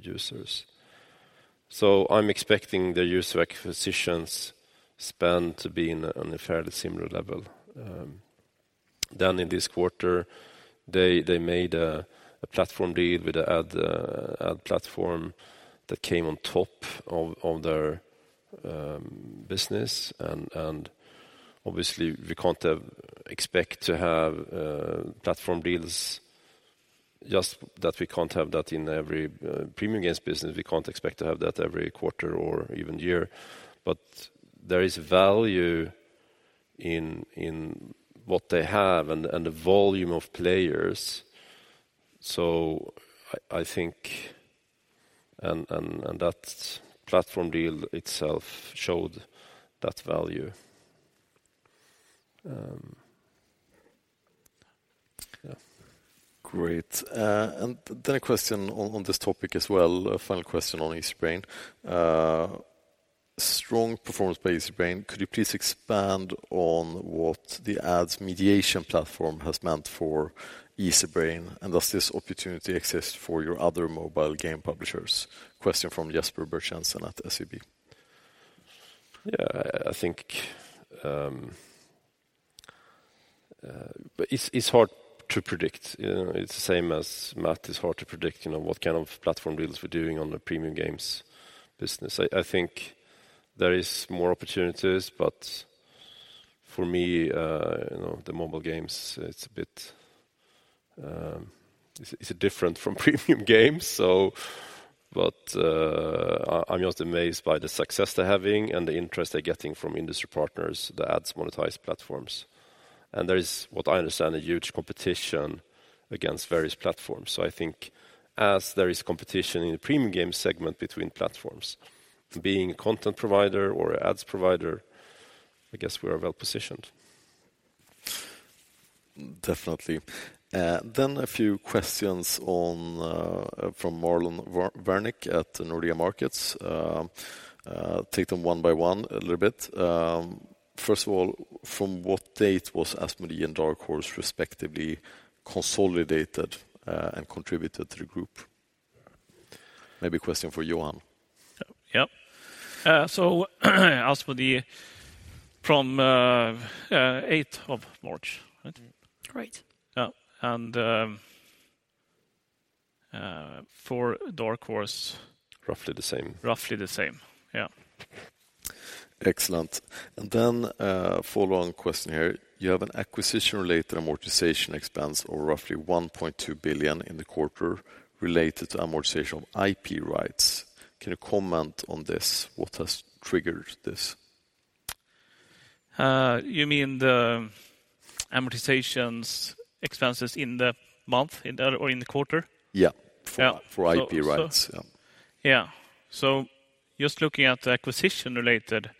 users. So I'm expecting the user acquisitions spend to be on a fairly similar level. Then in this quarter, they made a platform deal with the ad platform that came on top of their business and obviously we can't expect to have platform deals like that we can't have that in every premium games business. We can't expect to have that every quarter or even year. But there is value. In what they have and the volume of players. I think and that platform deal itself showed that value. Yeah. A question on this topic as well, a final question on Easybrain. Strong performance by Easybrain. Could you please expand on what the ads mediation platform has meant for Easybrain, and does this opportunity exist for your other mobile game publishers? Question from Jesper Birch-Jensen at SEB. Yeah, I think it's hard to predict. You know, it's the same as Matt, it's hard to predict, you know, what kind of platform deals we're doing on the premium games business. I think there is more opportunities, but for me, you know, the mobile games, it's a bit, it's different from premium games. But, I'm just amazed by the success they're having and the interest they're getting from industry partners, the ads monetized platforms. And there is, what I understand, a huge competition against various platforms. I think as there is competition in the premium game segment between platforms, to being a content provider or ads provider, I guess we are well-positioned. Definitely. A few questions on, from Marlon Wernick at Nordea Markets. Take them one by one a little bit. First of all, from what date was Asmodee and Dark Horse respectively consolidated, and contributed to the group? Maybe a question for Johan. Yeah. Asmodee from 8 of March, right? Right. Yeah. For Dark Horse- Roughly the same. Roughly the same. Yeah. Excellent. A follow-on question here. You have an acquisition-related amortization expense of roughly 1.2 billion in the quarter related to amortization of IP rights. Can you comment on this? What has triggered this? You mean the amortization expenses in the month or in the quarter? Yeah. Yeah. For IP rights. Yeah. Just looking at the acquisition-related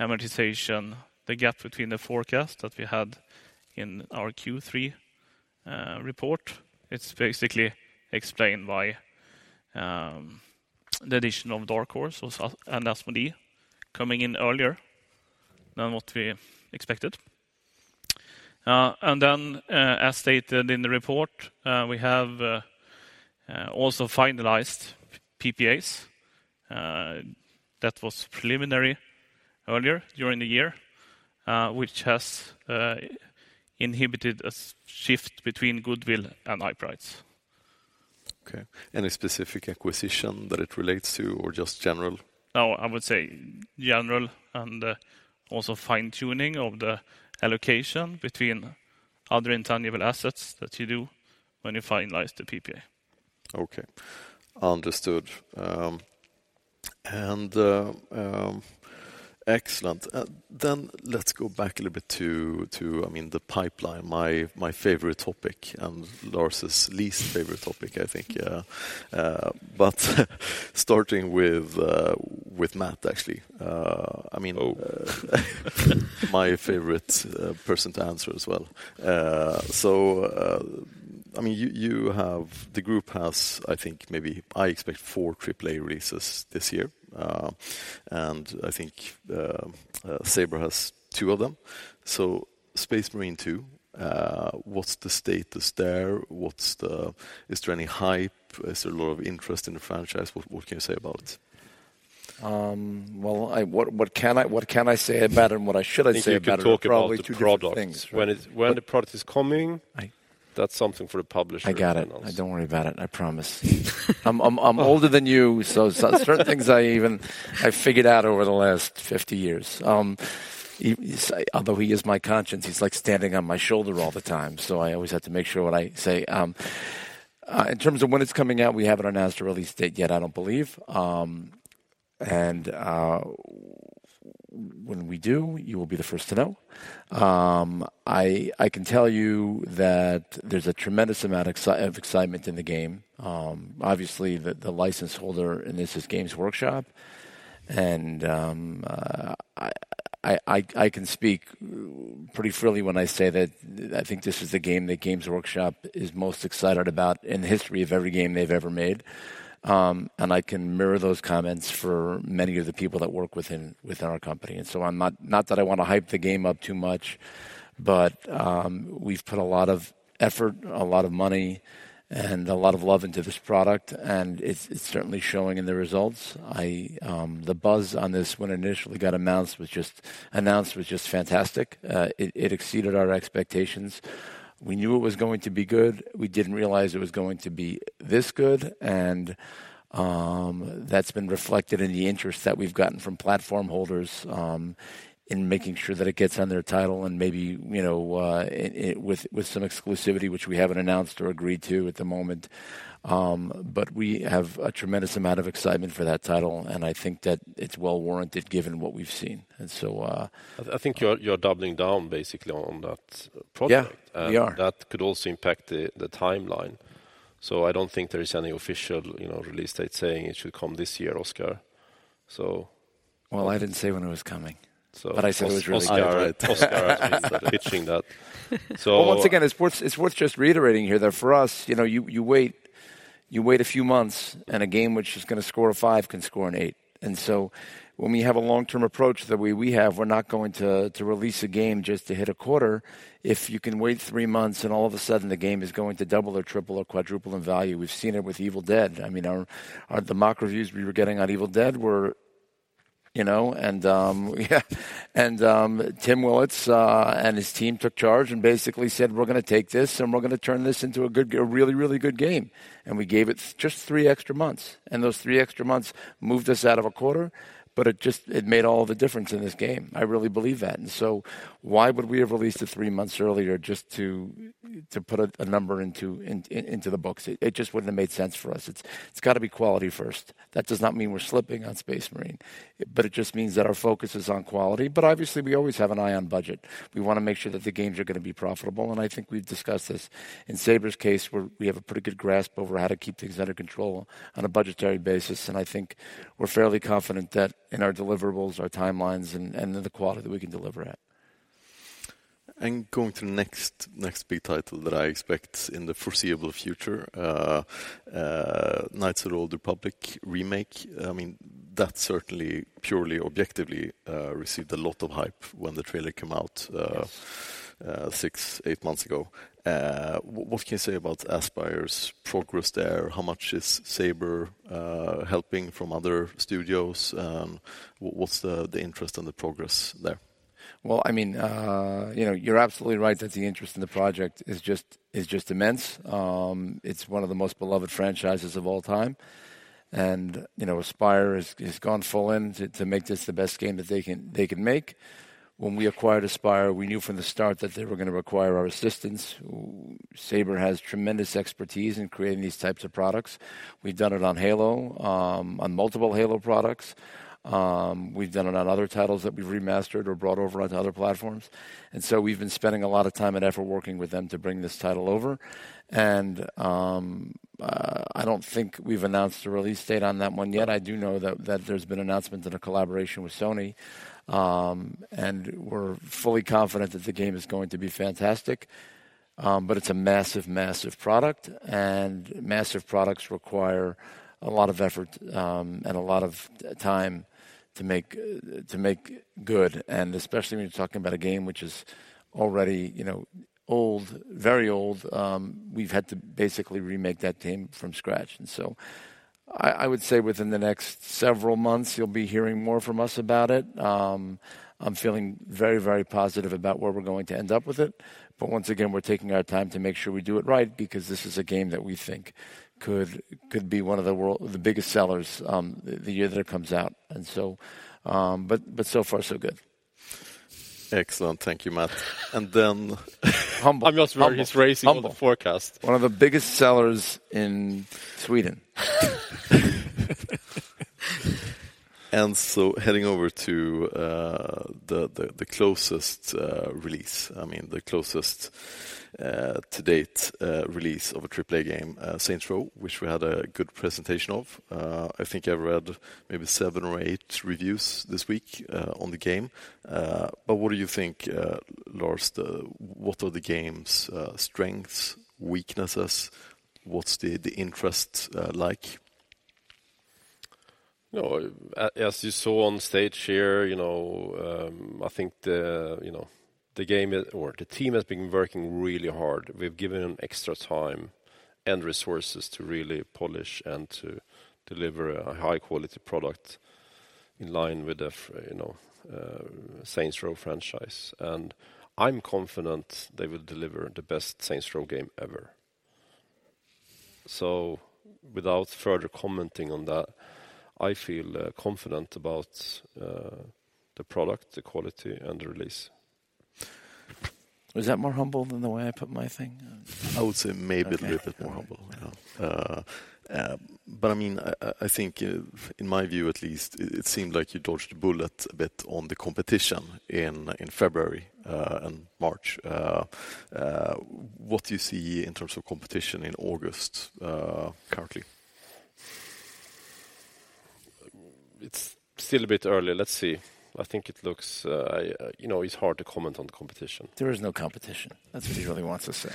amortization, the gap between the forecast that we had in our Q3 report, it's basically explained by the addition of Dark Horse and Asmodee coming in earlier than what we expected. As stated in the report, we have also finalized PPAs that was preliminary earlier during the year, which has inhibited a shift between goodwill and IP rights. Okay. Any specific acquisition that it relates to or just general? No, I would say general and also fine-tuning of the allocation between other intangible assets that you do when you finalize the PPA. Okay. Understood. Excellent. Let's go back a little bit to, I mean, the pipeline, my favorite topic and Lars' least favorite topic, I think. Yeah. Starting with Matt, actually. I mean- Oh. My favorite person to answer as well. The group has, I think, maybe I expect 4 AAA releases this year. I think Saber has two of them. Space Marine 2, what's the status there? Is there any hype? Is there a lot of interest in the franchise? What can you say about it? Well, what can I say about it and what I should say about it are probably two different things, right? If you could talk about the product. When the product is coming, that's something for the publisher to announce. I got it. Don't worry about it, I promise. I'm older than you, so certain things I even have figured out over the last 50 years. Although he is my conscience, he's like standing on my shoulder all the time, so I always have to make sure what I say. In terms of when it's coming out, we haven't announced a release date yet, I don't believe. When we do, you will be the first to know. I can tell you that there's a tremendous amount of excitement in the game. Obviously, the license holder in this is Games Workshop. I can speak pretty freely when I say that I think this is the game that Games Workshop is most excited about in the history of every game they've ever made. I can mirror those comments for many of the people that work within our company. I'm not that I wanna hype the game up too much, but we've put a lot of effort, a lot of money, and a lot of love into this product, and it's certainly showing in the results. The buzz on this when it initially got announced was just fantastic. It exceeded our expectations. We knew it was going to be good. We didn't realize it was going to be this good. That's been reflected in the interest that we've gotten from platform holders in making sure that it gets on their title and maybe, you know, with some exclusivity, which we haven't announced or agreed to at the moment. We have a tremendous amount of excitement for that title, and I think that it's well-warranted given what we've seen. I think you're doubling down basically on that product. Yeah, we are. That could also impact the timeline. I don't think there is any official, you know, release date saying it should come this year, Oscar. Well, I didn't say when it was coming. So- I said it was really good. Oskar is pitching that. Well, once again, it's worth just reiterating here that for us, you know, you wait a few months and a game which is gonna score a five can score an eight. When we have a long-term approach the way we have, we're not going to release a game just to hit a quarter. If you can wait three months and all of a sudden the game is going to double or triple or quadruple in value. We've seen it with Evil Dead. I mean, our the mock reviews we were getting on Evil Dead were, you know, yeah. Tim Willits and his team took charge and basically said, "We're gonna take this, and we're gonna turn this into a really good game." We gave it just 3 extra months, and those 3 extra months moved us out of a quarter, but it made all the difference in this game. I really believe that. Why would we have released it 3 months earlier just to put a number into the books? It just wouldn't have made sense for us. It's gotta be quality first. That does not mean we're slipping on Space Marine, but it just means that our focus is on quality. Obviously, we always have an eye on budget. We wanna make sure that the games are gonna be profitable, and I think we've discussed this. In Saber's case, we have a pretty good grasp over how to keep things under control on a budgetary basis, and I think we're fairly confident that in our deliverables, our timelines, and in the quality that we can deliver at. Going to the next big title that I expect in the foreseeable future, Knights of the Old Republic remake. I mean, that certainly purely objectively received a lot of hype when the trailer came out. Yes 6-8 months ago. What can you say about Aspyr's progress there? How much is Saber helping from other studios? What's the interest and the progress there? Well, I mean, you know, you're absolutely right that the interest in the project is just immense. It's one of the most beloved franchises of all time. You know, Aspyr has gone full in to make this the best game that they can make. When we acquired Aspyr, we knew from the start that they were gonna require our assistance. Saber has tremendous expertise in creating these types of products. We've done it on Halo, on multiple Halo products. We've done it on other titles that we've remastered or brought over onto other platforms. We've been spending a lot of time and effort working with them to bring this title over. I don't think we've announced a release date on that one yet. I do know that there's been announcements and a collaboration with Sony. We're fully confident that the game is going to be fantastic. It's a massive product, and massive products require a lot of effort, and a lot of time to make good. Especially when you're talking about a game which is already, you know, old, very old, we've had to basically remake that game from scratch. I would say within the next several months, you'll be hearing more from us about it. I'm feeling very positive about where we're going to end up with it. Once again, we're taking our time to make sure we do it right because this is a game that we think could be one of the biggest sellers the year that it comes out. So far so good. Excellent. Thank you, Matt. Humble. I'm just raising the forecast. Humble. One of the biggest sellers in Sweden. Heading over to the closest to-date release of a AAA game, Saints Row, which we had a good presentation of, I mean. I think I read maybe seven or eight reviews this week on the game. What do you think, Lars, what are the game's strengths, weaknesses? What's the interest like? You know, as you saw on stage here, you know, I think the game or the team has been working really hard. We've given them extra time and resources to really polish and to deliver a high quality product in line with the Saints Row franchise. I'm confident they will deliver the best Saints Row game ever. Without further commenting on that, I feel confident about the product, the quality, and the release. Was that more humble than the way I put my thing? I would say maybe a little bit more humble, yeah. Okay. I mean, I think, in my view at least, it seemed like you dodged a bullet a bit on the competition in February and March. What do you see in terms of competition in August currently? It's still a bit early. Let's see. I think it looks. You know, it's hard to comment on the competition. There is no competition. That's what he really wants to say.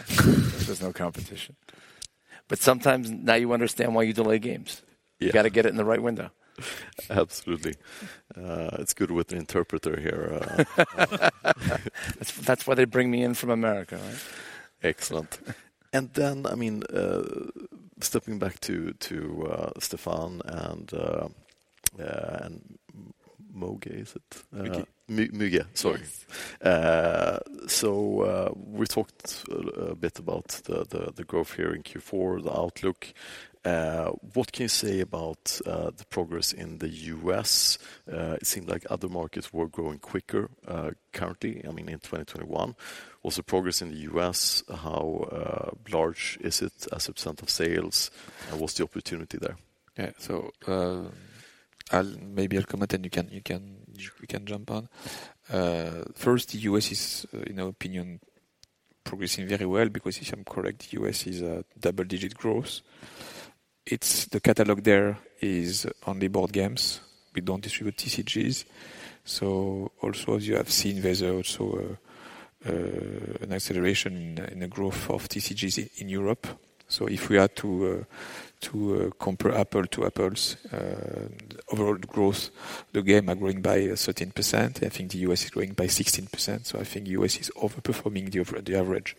There's no competition. Sometimes now you understand why you delay games. Yes. You gotta get it in the right window. Absolutely. It's good with the interpreter here. That's why they bring me in from America, right? Excellent. I mean, stepping back to Stéphane and Müge, is it? Müge. Müge, sorry. We talked a bit about the growth here in Q4, the outlook. What can you say about the progress in the U.S.? It seemed like other markets were growing quicker, currently, I mean, in 2021. Also progress in the U.S., how large is it as a % of sales, and what's the opportunity there? Yeah. I'll maybe comment, and you can, we can jump on. First, U.S. is, in our opinion, progressing very well because if I'm correct, U.S. is at double-digit growth. The catalog there is only board games. We don't distribute TCGs. Also, as you have seen, there's also an acceleration in the growth of TCGs in Europe. If we are to compare apples to apples, overall growth, the games are growing by 13%. I think the U.S. is growing by 16%, so I think U.S. is over-performing the average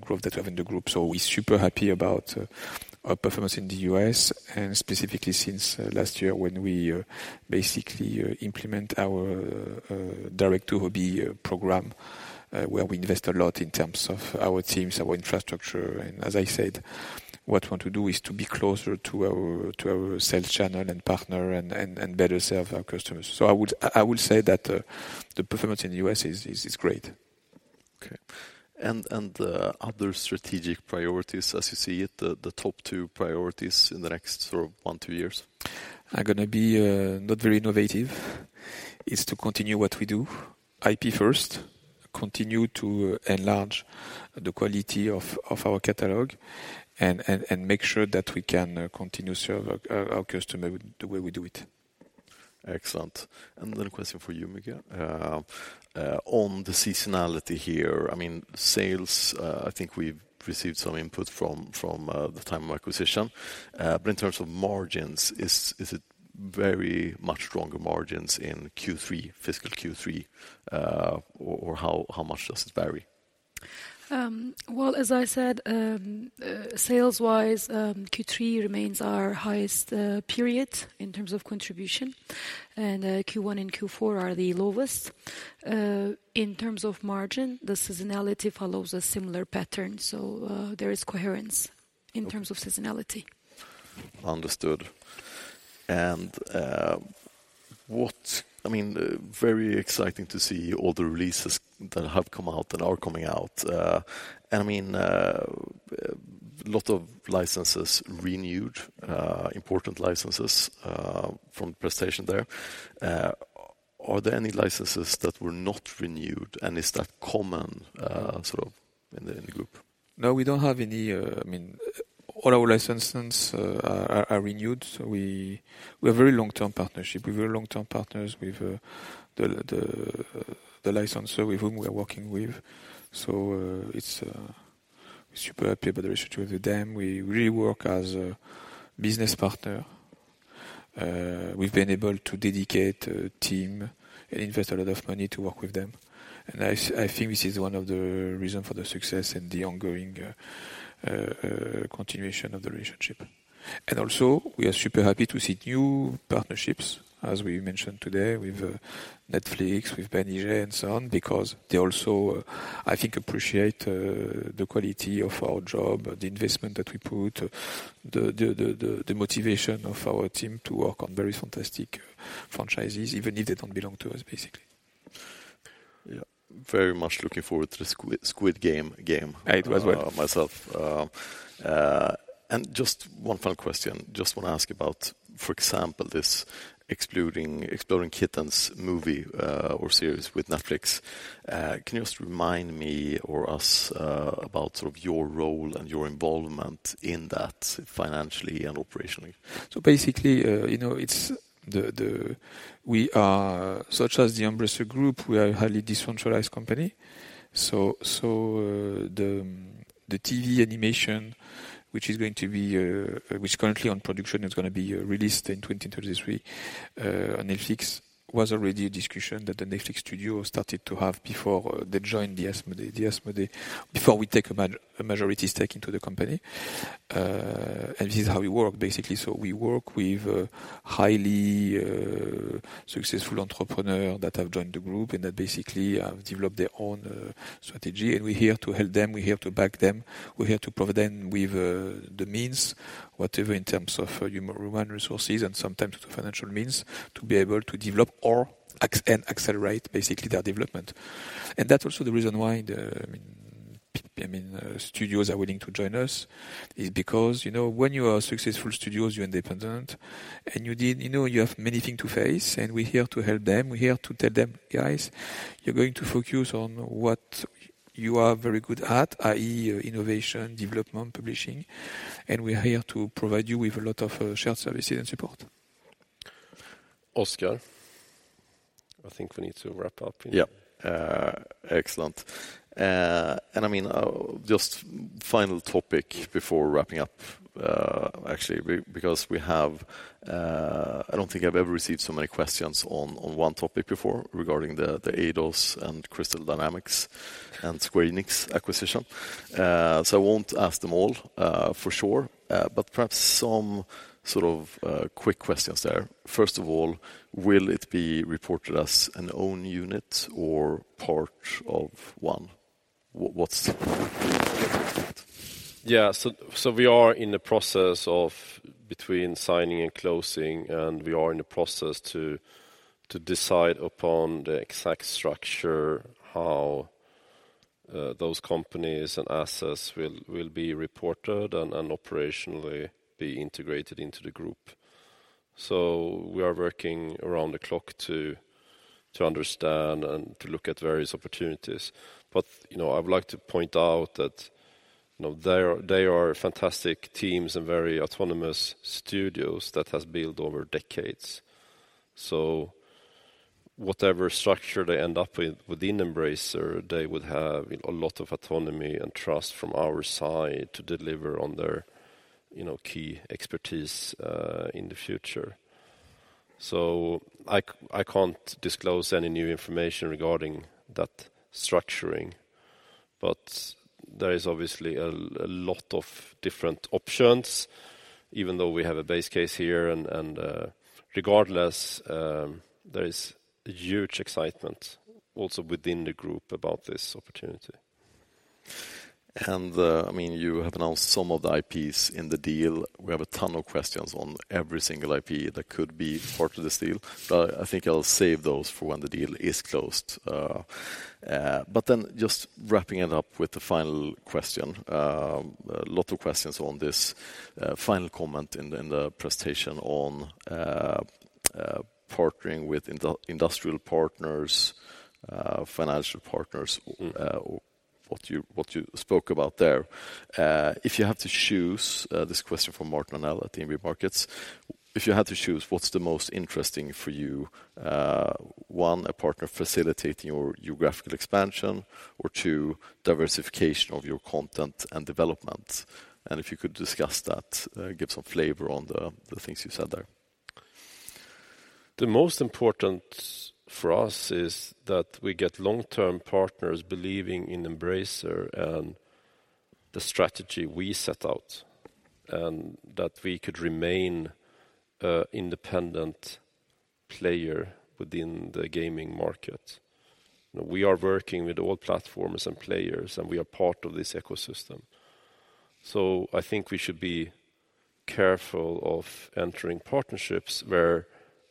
growth that we have in the group. We're super happy about our performance in the US and specifically since last year when we basically implement our direct-to-hobby program, where we invest a lot in terms of our teams, our infrastructure. As I said, what we want to do is to be closer to our sales channel and partner and better serve our customers. I would say that the performance in the US is great. Other strategic priorities as you see it, the top two priorities in the next sort of one, two years? I'm gonna be not very innovative. It's to continue what we do. IP first, continue to enlarge the quality of our catalog and make sure that we can continue serve our customer the way we do it. Excellent. Another question for you, Müge. On the seasonality here, I mean, sales, I think we've received some input from the time of acquisition. In terms of margins, is it very much stronger margins in Q3, fiscal Q3, or how much does it vary? Well, as I said, sales-wise, Q3 remains our highest period in terms of contribution, and Q1 and Q4 are the lowest. In terms of margin, the seasonality follows a similar pattern. There is coherence in terms of seasonality. Understood. I mean, very exciting to see all the releases that have come out and are coming out. I mean, lot of licenses renewed, important licenses, from presentation there. Are there any licenses that were not renewed, and is that common, sort of in the group? No, we don't have any, I mean, all our licenses are renewed, so we have very long-term partnership. We're very long-term partners with the licensor with whom we are working with. So, we're super happy about the relationship with them. We really work as a business partner. We've been able to dedicate a team and invest a lot of money to work with them. I think this is one of the reason for the success and the ongoing continuation of the relationship. We are super happy to see new partnerships, as we mentioned today, with Netflix, with Bandai Namco, and so on, because they also, I think, appreciate the quality of our job, the investment that we put, the motivation of our team to work on very fantastic franchises, even if they don't belong to us, basically. Yeah. Very much looking forward to the Squid Game game. I do as well. Just one final question. Just want to ask about, for example, this Exploding Kittens movie, or series with Netflix. Can you just remind me or us, about sort of your role and your involvement in that financially and operationally? Basically, you know, as the Embracer Group, we are a highly decentralized company. The TV animation, which is currently in production, is gonna be released in 2023 on Netflix, was already a discussion that the Netflix studio started to have before they joined Asmodee, before we take a majority stake in the company. This is how we work, basically. We work with highly successful entrepreneur that have joined the group and that basically have developed their own strategy, and we're here to help them. We're here to back them. We're here to provide them with the means, whatever in terms of human resources and sometimes the financial means to be able to develop or acquire and accelerate basically their development. That's also the reason why, I mean, studios are willing to join us is because, you know, when you are a successful studio, you're independent and, you know, you have many things to face, and we're here to help them. We're here to tell them, "Guys, you're going to focus on what you are very good at, i.e., innovation, development, publishing, and we are here to provide you with a lot of shared services and support. Oscar, I think we need to wrap up here. Yeah. Excellent. I mean, just final topic before wrapping up, actually, because we have. I don't think I've ever received so many questions on one topic before regarding the Eidos-Montréal and Crystal Dynamics and Square Enix acquisition. I won't ask them all, for sure, but perhaps some sort of quick questions there. First of all, will it be reported as an own unit or part of One? What's to expect? Yeah. We are in the process of between signing and closing, and we are in the process to decide upon the exact structure, how those companies and assets will be reported and operationally be integrated into the group. We are working around the clock to understand and to look at various opportunities. You know, I would like to point out that, you know, they are fantastic teams and very autonomous studios that has built over decades. Whatever structure they end up with within Embracer, they would have a lot of autonomy and trust from our side to deliver on their, you know, key expertise in the future. I can't disclose any new information regarding that structuring, but there is obviously a lot of different options, even though we have a base case here and regardless, there is huge excitement also within the group about this opportunity. I mean, you have announced some of the IPs in the deal. We have a ton of questions on every single IP that could be part of this deal, but I think I'll save those for when the deal is closed. Just wrapping it up with the final question. A lot of questions on this final comment in the presentation on partnering with industrial partners, financial partners. Mm. What you spoke about there. If you had to choose this question from Martin Arnell at DNB Markets, what's the most interesting for you? One, a partner facilitating your geographical expansion, or two, diversification of your content and development. If you could discuss that, give some flavor on the things you said there. The most important for us is that we get long-term partners believing in Embracer and the strategy we set out, and that we could remain a independent player within the gaming market. We are working with all platforms and players, and we are part of this ecosystem. I think we should be careful of entering partnerships where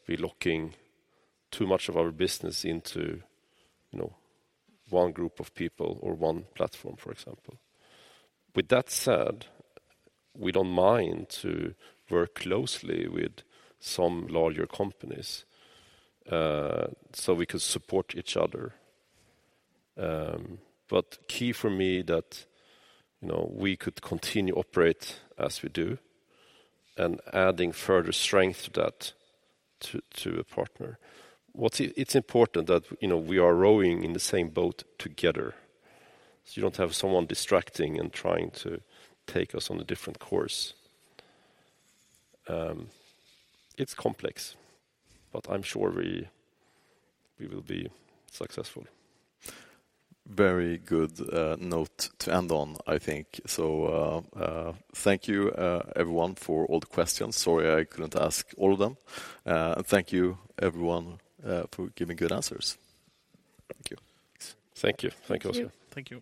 we're locking too much of our business into, you know, one group of people or one platform, for example. With that said, we don't mind to work closely with some larger companies, so we could support each other. Key for me that, you know, we could continue operate as we do and adding further strength to that to a partner. It's important that, you know, we are rowing in the same boat together, so you don't have someone distracting and trying to take us on a different course. It's complex, but I'm sure we will be successful. Very good, note to end on, I think. Thank you, everyone for all the questions. Sorry, I couldn't ask all of them. Thank you everyone for giving good answers. Thank you. Thank you. Thanks also. Thank you.